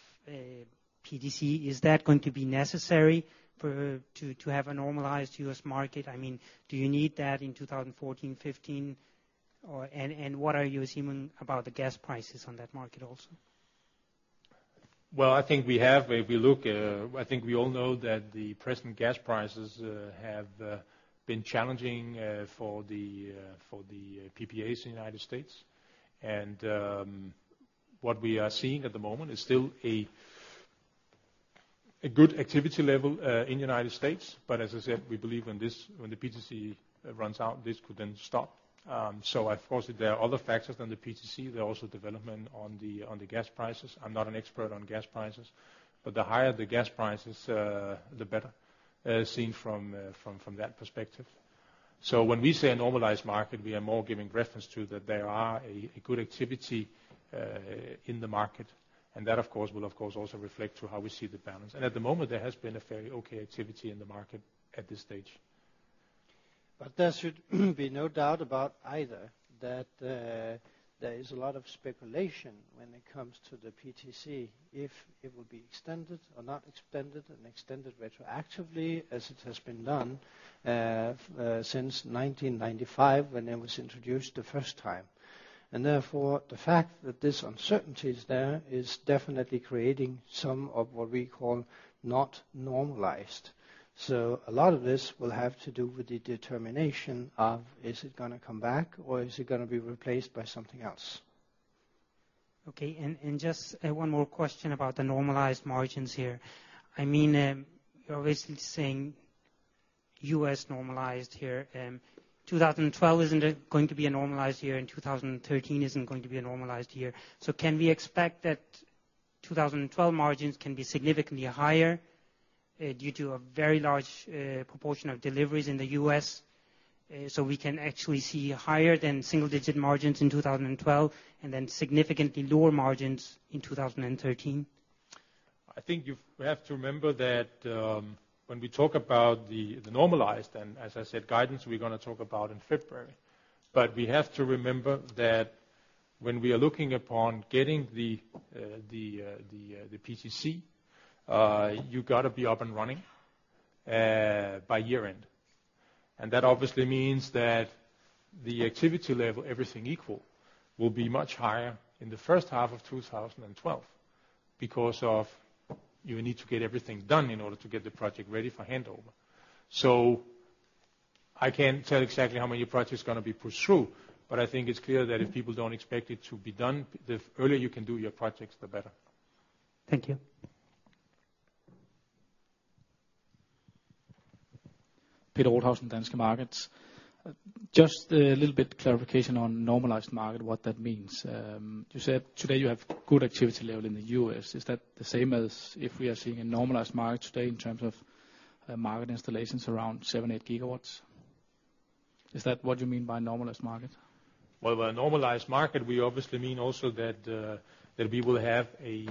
PTC? Is that going to be necessary to have a normalized U.S. market? I mean, do you need that in 2014, 2015? And what are you assuming about the gas prices on that market also? Well, I think we have. If we look, I think we all know that the present gas prices have been challenging for the PPAs in the United States. What we are seeing at the moment is still a good activity level in the United States. As I said, we believe when the PTC runs out, this could then stop. Of course, there are other factors than the PTC. There are also developments on the gas prices. I'm not an expert on gas prices. The higher the gas prices, the better, seen from that perspective. When we say a normalized market, we are more giving reference to that there are a good activity in the market. That, of course, will, of course, also reflect to how we see the balance. At the moment, there has been a fairly okay activity in the market at this stage. But there should be no doubt about either that there is a lot of speculation when it comes to the PTC if it will be extended or not extended and extended retroactively as it has been done since 1995 when it was introduced the first time. And therefore, the fact that this uncertainty is there is definitely creating some of what we call not normalized. So a lot of this will have to do with the determination of is it going to come back or is it going to be replaced by something else? Okay. And just one more question about the normalized margins here. I mean, you're obviously saying U.S. normalized here. 2012 isn't going to be a normalized year. And 2013 isn't going to be a normalized year. So can we expect that 2012 margins can be significantly higher due to a very large proportion of deliveries in the U.S. so we can actually see higher than single-digit margins in 2012 and then significantly lower margins in 2013? I think we have to remember that when we talk about the normalized and, as I said, guidance, we're going to talk about in February. But we have to remember that when we are looking upon getting the PTC, you've got to be up and running by year-end. And that obviously means that the activity level, everything equal, will be much higher in the first half of 2012 because you need to get everything done in order to get the project ready for handover. So I can't tell exactly how many projects are going to be pushed through. But I think it's clear that if people don't expect it to be done, the earlier you can do your projects, the better. Thank you. Peter Rothausen, Danske Markets. Just a little bit clarification on normalized market, what that means. You said today you have good activity level in the U.S. Is that the same as if we are seeing a normalized market today in terms of market installations around 7-8 GW? Is that what you mean by normalized market? Well, by normalized market, we obviously mean also that we will have a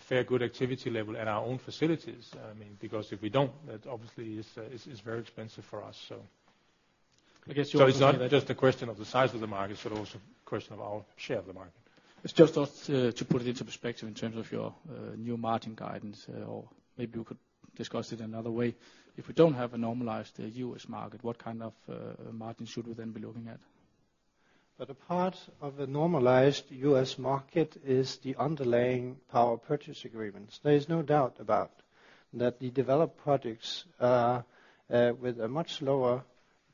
fair good activity level at our own facilities. I mean, because if we don't, that obviously is very expensive for us, so. I guess you also said that. So it's not just a question of the size of the market but also a question of our share of the market. It's just to put it into perspective in terms of your new margin guidance. Or maybe you could discuss it another way. If we don't have a normalized U.S. market, what kind of margins should we then be looking at? But a part of a normalized U.S. market is the underlying power purchase agreements. There is no doubt that the developed projects are with a much lower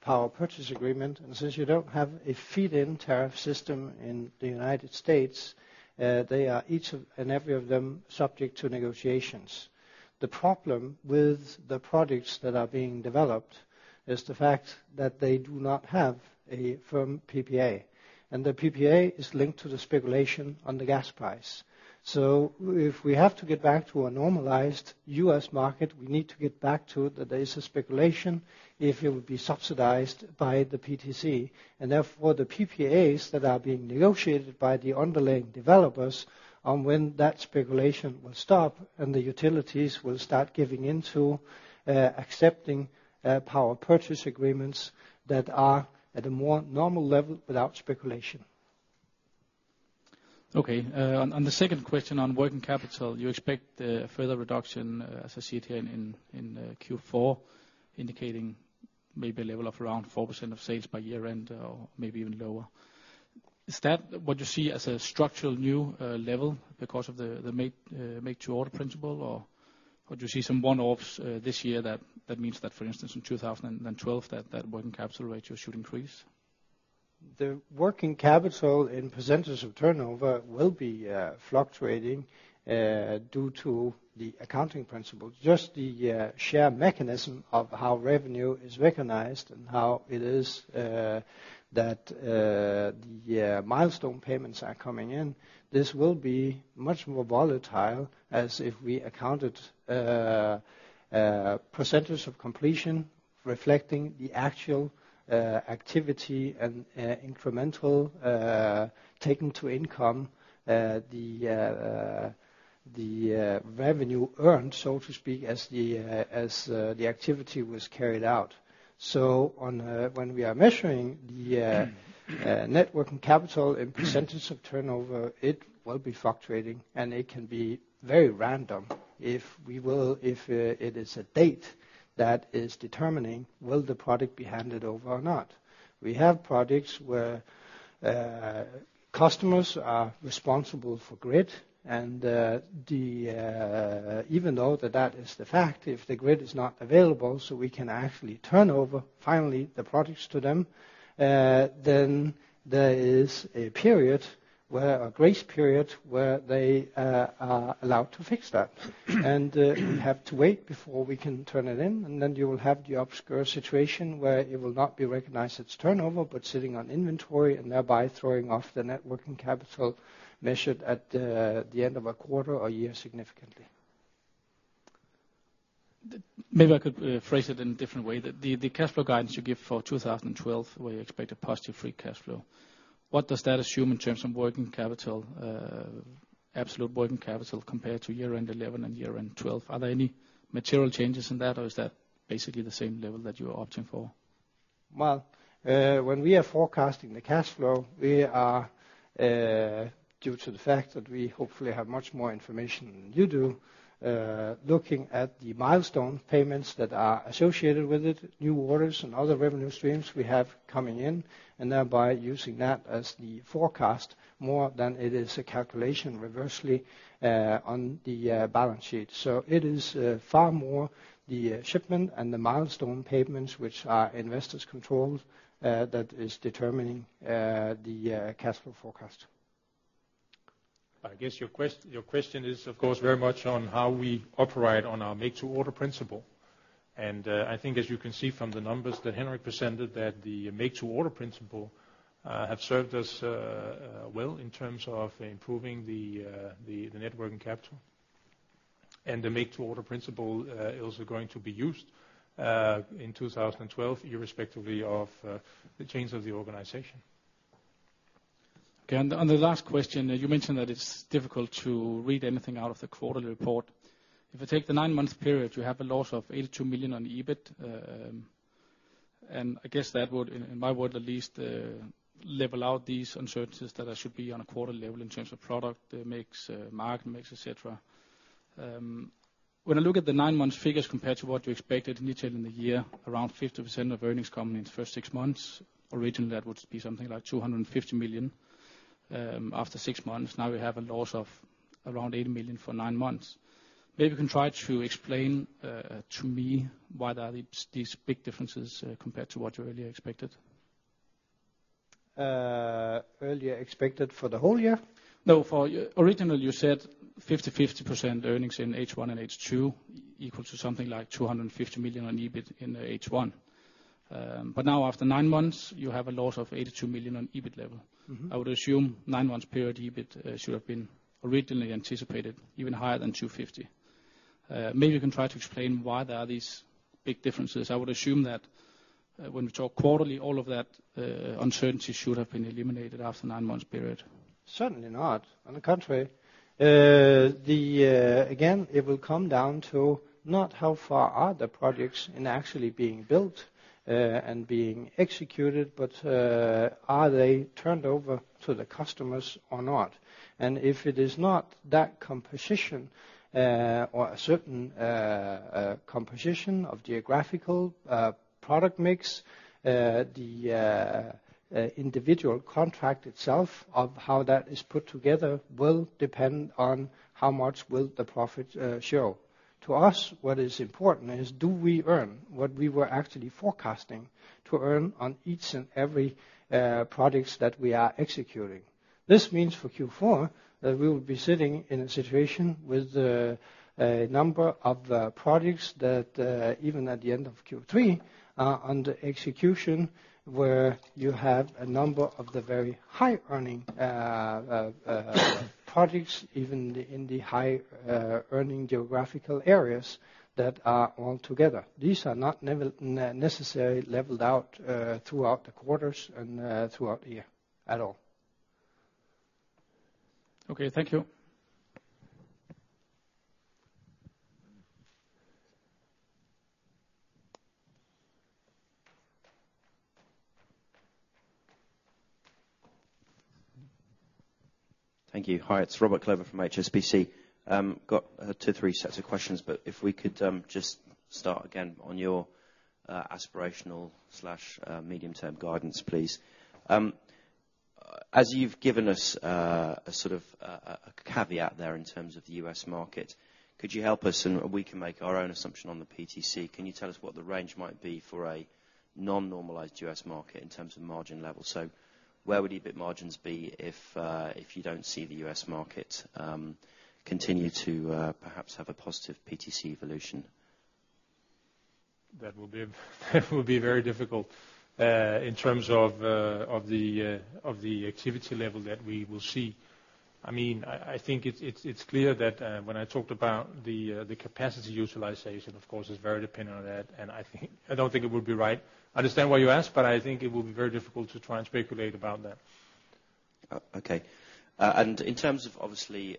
power purchase agreement. And since you don't have a feed-in tariff system in the United States, they are each and every one of them subject to negotiations. The problem with the projects that are being developed is the fact that they do not have a firm PPA. And the PPA is linked to the speculation on the gas price. So if we have to get back to a normalized U.S. market, we need to get back to that there is a speculation if it would be subsidized by the PTC. And therefore, the PPAs that are being negotiated by the underlying developers on when that speculation will stop and the utilities will start giving in to, accepting power purchase agreements that are at a more normal level without speculation. Okay. And the second question on working capital, you expect a further reduction, as I see it here in Q4, indicating maybe a level of around 4% of sales by year-end or maybe even lower. Is that what you see as a structural new level because of the make-to-order principle? Or do you see some one-offs this year that means that, for instance, in 2012, that working capital rate should increase? The working capital in percentage of turnover will be fluctuating due to the accounting principle. Just the share mechanism of how revenue is recognized and how it is that the milestone payments are coming in, this will be much more volatile as if we accounted percentage of completion reflecting the actual activity and incremental taken to income, the revenue earned, so to speak, as the activity was carried out. So when we are measuring the net working capital in percentage of turnover, it will be fluctuating. And it can be very random if it is a date that is determining will the product be handed over or not. We have projects where customers are responsible for grid. Even though that is the fact, if the grid is not available so we can actually turn over the products to them finally, then there is a period, a grace period, where they are allowed to fix that. We have to wait before we can turn it in. Then you will have the obscure situation where it will not be recognized as turnover but sitting on inventory and thereby throwing off the net working capital measured at the end of a quarter or year significantly. Maybe I could phrase it in a different way. The cash flow guidance you give for 2012 where you expect a positive free cash flow, what does that assume in terms of absolute working capital compared to year-end 2011 and year-end 2012? Are there any material changes in that? Or is that basically the same level that you are opting for? Well, when we are forecasting the cash flow, we are, due to the fact that we hopefully have much more information than you do, looking at the milestone payments that are associated with it, new orders, and other revenue streams we have coming in. And thereby using that as the forecast more than it is a calculation reversely on the balance sheet. So it is far more the shipment and the milestone payments which are investors controlled that is determining the cash flow forecast. I guess your question is, of course, very much on how we operate on our make-to-order principle. And I think, as you can see from the numbers that Henrik presented, that the make-to-order principle has served us well in terms of improving the net working capital. The make-to-order principle is also going to be used in 2012, irrespective of the change of the organization. Okay. On the last question, you mentioned that it's difficult to read anything out of the quarterly report. If we take the nine month period, you have a loss of 82 million on EBIT. And I guess that would, in my world at least, level out these uncertainties that there should be on a quarterly level in terms of product mix, market mix, etc. When I look at the nine-month figures compared to what you expected in detail in the year, around 50% of earnings come in the first six months; originally, that would be something like 250 million. After six months, now, we have a loss of around 80 million for nine months. Maybe you can try to explain to me why there are these big differences compared to what you earlier expected. Earlier expected for the whole year? No. Originally, you said 50%-50% earnings in H1 and H2 equal to something like 250 million on EBIT in H1. But now, after nine months, you have a loss of 82 million on EBIT level. I would assume nine month period EBIT should have been originally anticipated even higher than 250 million. Maybe you can try to explain why there are these big differences. I would assume that when we talk quarterly, all of that uncertainty should have been eliminated after nine month period. Certainly not. On the contrary, again, it will come down to not how far are the projects in actually being built and being executed, but are they turned over to the customers or not? And if it is not that composition or a certain composition of geographical product mix, the individual contract itself of how that is put together will depend on how much will the profit show. To us, what is important is do we earn what we were actually forecasting to earn on each and every product that we are executing? This means for Q4 that we will be sitting in a situation with a number of products that, even at the end of Q3, are under execution where you have a number of the very high-earning products, even in the high-earning geographical areas, that are altogether. These are not necessarily leveled out throughout the quarters and throughout the year at all. Okay. Thank you. Thank you. Hi. It's Robert Clover from HSBC. Got two, three sets of questions. But if we could just start again on your aspirational/medium-term guidance, please. As you've given us a sort of a caveat there in terms of the U.S. market, could you help us? And we can make our own assumption on the PTC. Can you tell us what the range might be for a non-normalized U.S. market in terms of margin level? So where would EBIT margins be if you don't see the U.S. market continue to perhaps have a positive PTC evolution? That will be very difficult in terms of the activity level that we will see. I mean, I think it's clear that when I talked about the capacity utilization, of course, it's very dependent on that. And I don't think it would be right. I understand why you asked. But I think it will be very difficult to try and speculate about that. Okay. In terms of, obviously,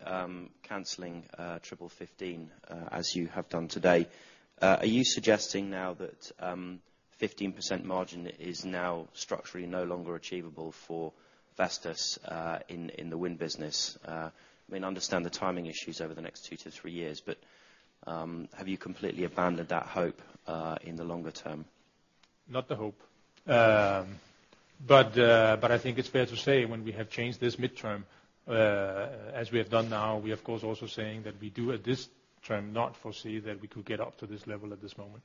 canceling Triple15 as you have done today, are you suggesting now that 15% margin is now structurally no longer achievable for Vestas in the wind business? I mean, I understand the timing issues over the next two to three years. But have you completely abandoned that hope in the longer term? Not the hope. But I think it's fair to say when we have changed this midterm, as we have done now, we are, of course, also saying that we do, at this term, not foresee that we could get up to this level at this moment.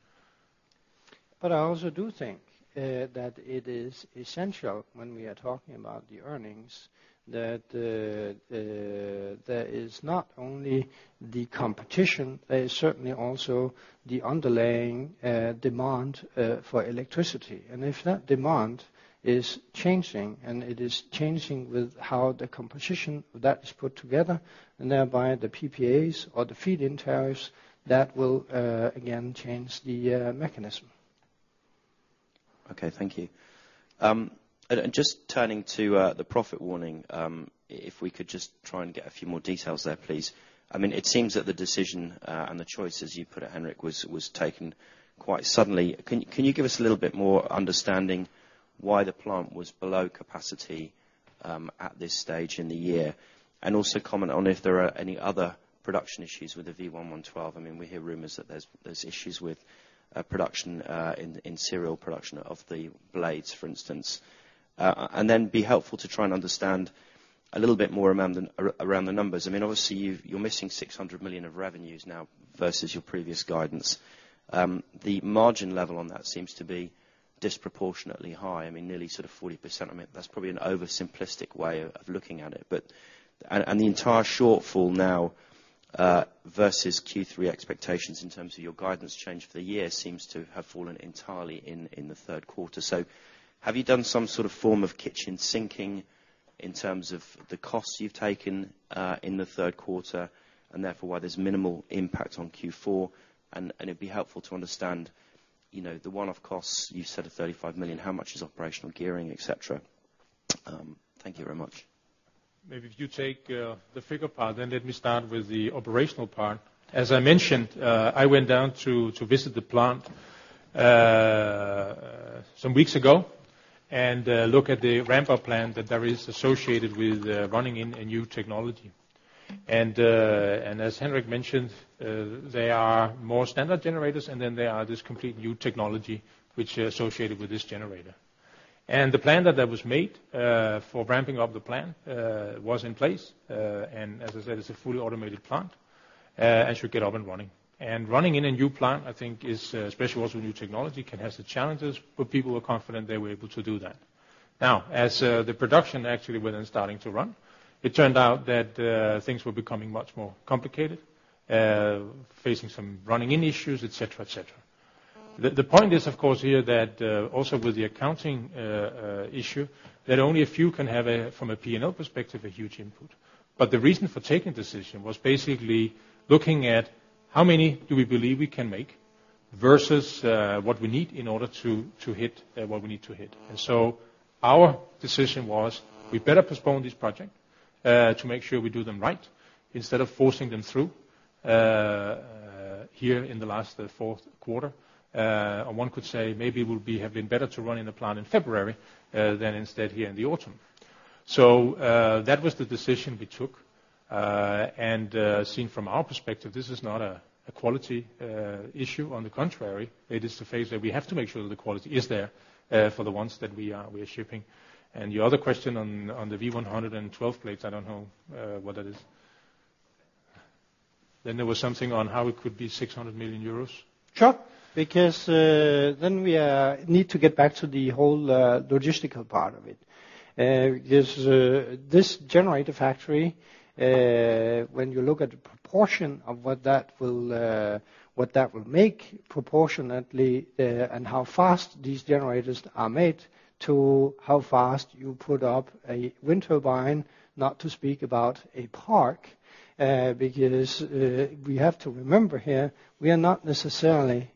But I also do think that it is essential when we are talking about the earnings that there is not only the competition. There is certainly also the underlying demand for electricity. And if that demand is changing and it is changing with how the composition of that is put together and thereby the PPAs or the feed-in tariffs, that will, again, change the mechanism. Okay. Thank you. And just turning to the profit warning, if we could just try and get a few more details there, please. I mean, it seems that the decision and the choice, as you put it, Henrik, was taken quite suddenly. Can you give us a little bit more understanding why the plant was below capacity at this stage in the year? And also comment on if there are any other production issues with the V112. I mean, we hear rumors that there's issues with serial production of the blades, for instance. And then be helpful to try and understand a little bit more around the numbers. I mean, obviously, you're missing 600 million of revenues now versus your previous guidance. The margin level on that seems to be disproportionately high. I mean, nearly sort of 40%. I mean, that's probably an over-simplistic way of looking at it. And the entire shortfall now versus Q3 expectations in terms of your guidance change for the year seems to have fallen entirely in the third quarter. So have you done some sort of form of kitchen sinking in terms of the costs you've taken in the third quarter and therefore why there's minimal impact on Q4? And it'd be helpful to understand the one-off costs. You said 35 million. How much is operational gearing, etc.? Thank you very much. Maybe if you take the figure part, then let me start with the operational part. As I mentioned, I went down to visit the plant some weeks ago and look at the ramp-up plan that there is associated with running in a new technology. As Henrik mentioned, there are more standard generators. Then, there are this completely new technology which is associated with this generator. The plan that was made for ramping up the plant was in place. As I said, it's a fully automated plant and should get up and running. Running in a new plant, I think, especially also new technology, can have some challenges. But people were confident they were able to do that. Now, as the production actually was then starting to run, it turned out that things were becoming much more complicated, facing some running-in issues, etc., etc. The point is, of course, here that also with the accounting issue, that only a few can have, from a P&L perspective, a huge input. But the reason for taking the decision was basically looking at how many do we believe we can make versus what we need in order to hit what we need to hit. Our decision was we better postpone this project to make sure we do them right instead of forcing them through here in the last fourth quarter. Or one could say maybe it would have been better to run in the plant in February than instead here in the autumn. That was the decision we took. Seen from our perspective, this is not a quality issue. On the contrary, it is the phase that we have to make sure that the quality is there for the ones that we are shipping. And the other question on the V112 blades, I don't know what that is. Then, there was something on how it could be 600 million euros. Sure. Because then, we need to get back to the whole logistical part of it. Because this generator factory, when you look at the proportion of what that will make proportionately and how fast these generators are made to how fast you put up a wind turbine, not to speak about a park. Because we have to remember here, we are not necessarily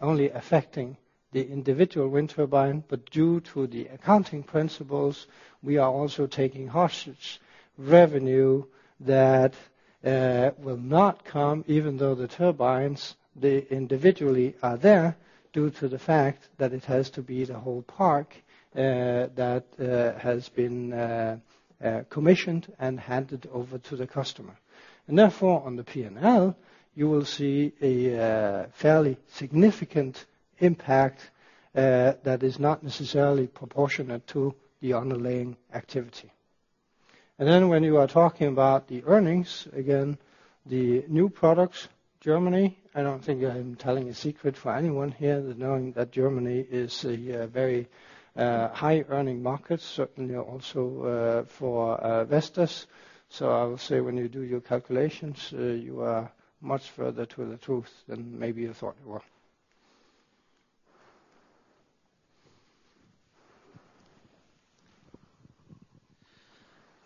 only affecting the individual wind turbine. But due to the accounting principles, we are also taking hostage revenue that will not come even though the turbines, they individually are there due to the fact that it has to be the whole park that has been commissioned and handed over to the customer. And therefore, on the P&L, you will see a fairly significant impact that is not necessarily proportionate to the underlying activity. And then, when you are talking about the earnings, again, the new products, Germany, I don't think I'm telling a secret for anyone here that knowing that Germany is a very high-earning market, certainly also for Vestas. So I will say when you do your calculations, you are much further to the truth than maybe you thought you were.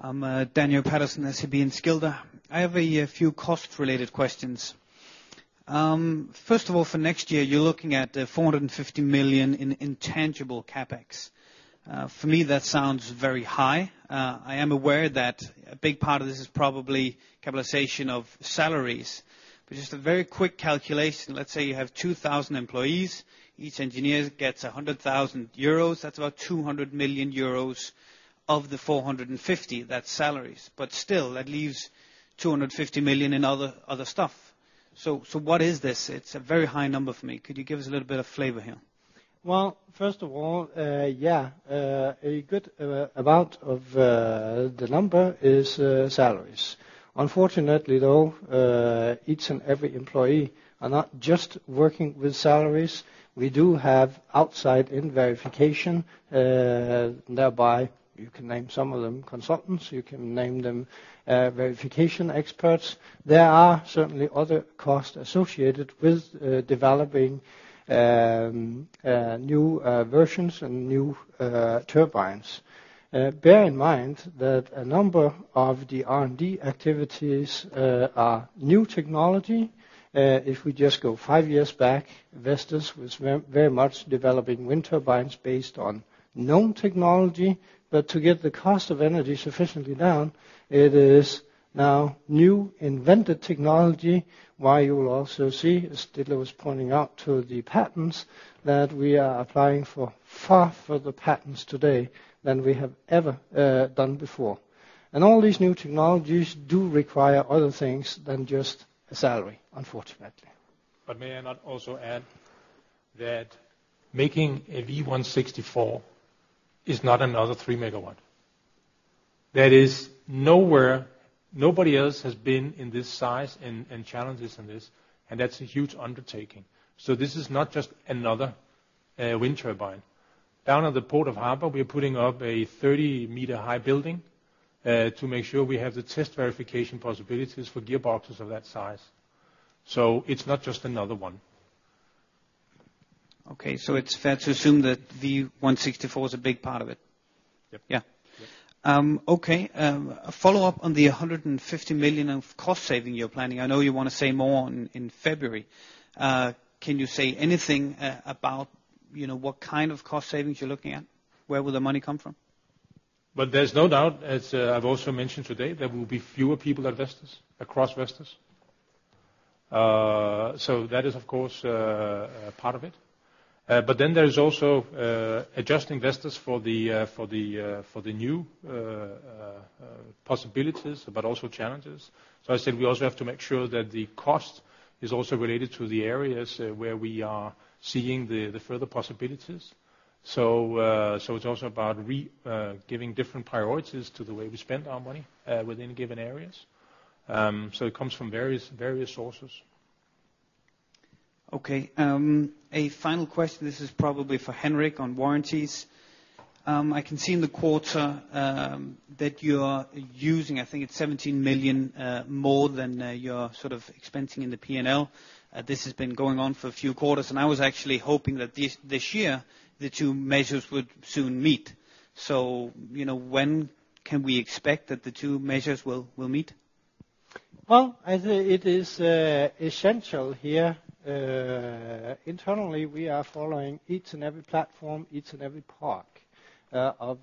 I'm Daniel Patterson, SEB Enskilda. I have a few cost-related questions. First of all, for next year, you're looking at 450 million in intangible CapEx. For me, that sounds very high. I am aware that a big part of this is probably capitalization of salaries. But just a very quick calculation, let's say you have 2,000 employees. Each engineer gets 100,000 euros. That's about 200 million euros of the 450. That's salaries. But still, that leaves 250 million in other stuff. So what is this? It's a very high number for me. Could you give us a little bit of flavor here? Well, first of all, yeah. A good amount of the number is salaries. Unfortunately, though, each and every employee are not just working with salaries. We do have outside independent verification. Thereby, you can name some of them consultants. You can name them verification experts. There are certainly other costs associated with developing new versions and new turbines. Bear in mind that a number of the R&D activities are new technology. If we just go five years back, Vestas was very much developing wind turbines based on known technology. But to get the cost of energy sufficiently down, it is now new invented technology. Why you will also see, as Ditlev was pointing out to the patents, that we are applying for far further patents today than we have ever done before. All these new technologies do require other things than just a salary, unfortunately. But may I not also add that making a V164 is not another 3 MW? That is nowhere nobody else has been in this size and challenges in this. That's a huge undertaking. This is not just another wind turbine. Down at the Port of Aarhus, we are putting up a 30-meter-high building to make sure we have the test verification possibilities for gearboxes of that size. So it's not just another one. Okay. So it's fair to assume that V164 is a big part of it? Yep. Yeah. Okay. Follow up on the 150 million of cost saving you're planning. I know you want to say more in February. Can you say anything about what kind of cost savings you're looking at? Where will the money come from? But there's no doubt, as I've also mentioned today, there will be fewer people at Vestas across Vestas. So that is, of course, part of it. But then, there is also adjusting Vestas for the new possibilities but also challenges. So I said we also have to make sure that the cost is also related to the areas where we are seeing the further possibilities. So it's also about giving different priorities to the way we spend our money within given areas. So it comes from various sources. Okay. A final question. This is probably for Henrik on warranties. I can see in the quarter that you're using, I think, it's 17 million more than you're sort of expensing in the P&L. This has been going on for a few quarters. And I was actually hoping that this year, the two measures would soon meet. So when can we expect that the two measures will meet? Well, I say it is essential here. Internally, we are following each and every platform, each and every part of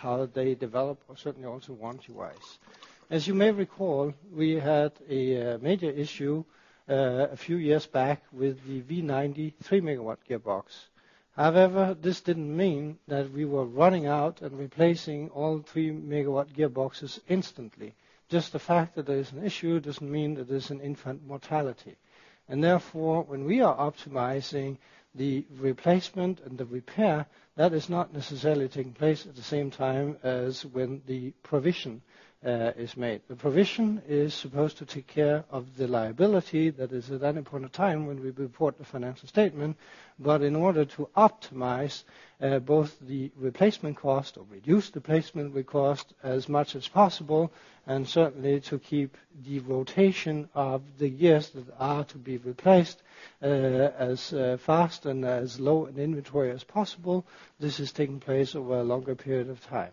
how they develop, certainly also warranty-wise. As you may recall, we had a major issue a few years back with the V90-3.0 MW gearbox. However, this didn't mean that we were running out and replacing all 3.0 MW gearboxes instantly. Just the fact that there is an issue doesn't mean that there's an infant mortality. And therefore, when we are optimizing the replacement and the repair, that is not necessarily taking place at the same time as when the provision is made. The provision is supposed to take care of the liability. That is at any point of time when we report the financial statement. But in order to optimize both the replacement cost or reduce the placement cost as much as possible and certainly to keep the rotation of the gears that are to be replaced as fast and as low in inventory as possible, this is taking place over a longer period of time.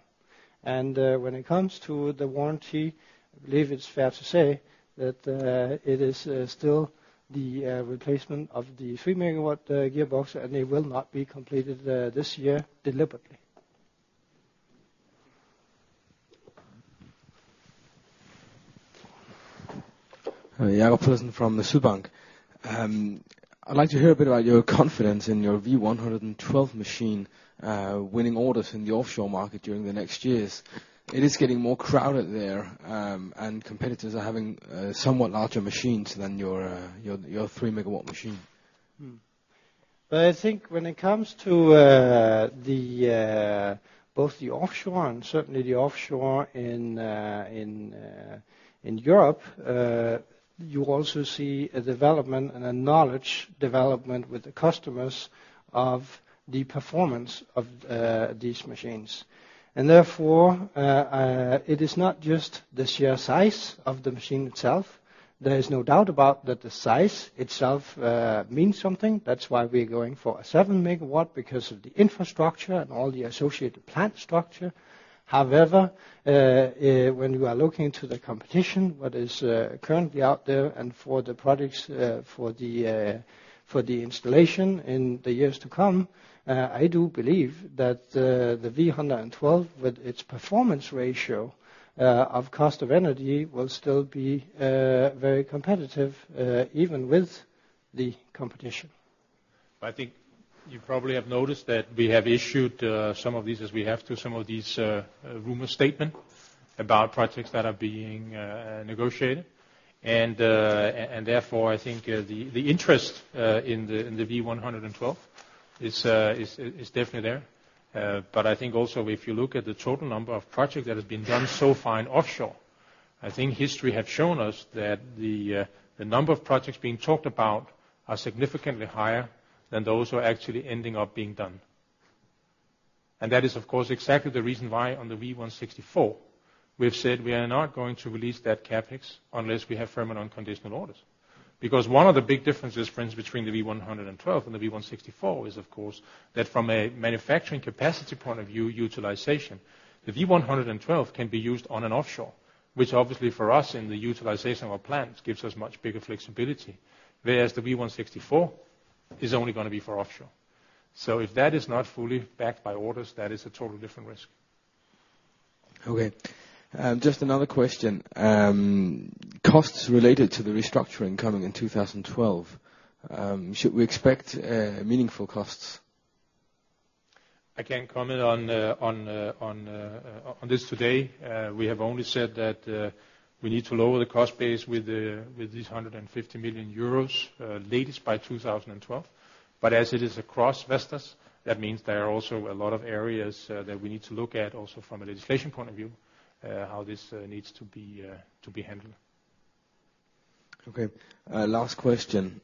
When it comes to the warranty, I believe it's fair to say that it is still the replacement of the 3 MW gearbox. And it will not be completed this year deliberately. Jacob Pedersen from Sydbank. I'd like to hear a bit about your confidence in your V112 machine winning orders in the offshore market during the next years. It is getting more crowded there. And competitors are having somewhat larger machines than your 3 MW machine. Well, I think when it comes to both the offshore and certainly the offshore in Europe, you also see a development and a knowledge development with the customers of the performance of these machines. And therefore, it is not just the sheer size of the machine itself. There is no doubt about that the size itself means something. That's why we are going for a 7 MW because of the infrastructure and all the associated plant structure. However, when you are looking to the competition, what is currently out there and for the products for the installation in the years to come, I do believe that the V112, with its performance ratio of cost of energy, will still be very competitive even with the competition. Well, I think you probably have noticed that we have issued some of these, as we have to, some of these rumor statements about projects that are being negotiated. And therefore, I think the interest in the V112 is definitely there. But I think also, if you look at the total number of projects that have been done so far offshore, I think history has shown us that the number of projects being talked about are significantly higher than those who are actually ending up being done. And that is, of course, exactly the reason why on the V164, we have said we are not going to release that CapEx unless we have firm and unconditional orders. Because one of the big differences, for instance, between the V112 and the V164 is, of course, that from a manufacturing capacity point of view, utilization, the V112 can be used onshore and offshore, which obviously, for us, in the utilization of our plants, gives us much bigger flexibility. Whereas the V164 is only going to be for offshore. So if that is not fully backed by orders, that is a totally different risk. Okay. Just another question. Costs related to the restructuring coming in 2012, should we expect meaningful costs? I can't comment on this today. We have only said that we need to lower the cost base with these 150 million euros, latest by 2012. But as it is across Vestas, that means there are also a lot of areas that we need to look at also from a legislation point of view, how this needs to be handled. Okay. Last question.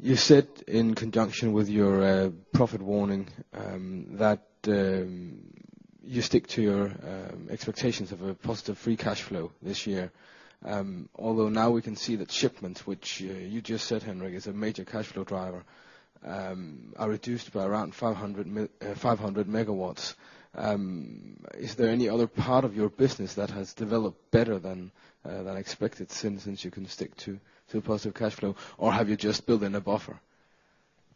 You said in conjunction with your profit warning that you stick to your expectations of a positive free cash flow this year. Although now, we can see that shipments, which you just said, Henrik, is a major cash flow driver, are reduced by around 500 MW. Is there any other part of your business that has developed better than expected since you can stick to positive cash flow? Or have you just built in a buffer?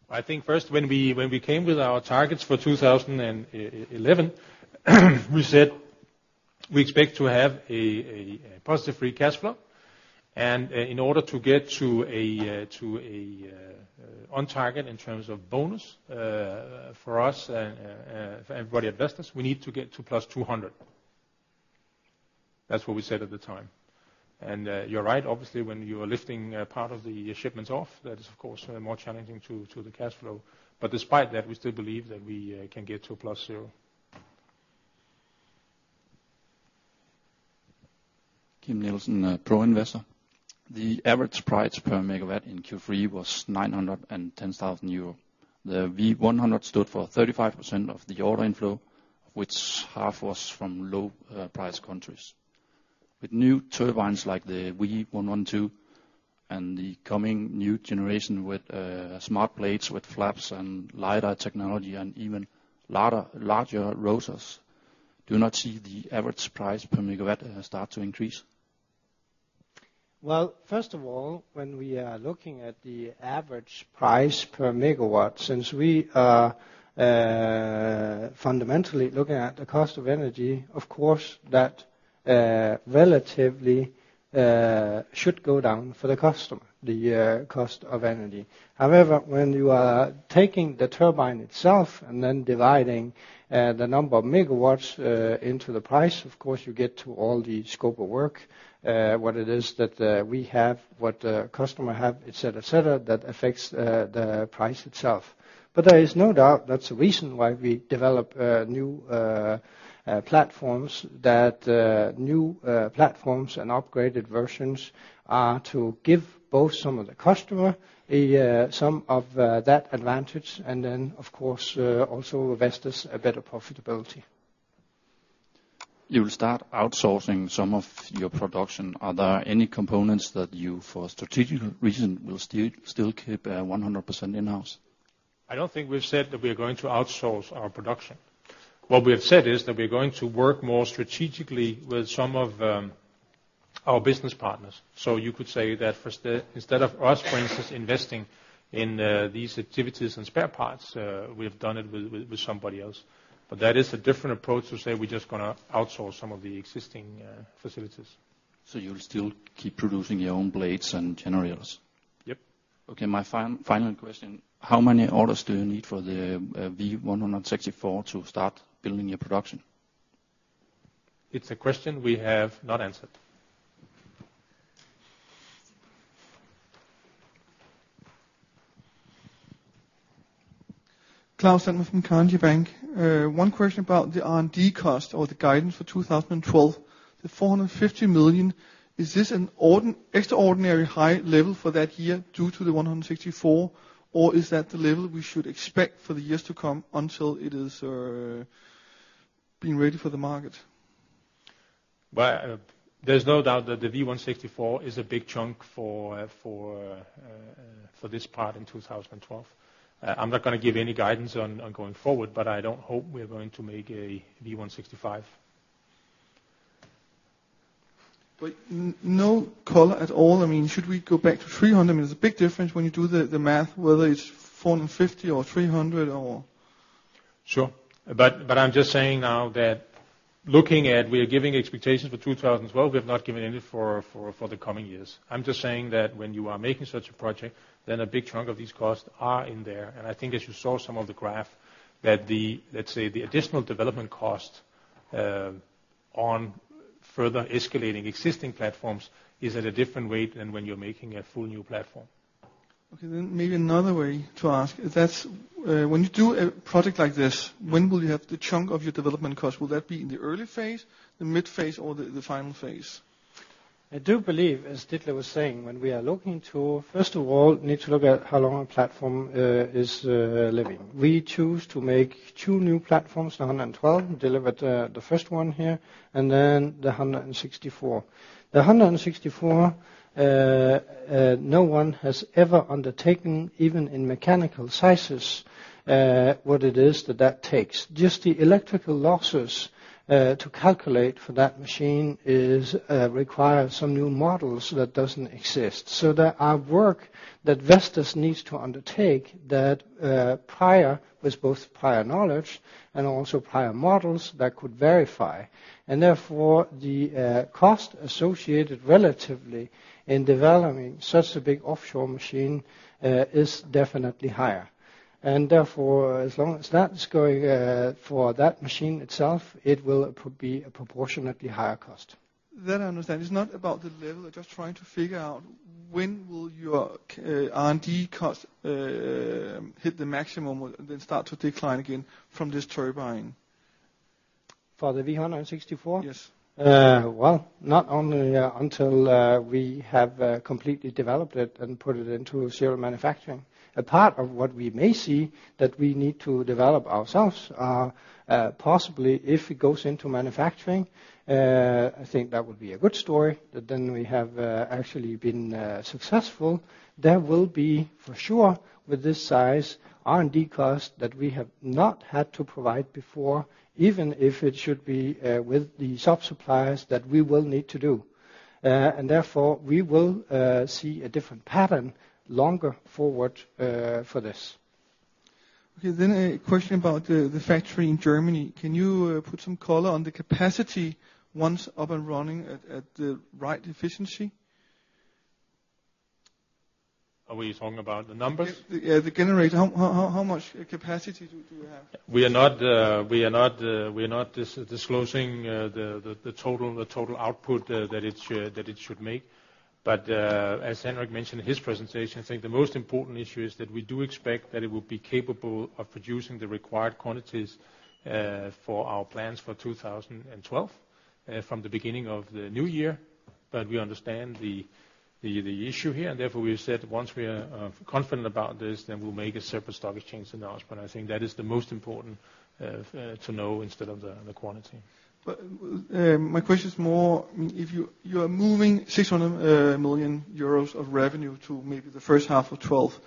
Well, I think first, when we came with our targets for 2011, we said we expect to have a positive free cash flow. And in order to get to a on-target in terms of bonus for us and for everybody at Vestas, we need to get to +200. That's what we said at the time. And you're right. Obviously, when you are lifting part of the shipments off, that is, of course, more challenging to the cash flow. But despite that, we still believe that we can get to a +0. Kim Nielsen, ProInvestor. The average price per megawatt in Q3 was 910,000 euro. The V100 stood for 35% of the order inflow, of which half was from low-priced countries. With new turbines like the V112 and the coming new generation with smart blades with flaps and LiDAR technology and even larger rotors, do you not see the average price per megawatt start to increase? Well, first of all, when we are looking at the average price per megawatt, since we are fundamentally looking at the cost of energy, of course, that relatively should go down for the customer, the cost of energy. However, when you are taking the turbine itself and then dividing the number of megawatts into the price, of course, you get to all the scope of work, what it is that we have, what the customer have, etc., etc., that affects the price itself. There is no doubt that's a reason why we develop new platforms, that new platforms and upgraded versions are to give both some of the customer some of that advantage and then, of course, also Vestas a better profitability. You will start outsourcing some of your production. Are there any components that you, for a strategic reason, will still keep 100% in-house? I don't think we've said that we are going to outsource our production. What we have said is that we are going to work more strategically with some of our business partners. So you could say that instead of us, for instance, investing in these activities and spare parts, we have done it with somebody else. But that is a different approach to say we're just going to outsource some of the existing facilities. So you will still keep producing your own blades and generators? Yep. Okay. My final question. How many orders do you need for the V164 to start building your production? It's a question we have not answered. Claus Almer from Carnegie Investment Bank. One question about the R&D cost or the guidance for 2012. The 450 million, is this an extraordinary high level for that year due to the V164? Or is that the level we should expect for the years to come until it is being ready for the market? Well, there's no doubt that the V164 is a big chunk for this part in 2012. I'm not going to give any guidance on going forward. But I don't hope we are going to make a V165. But no color at all. I mean, should we go back to 300 million? I mean, it's a big difference when you do the math whether it's 450 million or 300 million or? Sure.But I'm just saying now that, looking at, we are giving expectations for 2012. We have not given any for the coming years. I'm just saying that when you are making such a project, then a big chunk of these costs are in there. And I think, as you saw some of the graph, that, let's say, the additional development cost on further escalating existing platforms is at a different rate than when you're making a full new platform. Okay. Then maybe another way to ask. When you do a project like this, when will you have the chunk of your development cost? Will that be in the early phase, the mid-phase, or the final phase? I do believe, as Ditlev was saying, when we are looking to, first of all, need to look at how long a platform is living. We choose to make two new platforms, the V112, deliver the first one here, and then the V164. The V164, no one has ever undertaken, even in mechanical sizes, what it is that that takes. Just the electrical losses to calculate for that machine require some new models that don't exist. So there are work that Vestas needs to undertake that with both prior knowledge and also prior models that could verify. And therefore, the cost associated relatively in developing such a big offshore machine is definitely higher. And therefore, as long as that's going for that machine itself, it will be a proportionately higher cost. That I understand. It's not about the level. You're just trying to figure out when will your R&D cost hit the maximum and then start to decline again from this turbine? For the V164? Yes. Well, not only until we have completely developed it and put it into serial manufacturing. A part of what we may see that we need to develop ourselves possibly, if it goes into manufacturing, I think that would be a good story that then we have actually been successful. There will be, for sure, with this size, R&D cost that we have not had to provide before, even if it should be with the subsuppliers, that we will need to do. And therefore, we will see a different pattern longer forward for this. Okay.Then a question about the factory in Germany. Can you put some color on the capacity once up and running at the right efficiency? Are we talking about the numbers? Yeah. The generator. How much capacity do you have? We are not disclosing the total output that it should make. But as Henrik mentioned in his presentation, I think the most important issue is that we do expect that it will be capable of producing the required quantities for our plans for 2012 from the beginning of the new year. But we understand the issue here. And therefore, we have said once we are confident about this, then we'll make a separate stock exchange announcement. I think that is the most important to know instead of the quantity. But my question is more, I mean, if you are moving 600 million euros of revenue to maybe the first half of 2012,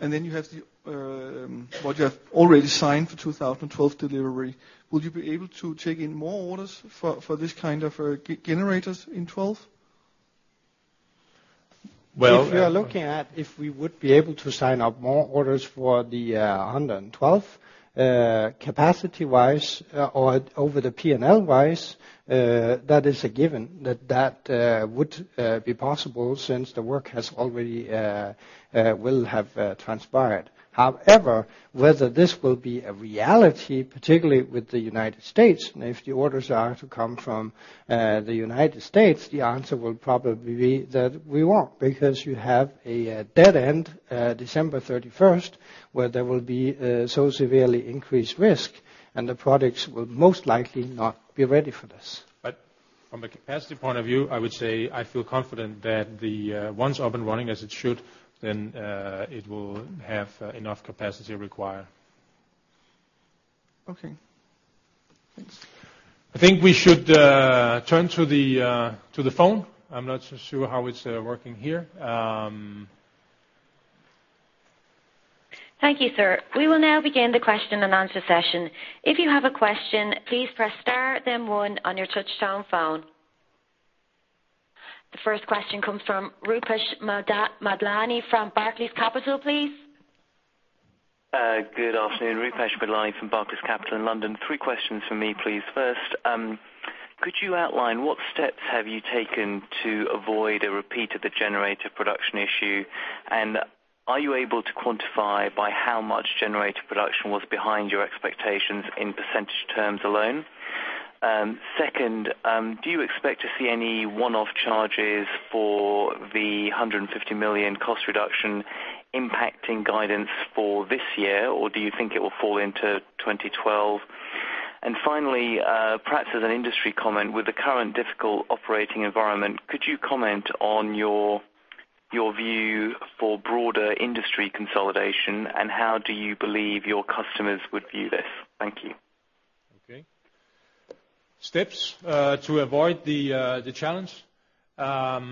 and then you have what you have already signed for 2012 delivery, will you be able to take in more orders for this kind of generators in 2012? Well, if you are looking at if we would be able to sign up more orders for the 112 capacity-wise or over the P&L-wise, that is a given that that would be possible since the work has already will have transpired. However, whether this will be a reality, particularly with the United States, and if the orders are to come from the United States, the answer will probably be that we won't because you have a deadline, December 31st, where there will be so severely increased risk, and the products will most likely not be ready for this. But from a capacity point of view, I would say I feel confident that once up and running as it should, then it will have enough capacity required. Okay. Thanks. I think we should turn to the phone. I'm not sure how it's working here. Thank you, sir. We will now begin the question-and-answer session. If you have a question, please press star, then one, on your touchtone phone. The first question comes from Rupesh Madlani from Barclays Capital, please. Good afternoon. Rupesh Madlani from Barclays Capital in London. Three questions for me, please. First, could you outline what steps have you taken to avoid a repeat of the generator production issue? And are you able to quantify by how much generator production was behind your expectations in percentage terms alone? Second, do you expect to see any one-off charges for the 150 million cost reduction impacting guidance for this year? Or do you think it will fall into 2012? And finally, perhaps as an industry comment, with the current difficult operating environment, could you comment on your view for broader industry consolidation? And how do you believe your customers would view this? Thank you. Okay.Steps to avoid the challenge. A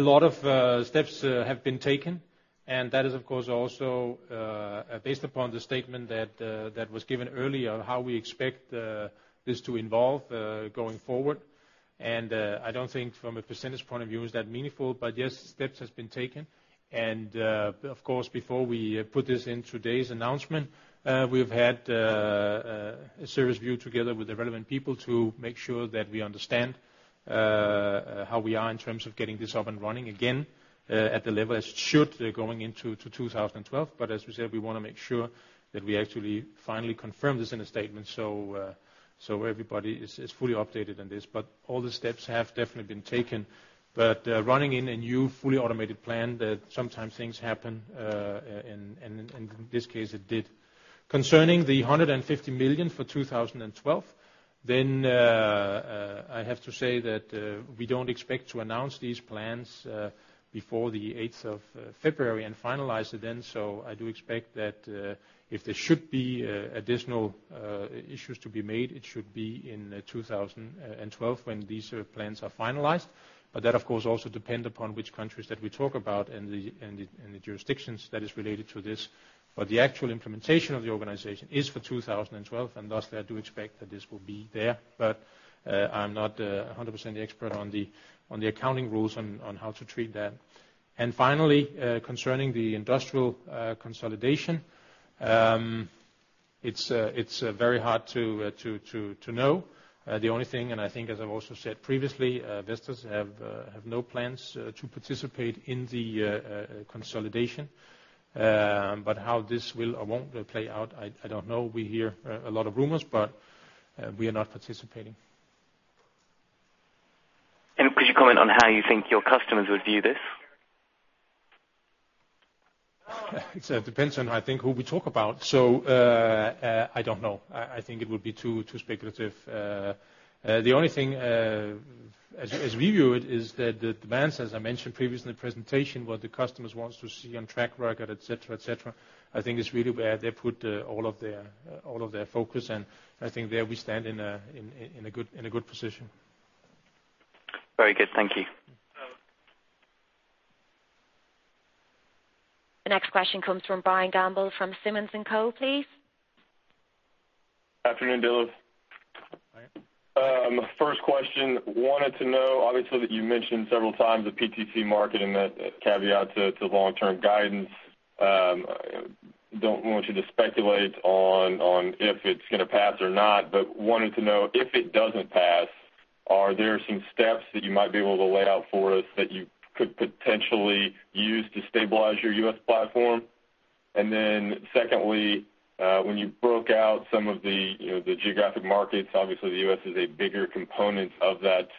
lot of steps have been taken. That is, of course, also based upon the statement that was given earlier of how we expect this to evolve going forward. I don't think, from a percentage point of view, it's that meaningful. But yes, steps have been taken. Of course, before we put this in today's announcement, we have had a service review together with the relevant people to make sure that we understand how we are in terms of getting this up and running again at the level as it should going into 2012. But as we said, we want to make sure that we actually finally confirm this in a statement so everybody is fully updated on this. But all the steps have definitely been taken. But running in a new fully automated plant, sometimes things happen. In this case, it did. Concerning the 150 million for 2012, then I have to say that we don't expect to announce these plans before the 8th of February and finalize it then. So I do expect that if there should be additional issues to be made, it should be in 2012 when these plans are finalized. But that, of course, also depends upon which countries that we talk about and the jurisdictions that is related to this. But the actual implementation of the organization is for 2012. And thus, I do expect that this will be there. But I'm not 100% expert on the accounting rules on how to treat that. And finally, concerning the industrial consolidation, it's very hard to know. The only thing, and I think, as I've also said previously, Vestas have no plans to participate in the consolidation. But how this will or won't play out, I don't know. We hear a lot of rumors. But we are not participating. And could you comment on how you think your customers would view this? It depends on, I think, who we talk about. So I don't know. I think it would be too speculative. The only thing, as we view it, is that the demands, as I mentioned previously in the presentation, what the customers want to see on track record, etc., etc., I think is really where they put all of their focus. And I think there we stand in a good position. Very good. Thank you. The next question comes from Brian Gamble from Simmons & Co, please. Afternoon, Ditlev. First question. Wanted to know, obviously, that you mentioned several times the PTC market and that caveat to long-term guidance. Don't want you to speculate on if it's going to pass or not. But wanted to know, if it doesn't pass, are there some steps that you might be able to lay out for us that you could potentially use to stabilize your U.S. platform? And then secondly, when you broke out some of the geographic markets, obviously, the U.S. is a bigger component of that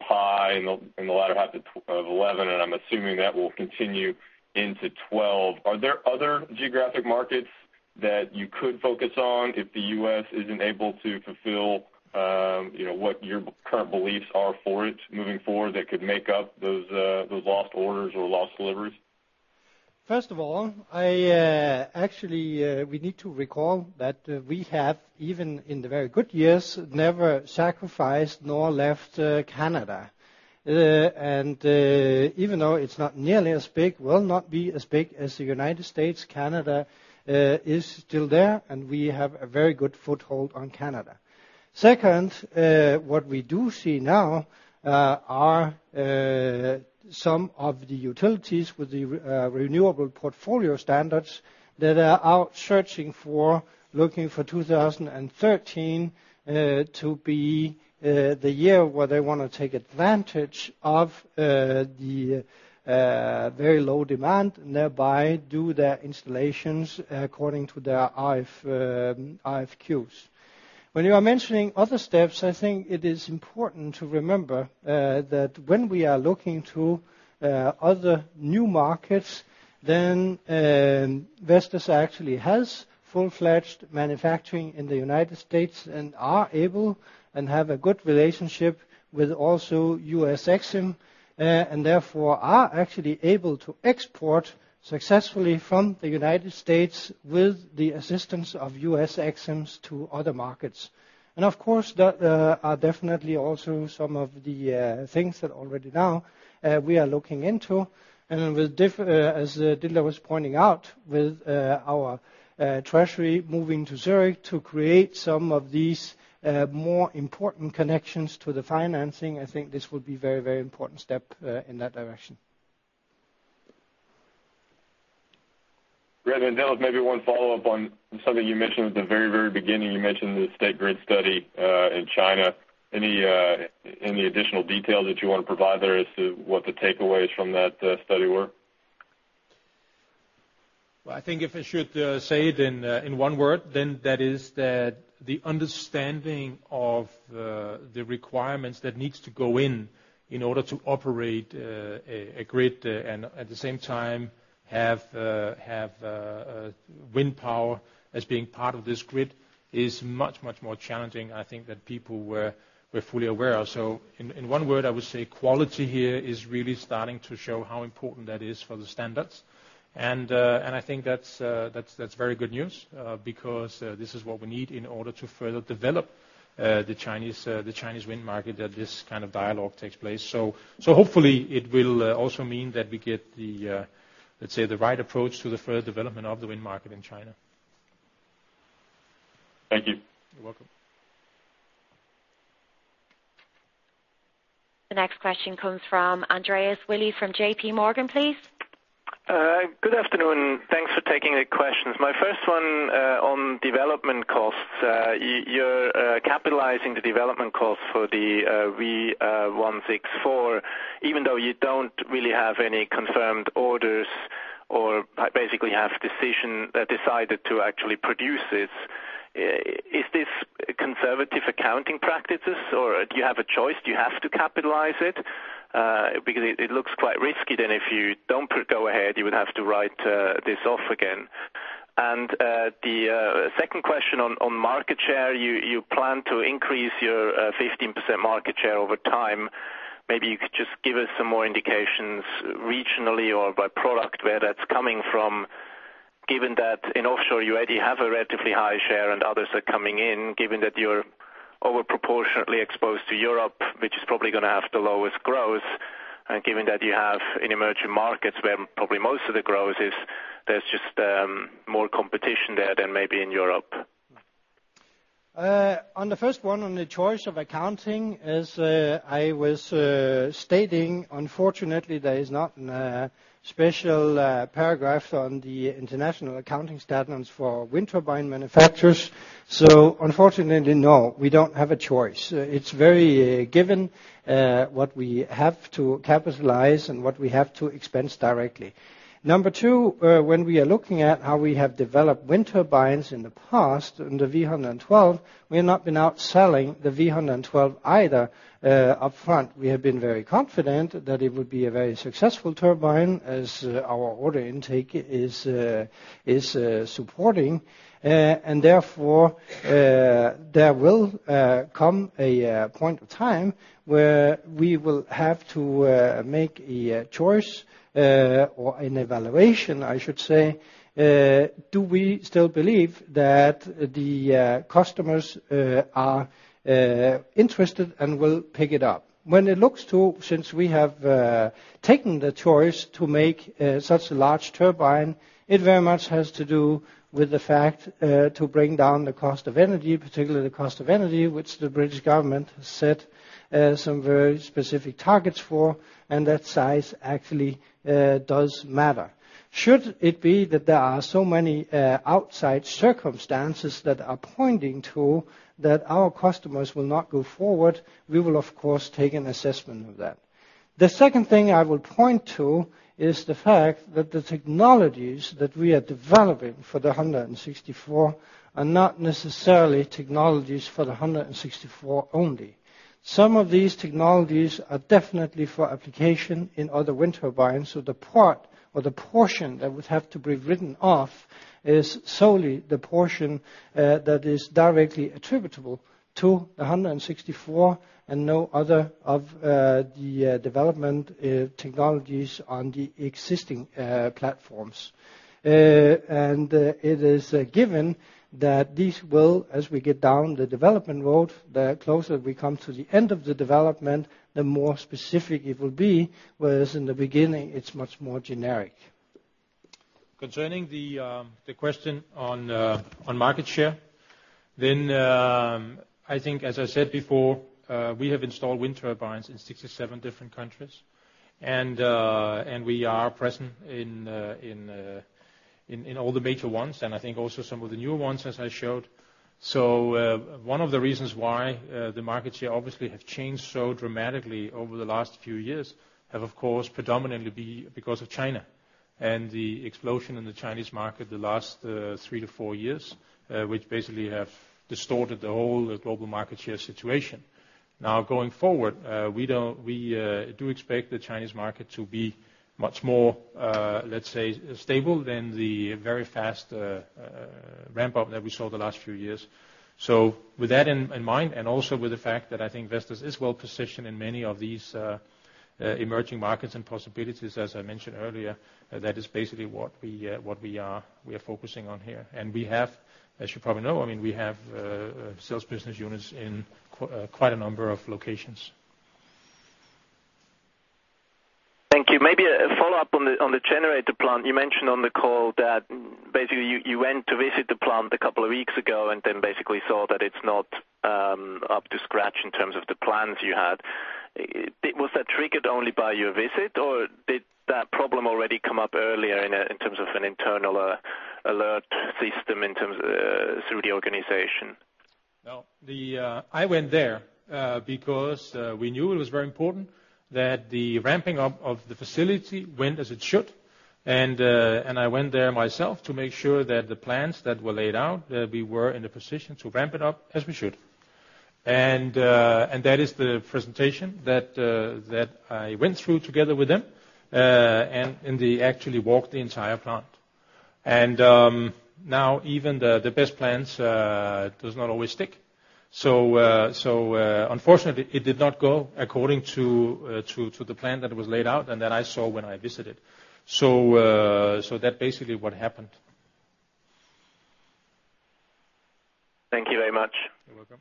pie in the latter half of 2011. And I'm assuming that will continue into 2012. Are there other geographic markets that you could focus on if the U.S. isn't able to fulfill what your current beliefs are for it moving forward that could make up those lost orders or lost deliveries? First of all, actually, we need to recall that we have, even in the very good years, never sacrificed nor left Canada. Even though it's not nearly as big, will not be as big as the United States. Canada is still there. And we have a very good foothold on Canada. Second, what we do see now are some of the utilities with the renewable portfolio standards that are out searching for, looking for 2013 to be the year where they want to take advantage of the very low demand and thereby do their installations according to their RFQs. When you are mentioning other steps, I think it is important to remember that when we are looking to other new markets, then Vestas actually has full-fledged manufacturing in the United States and are able and have a good relationship with also U.S. Exim and therefore are actually able to export successfully from the United States with the assistance of U.S. Exims to other markets. Of course, there are definitely also some of the things that already now we are looking into. As Ditlev was pointing out, with our treasury moving to Zurich to create some of these more important connections to the financing, I think this would be a very, very important step in that direction. Henrik and Ditlev, maybe one follow-up on something you mentioned at the very, very beginning. You mentioned the State Grid study in China. Any additional details that you want to provide there as to what the takeaways from that study were? Well, I think if I should say it in one word, then that is that the understanding of the requirements that needs to go in in order to operate a grid and at the same time have wind power as being part of this grid is much, much more challenging, I think, that people were fully aware of. So in one word, I would say quality here is really starting to show how important that is for the standards. And I think that's very good news because this is what we need in order to further develop the Chinese wind market, that this kind of dialogue takes place. So hopefully, it will also mean that we get, let's say, the right approach to the further development of the wind market in China. Thank you. You're welcome. The next question comes from Andreas Willi from JPMorgan, please. Good afternoon. Thanks for taking the questions. My first one on development costs. You're capitalizing the development costs for the V164 even though you don't really have any confirmed orders or basically have decided to actually produce this. Is this conservative accounting practices? Or do you have a choice? Do you have to capitalize it? Because it looks quite risky then. If you don't go ahead, you would have to write this off again. And the second question on market share, you plan to increase your 15% market share over time. Maybe you could just give us some more indications regionally or by product where that's coming from, given that in offshore, you already have a relatively high share and others are coming in, given that you're overproportionately exposed to Europe, which is probably going to have the lowest growth, and given that you have in emerging markets where probably most of the growth is, there's just more competition there than maybe in Europe. On the first one, on the choice of accounting, as I was stating, unfortunately, there is not a special paragraph on the international accounting standards for wind turbine manufacturers. So unfortunately, no. We don't have a choice. It's very given what we have to capitalize and what we have to expense directly. 2, when we are looking at how we have developed wind turbines in the past, in the V112, we have not been outselling the V112 either upfront. We have been very confident that it would be a very successful turbine, as our order intake is supporting. And therefore, there will come a point of time where we will have to make a choice or an evaluation, I should say, do we still believe that the customers are interested and will pick it up? When it looks to since we have taken the choice to make such a large turbine, it very much has to do with the fact to bring down the cost of energy, particularly the cost of energy, which the British government has set some very specific targets for. And that size actually does matter. Should it be that there are so many outside circumstances that are pointing to that our customers will not go forward, we will, of course, take an assessment of that. The second thing I will point to is the fact that the technologies that we are developing for the 164 are not necessarily technologies for the 164 only. Some of these technologies are definitely for application in other wind turbines. So the part or the portion that would have to be written off is solely the portion that is directly attributable to the 164 and no other of the development technologies on the existing platforms. And it is given that these will, as we get down the development road, the closer we come to the end of the development, the more specific it will be, whereas in the beginning, it's much more generic. Concerning the question on market share, then I think, as I said before, we have installed wind turbines in 67 different countries. We are present in all the major ones and I think also some of the newer ones, as I showed. One of the reasons why the market share obviously has changed so dramatically over the last few years have, of course, predominantly been because of China and the explosion in the Chinese market the last 3-4 years, which basically have distorted the whole global market share situation. Now, going forward, we do expect the Chinese market to be much more, let's say, stable than the very fast ramp-up that we saw the last few years. So with that in mind and also with the fact that I think Vestas is well-positioned in many of these emerging markets and possibilities, as I mentioned earlier, that is basically what we are focusing on here. And we have, as you probably know, I mean, we have sales business units in quite a number of locations. Thank you. Maybe a follow-up on the generator plant. You mentioned on the call that basically, you went to visit the plant a couple of weeks ago and then basically saw that it's not up to scratch in terms of the plans you had. Was that triggered only by your visit? Or did that problem already come up earlier in terms of an internal alert system through the organization? Well, I went there because we knew it was very important that the ramping up of the facility went as it should. I went there myself to make sure that the plans that were laid out, we were in a position to ramp it up as we should. And that is the presentation that I went through together with them and actually walked the entire plant. And now, even the best plans do not always stick. So unfortunately, it did not go according to the plan that was laid out and that I saw when I visited. So that's basically what happened. Thank you very much. You're welcome.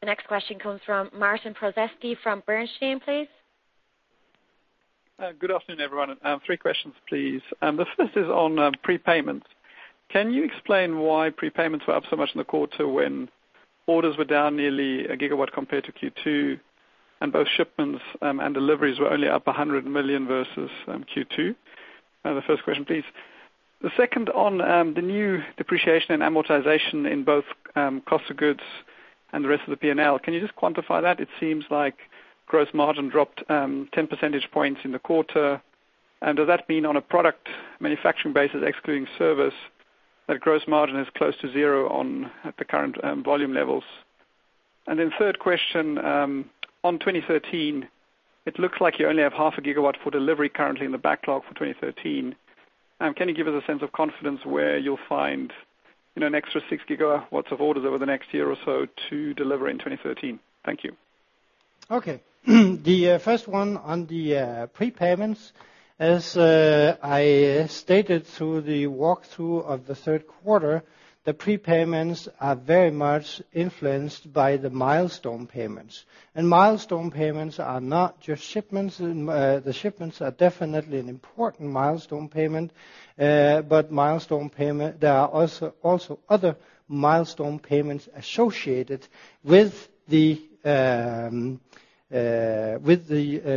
The next question comes from Martin Prozesky from Bernstein, please. Good afternoon, everyone. Three questions, please. The first is on prepayments. Can you explain why prepayments were up so much in the quarter when orders were down nearly a gigawatt compared to Q2 and both shipments and deliveries were only up 100 million versus Q2? The first question, please. The second, on the new depreciation and amortization in both cost of goods and the rest of the P&L, can you just quantify that? It seems like gross margin dropped 10 percentage points in the quarter. And does that mean on a product manufacturing basis, excluding service, that gross margin is close to zero at the current volume levels? And then third question, on 2013, it looks like you only have 0.5 GW for delivery currently in the backlog for 2013. Can you give us a sense of confidence where you'll find an extra 6 GW of orders over the next year or so to deliver in 2013? Thank you. Okay. The first one, on the prepayments, as I stated through the walkthrough of the third quarter, the prepayments are very much influenced by the milestone payments. And milestone payments are not just shipments. The shipments are definitely an important milestone payment. But there are also other milestone payments associated with the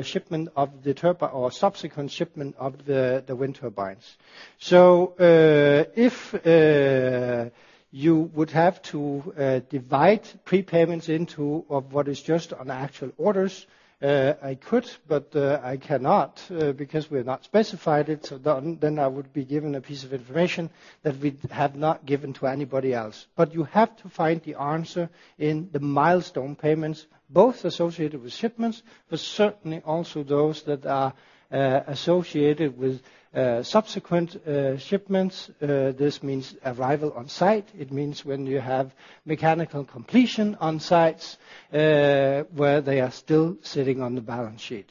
shipment of the turbine or subsequent shipment of the wind turbines. So if you would have to divide prepayments into what is just on actual orders, I could. But I cannot because we have not specified it. So then I would be given a piece of information that we have not given to anybody else. But you have to find the answer in the milestone payments, both associated with shipments, but certainly also those that are associated with subsequent shipments. This means arrival on site. It means when you have mechanical completion on sites where they are still sitting on the balance sheet.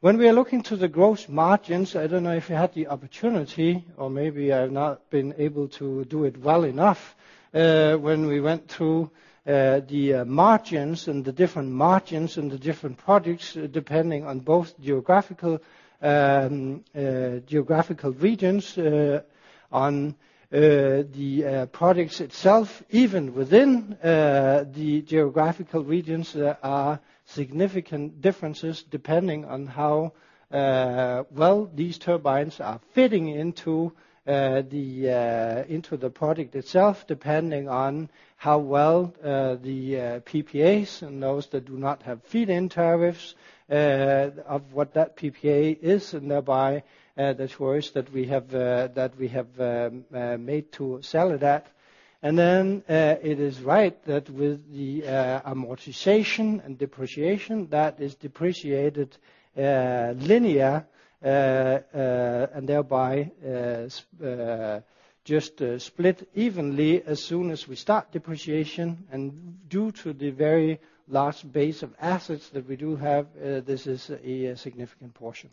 When we are looking to the gross margins, I don't know if you had the opportunity or maybe I have not been able to do it well enough when we went through the margins and the different margins and the different products depending on both geographical regions, on the products itself. Even within the geographical regions, there are significant differences depending on how well these turbines are fitting into the product itself, depending on how well the PPAs and those that do not have feed-in tariffs of what that PPA is and thereby the choice that we have made to sell it at. And then it is right that with the amortization and depreciation, that is depreciated linear and thereby just split evenly as soon as we start depreciation. And due to the very large base of assets that we do have, this is a significant portion.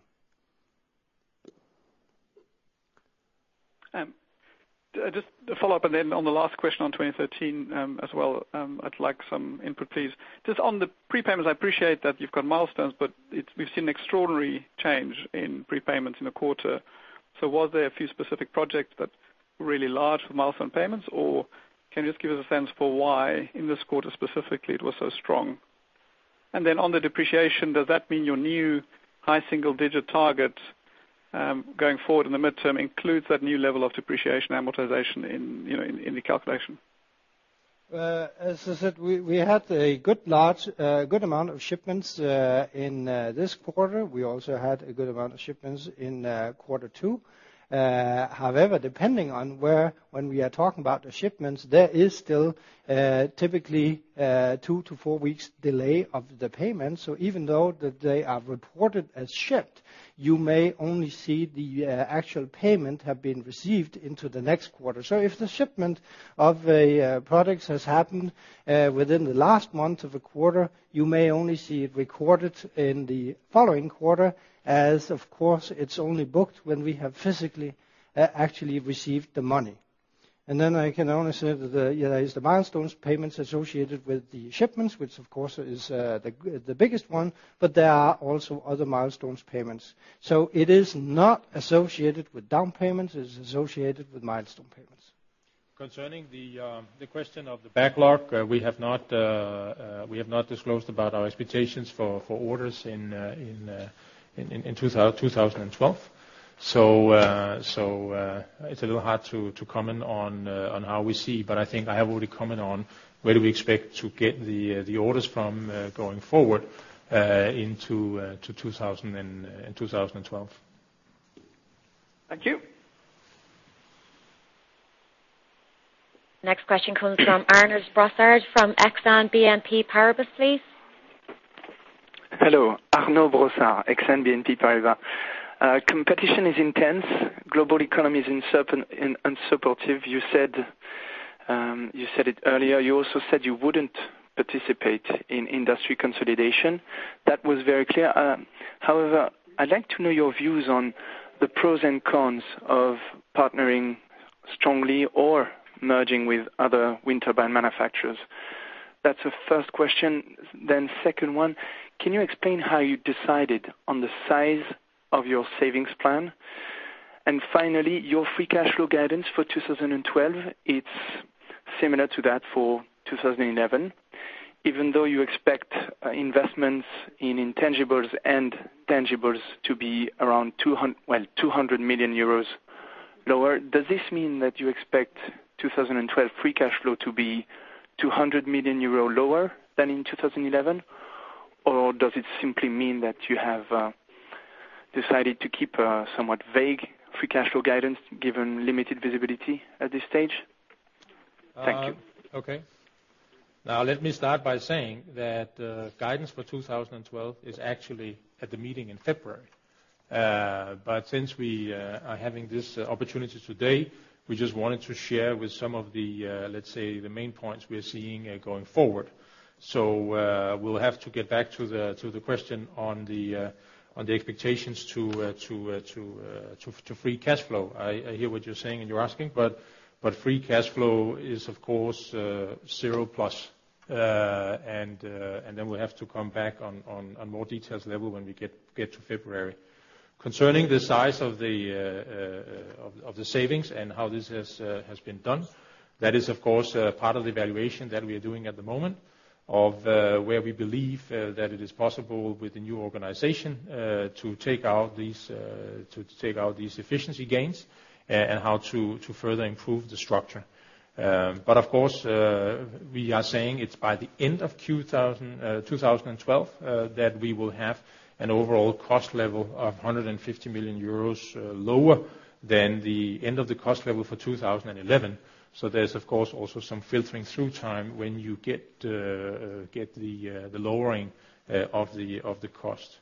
Just a follow-up. Then on the last question on 2013 as well, I'd like some input, please. Just on the prepayments, I appreciate that you've got milestones, but we've seen an extraordinary change in prepayments in the quarter. So was there a few specific projects that were really large for milestone payments? Or can you just give us a sense for why in this quarter specifically it was so strong? Then on the depreciation, does that mean your new high single-digit target going forward in the midterm includes that new level of depreciation amortization in the calculation? As I said, we had a good amount of shipments in this quarter. We also had a good amount of shipments in quarter two. However, depending on where when we are talking about the shipments, there is still typically two-to-four weeks' delay of the payments. So even though they are reported as shipped, you may only see the actual payment have been received into the next quarter. So if the shipment of a product has happened within the last month of a quarter, you may only see it recorded in the following quarter as, of course, it's only booked when we have physically actually received the money. And then I can only say that there are the milestones payments associated with the shipments, which, of course, is the biggest one. But there are also other milestones payments. So it is not associated with down payments. It is associated with milestone payments. Concerning the question of the backlog, we have not disclosed about our expectations for orders in 2012. So it's a little hard to comment on how we see. But I think I have already commented on where do we expect to get the orders from going forward into 2012. Thank you. Next question comes from Arnaud Brossard from Exane BNP Paribas, please. Hello. Arnaud Brossard, Exane BNP Paribas. Competition is intense. Global economy is unsupportive. You said it earlier. You also said you wouldn't participate in industry consolidation. That was very clear. However, I'd like to know your views on the pros and cons of partnering strongly or merging with other wind turbine manufacturers. That's the first question. Then second one, can you explain how you decided on the size of your savings plan? And finally, your free cash flow guidance for 2012, it's similar to that for 2011. Even though you expect investments in intangibles and tangibles to be around, well, 200 million euros lower, does this mean that you expect 2012 free cash flow to be 200 million euros lower than in 2011? Or does it simply mean that you have decided to keep somewhat vague free cash flow guidance given limited visibility at this stage? Thank you. Okay. Now, let me start by saying that guidance for 2012 is actually at the meeting in February. But since we are having this opportunity today, we just wanted to share with some of the, let's say, the main points we are seeing going forward. So we'll have to get back to the question on the expectations to free cash flow. I hear what you're saying and you're asking. But free cash flow is, of course, zero plus. And then we'll have to come back on more details level when we get to February. Concerning the size of the savings and how this has been done, that is, of course, part of the evaluation that we are doing at the moment of where we believe that it is possible with the new organization to take out these efficiency gains and how to further improve the structure. But, of course, we are saying it's by the end of 2012 that we will have an overall cost level of 150 million euros lower than the end of the cost level for 2011. So there's, of course, also some filtering through time when you get the lowering of the cost.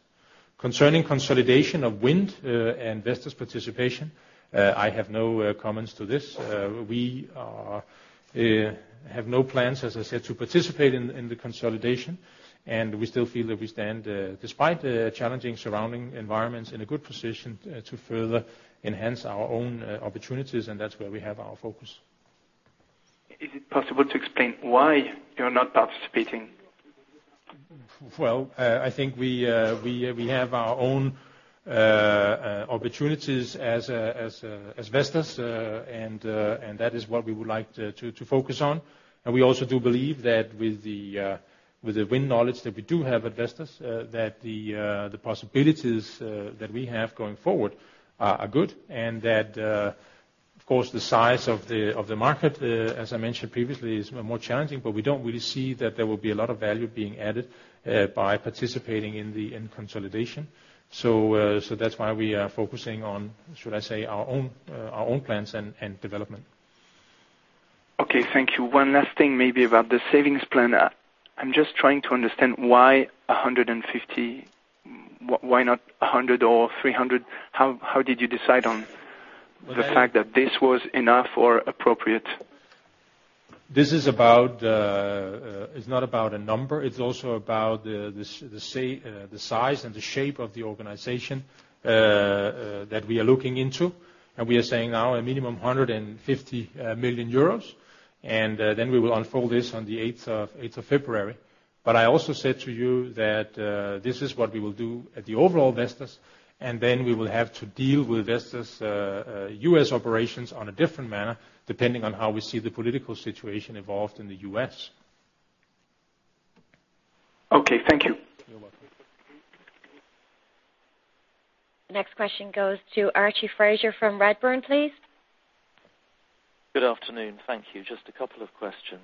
Concerning consolidation of wind and Vestas participation, I have no comments to this. We have no plans, as I said, to participate in the consolidation. We still feel that we stand, despite challenging surrounding environments, in a good position to further enhance our own opportunities. That's where we have our focus. Is it possible to explain why you're not participating? Well, I think we have our own opportunities as Vestas. That is what we would like to focus on. We also do believe that with the wind knowledge that we do have at Vestas, that the possibilities that we have going forward are good and that, of course, the size of the market, as I mentioned previously, is more challenging. We don't really see that there will be a lot of value being added by participating in consolidation. That's why we are focusing on, should I say, our own plans and development. Okay. Thank you. One last thing maybe about the savings plan. I'm just trying to understand why 150, why not 100 or 300? How did you decide on the fact that this was enough or appropriate? This is about. It's not about a number. It's also about the size and the shape of the organization that we are looking into. And we are saying now a minimum 150 million euros. And then we will unfold this on the 8th of February. But I also said to you that this is what we will do at the overall Vestas. And then we will have to deal with Vestas U.S. operations on a different manner depending on how we see the political situation evolved in the U.S. Okay. Thank you. You're welcome. The next question goes to Archie Fraser from Redburn, please. Good afternoon. Thank you. Just a couple of questions.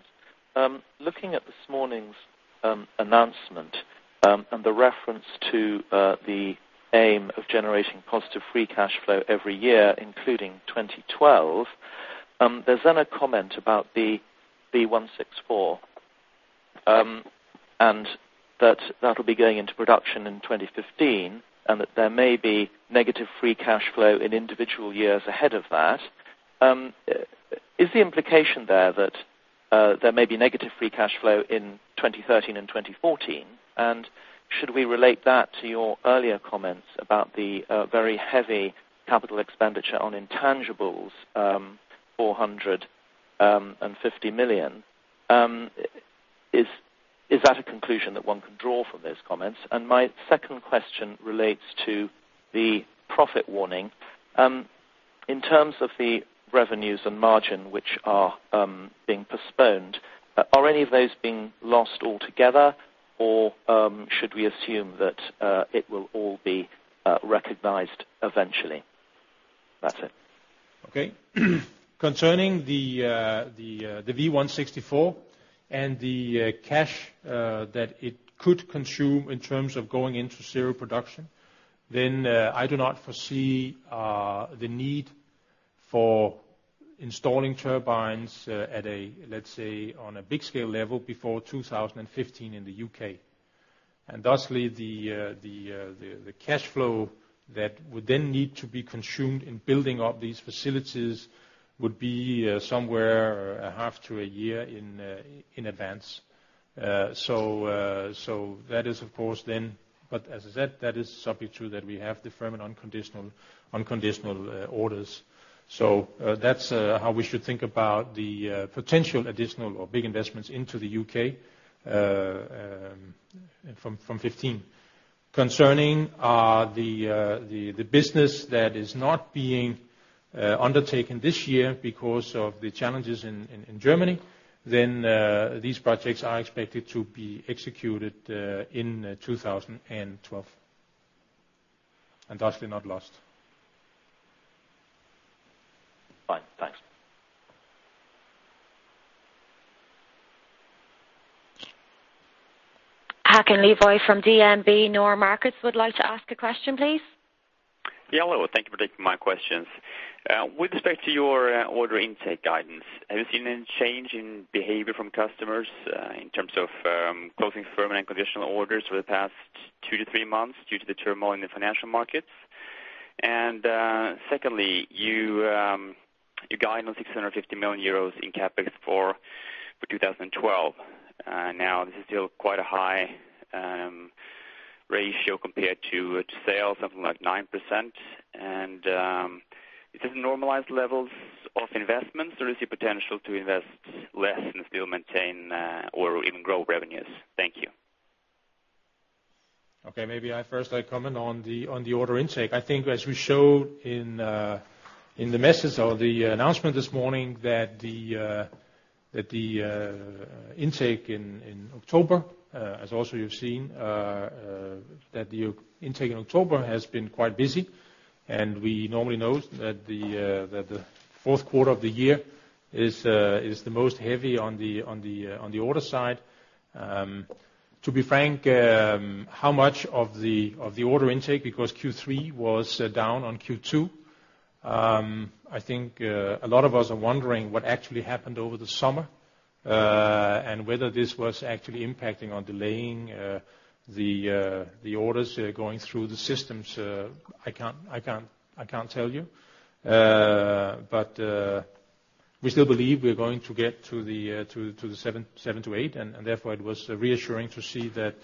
Looking at this morning's announcement and the reference to the aim of generating positive free cash flow every year, including 2012, there's then a comment about the V164 and that that'll be going into production in 2015 and that there may be negative free cash flow in individual years ahead of that. Is the implication there that there may be negative free cash flow in 2013 and 2014? And should we relate that to your earlier comments about the very heavy capital expenditure on intangibles, 450 million? Is that a conclusion that one can draw from those comments? And my second question relates to the profit warning. In terms of the revenues and margin, which are being postponed, are any of those being lost altogether? Or should we assume that it will all be recognized eventually? That's it. Okay. Concerning the V164 and the cash that it could consume in terms of going into zero production, then I do not foresee the need for installing turbines at a, let's say, on a big-scale level before 2015 in the U.K. And thusly, the cash flow that would then need to be consumed in building up these facilities would be somewhere a half to a year in advance. So that is, of course, then but as I said, that is subject to that we have the firm and unconditional orders. So that's how we should think about the potential additional or big investments into the U.K. from 2015. Concerning the business that is not being undertaken this year because of the challenges in Germany, then these projects are expected to be executed in 2012 and thusly not lost. Fine. Thanks. Håkon Levy from DNB NOR Markets would like to ask a question, please. Yeah. Hello. Thank you for taking my questions. With respect to your order intake guidance, have you seen any change in behavior from customers in terms of closing firm and unconditional orders over the past two to three months due to the turmoil in the financial markets? And secondly, your guidance EUR 650 million in CapEx for 2012. Now, this is still quite a high ratio compared to sales, something like 9%. And is this normalized levels of investments, or is there potential to invest less and still maintain or even grow revenues? Thank you. Okay. Maybe I first, I comment on the order intake. I think, as we showed in the message or the announcement this morning, that the intake in October, as also you've seen, that the intake in October has been quite busy. We normally know that the fourth quarter of the year is the most heavy on the order side. To be frank, how much of the order intake because Q3 was down on Q2, I think a lot of us are wondering what actually happened over the summer and whether this was actually impacting on delaying the orders going through the systems. I can't tell you. But we still believe we're going to get to the 7-8. And therefore, it was reassuring to see that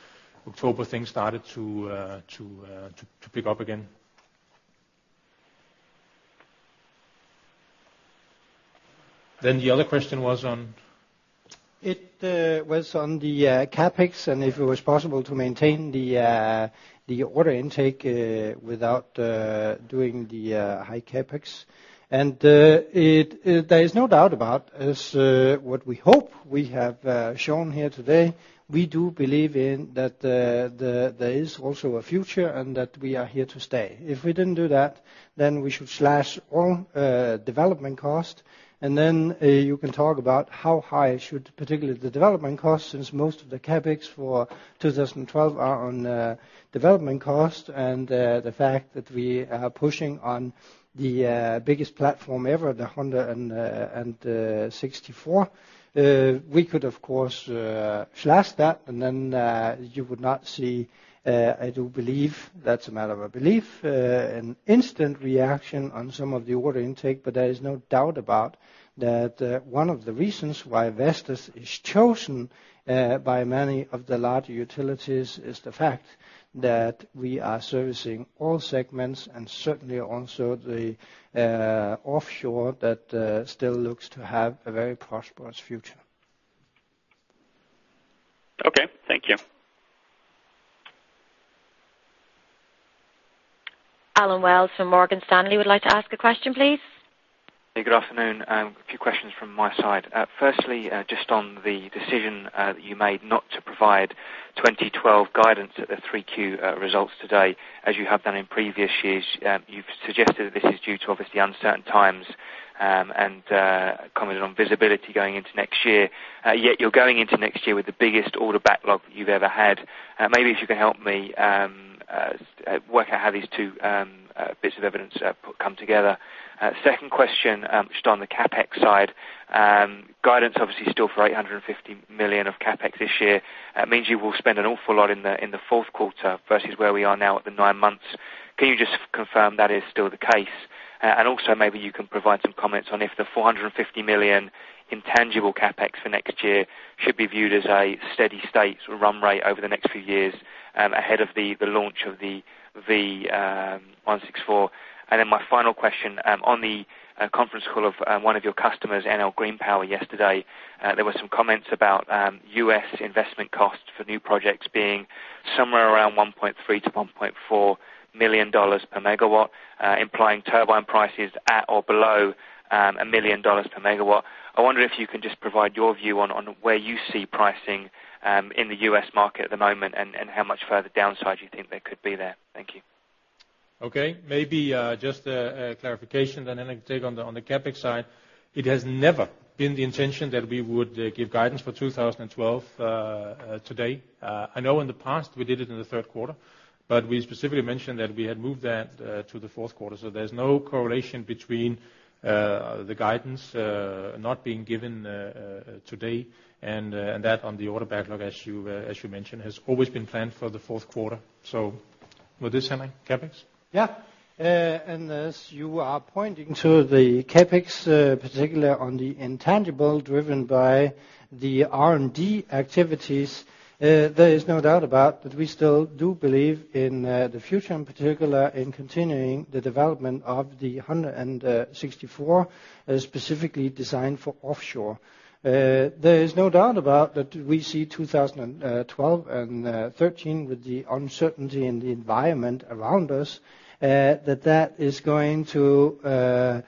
October things started to pick up again. Then the other question was on. It was on the CapEx and if it was possible to maintain the order intake without doing the high CapEx.There is no doubt about, as what we hope we have shown here today, we do believe in that there is also a future and that we are here to stay. If we didn't do that, then we should slash all development cost. Then you can talk about how high should particularly the development cost since most of the CapEx for 2012 are on development cost and the fact that we are pushing on the biggest platform ever, the V164. We could, of course, slash that. Then you would not see I do believe that's a matter of belief, an instant reaction on some of the order intake. But there is no doubt about that one of the reasons why Vestas is chosen by many of the larger utilities is the fact that we are servicing all segments and certainly also the offshore that still looks to have a very prosperous future. Okay. Thank you. Allen Wells from Morgan Stanley would like to ask a question, please. Hey. Good afternoon. A few questions from my side. Firstly, just on the decision that you made not to provide 2012 guidance at the 3Q results today. As you have done in previous years, you've suggested that this is due to, obviously, uncertain times and commented on visibility going into next year. Yet you're going into next year with the biggest order backlog that you've ever had. Maybe if you can help me work out how these two bits of evidence come together. Second question, just on the CapEx side. Guidance, obviously, still for 850 million of CapEx this year. That means you will spend an awful lot in the fourth quarter versus where we are now at the nine months. Can you just confirm that is still the case? And also, maybe you can provide some comments on if the 450 million intangible CapEx for next year should be viewed as a steady state run rate over the next few years ahead of the launch of the V164. And then my final question. On the conference call of one of your customers, Enel Green Power, yesterday, there were some comments about U.S. investment costs for new projects being somewhere around $1.3 million-$1.4 million per megawatt, implying turbine prices at or below $1 million per megawatt. I wonder if you can just provide your view on where you see pricing in the U.S. market at the moment and how much further downside you think there could be there. Thank you. Okay. Maybe just a clarification then, and then take on the CapEx side. It has never been the intention that we would give guidance for 2012 today. I know in the past, we did it in the third quarter. But we specifically mentioned that we had moved that to the fourth quarter. So there's no correlation between the guidance not being given today and that on the order backlog, as you mentioned, has always been planned for the fourth quarter. So with this, Henrik, CapEx? Yeah. As you are pointing to the CapEx, particularly on the intangible driven by the R&D activities, there is no doubt about that we still do believe in the future, in particular, in continuing the development of the V164, specifically designed for offshore. There is no doubt about that we see 2012 and 2013 with the uncertainty in the environment around us, that that is going to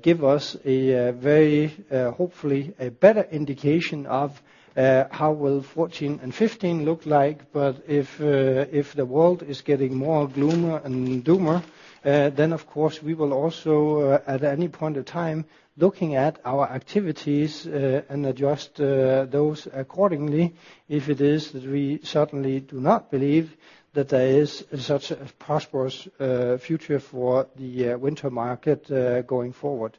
give us a very, hopefully, a better indication of how will 2014 and 2015 look like. But if the world is getting more gloomy and doomer, then, of course, we will also, at any point in time, looking at our activities and adjust those accordingly if it is that we certainly do not believe that there is such a prosperous future for the wind market going forward.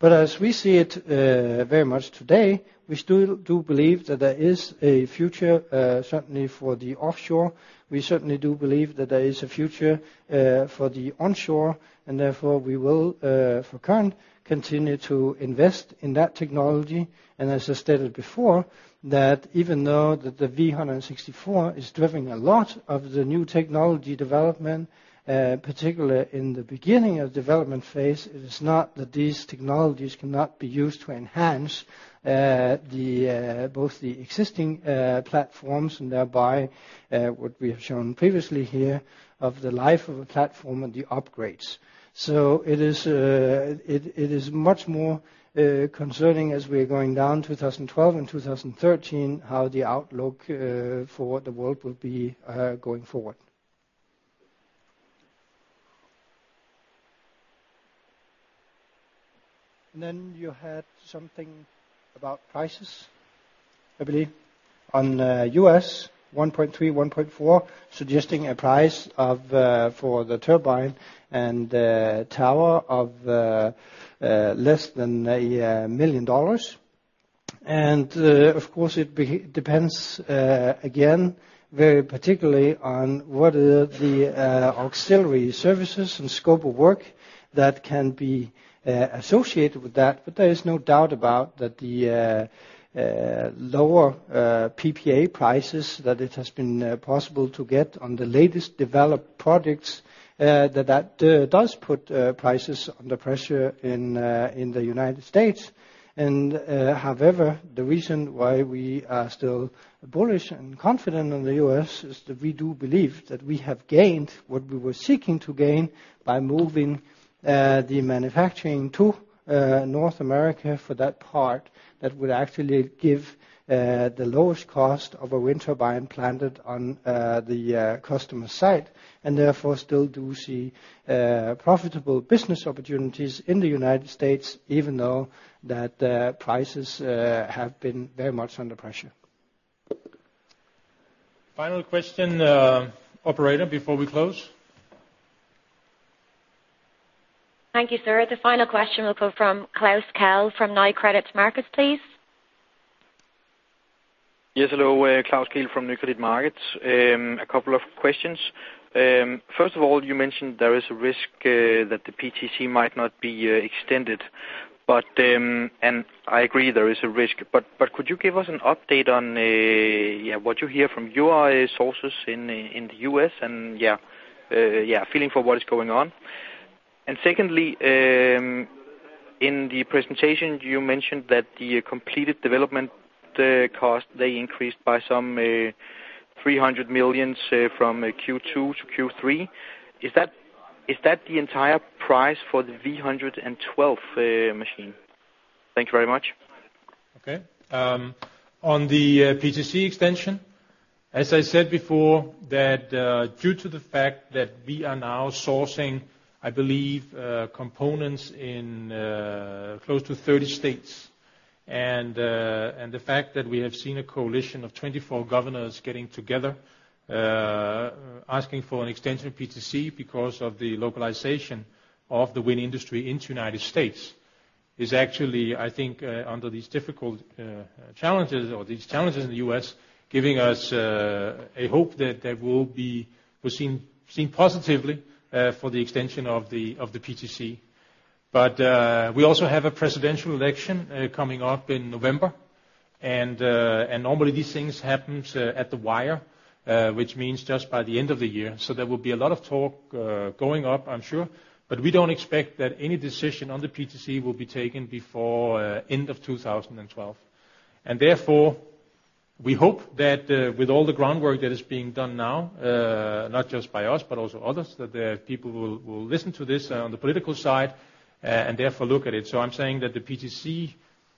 But as we see it very much today, we still do believe that there is a future, certainly for the offshore. We certainly do believe that there is a future for the onshore. And therefore, we will, for current, continue to invest in that technology. And as I stated before, that even though the V164 is driving a lot of the new technology development, particularly in the beginning of the development phase, it is not that these technologies cannot be used to enhance both the existing platforms and thereby what we have shown previously here of the life of a platform and the upgrades. So it is much more concerning as we are going down 2012 and 2013 how the outlook for what the world will be going forward. And then you had something about prices, I believe, on U.S., $1.3-$1.4, suggesting a price for the turbine and tower of less than $1 million. And of course, it depends, again, very particularly on what are the auxiliary services and scope of work that can be associated with that. But there is no doubt about that the lower PPA prices that it has been possible to get on the latest developed projects, that that does put prices under pressure in the United States. And however, the reason why we are still bullish and confident in the U.S. is that we do believe that we have gained what we were seeking to gain by moving the manufacturing to North America for that part that would actually give the lowest cost of a wind turbine planted on the customer's site. Therefore, still do see profitable business opportunities in the United States even though the prices have been very much under pressure. Final question, operator, before we close. Thank you, sir. The final question will come from Klaus Kehl from Nykredit Markets, please. Yes. Hello. Klaus Kehl from Nykredit Markets. A couple of questions. First of all, you mentioned there is a risk that the PTC might not be extended. And I agree there is a risk. But could you give us an update on what you hear from your sources in the U.S. and feeling for what is going on? And secondly, in the presentation, you mentioned that the completed development cost, they increased by some 300 million from Q2 to Q3. Is that the entire price for the V112 machine? Thank you very much. Okay. On the PTC extension, as I said before, that due to the fact that we are now sourcing, I believe, components in close to 30 states and the fact that we have seen a coalition of 24 governors getting together asking for an extension of PTC because of the localization of the wind industry into the United States is actually, I think, under these difficult challenges or these challenges in the U.S., giving us a hope that we're seen positively for the extension of the PTC. But we also have a presidential election coming up in November. And normally, these things happen at the wire, which means just by the end of the year. So there will be a lot of talk going up, I'm sure. But we don't expect that any decision on the PTC will be taken before end of 2012. And therefore, we hope that with all the groundwork that is being done now, not just by us but also others, that people will listen to this on the political side and therefore look at it. So I'm saying that the PTC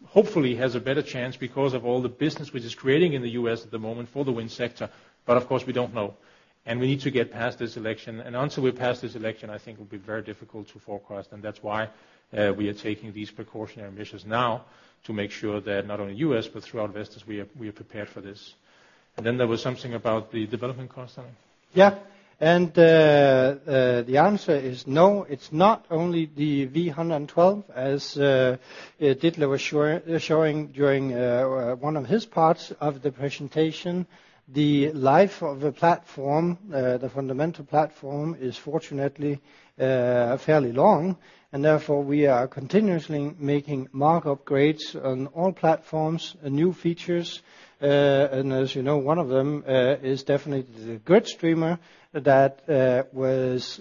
hopefully has a better chance because of all the business which is creating in the U.S. at the moment for the wind sector. But of course, we don't know. And we need to get past this election. And until we're past this election, I think it will be very difficult to forecast. And that's why we are taking these precautionary measures now to make sure that not only the U.S. but throughout Vestas, we are prepared for this. And then there was something about the development cost, Henrik. Yeah. And the answer is no. It's not only the V112, as Ditlev was showing during one of his parts of the presentation. The life of a platform, the fundamental platform, is fortunately fairly long. Therefore, we are continuously making major upgrades on all platforms, new features. As you know, one of them is definitely the GridStreamer that was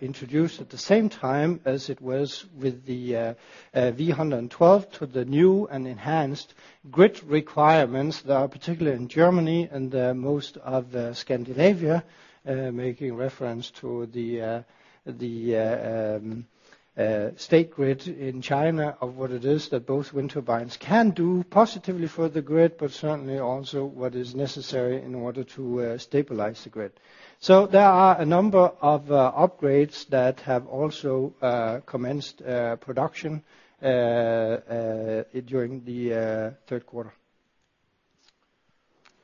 introduced at the same time as it was with the V112 to the new and enhanced grid requirements that are particularly in Germany and most of Scandinavia, making reference to the State Grid in China of what it is that both wind turbines can do positively for the grid but certainly also what is necessary in order to stabilize the grid. There are a number of upgrades that have also commenced production during the third quarter.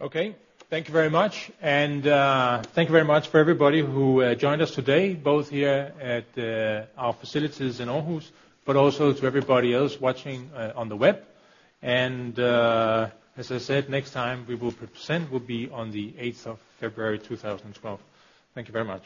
Okay. Thank you very much. Thank you very much for everybody who joined us today, both here at our facilities in Aarhus but also to everybody else watching on the web. As I said, next time we will present will be on the 8th of February, 2012. Thank you very much.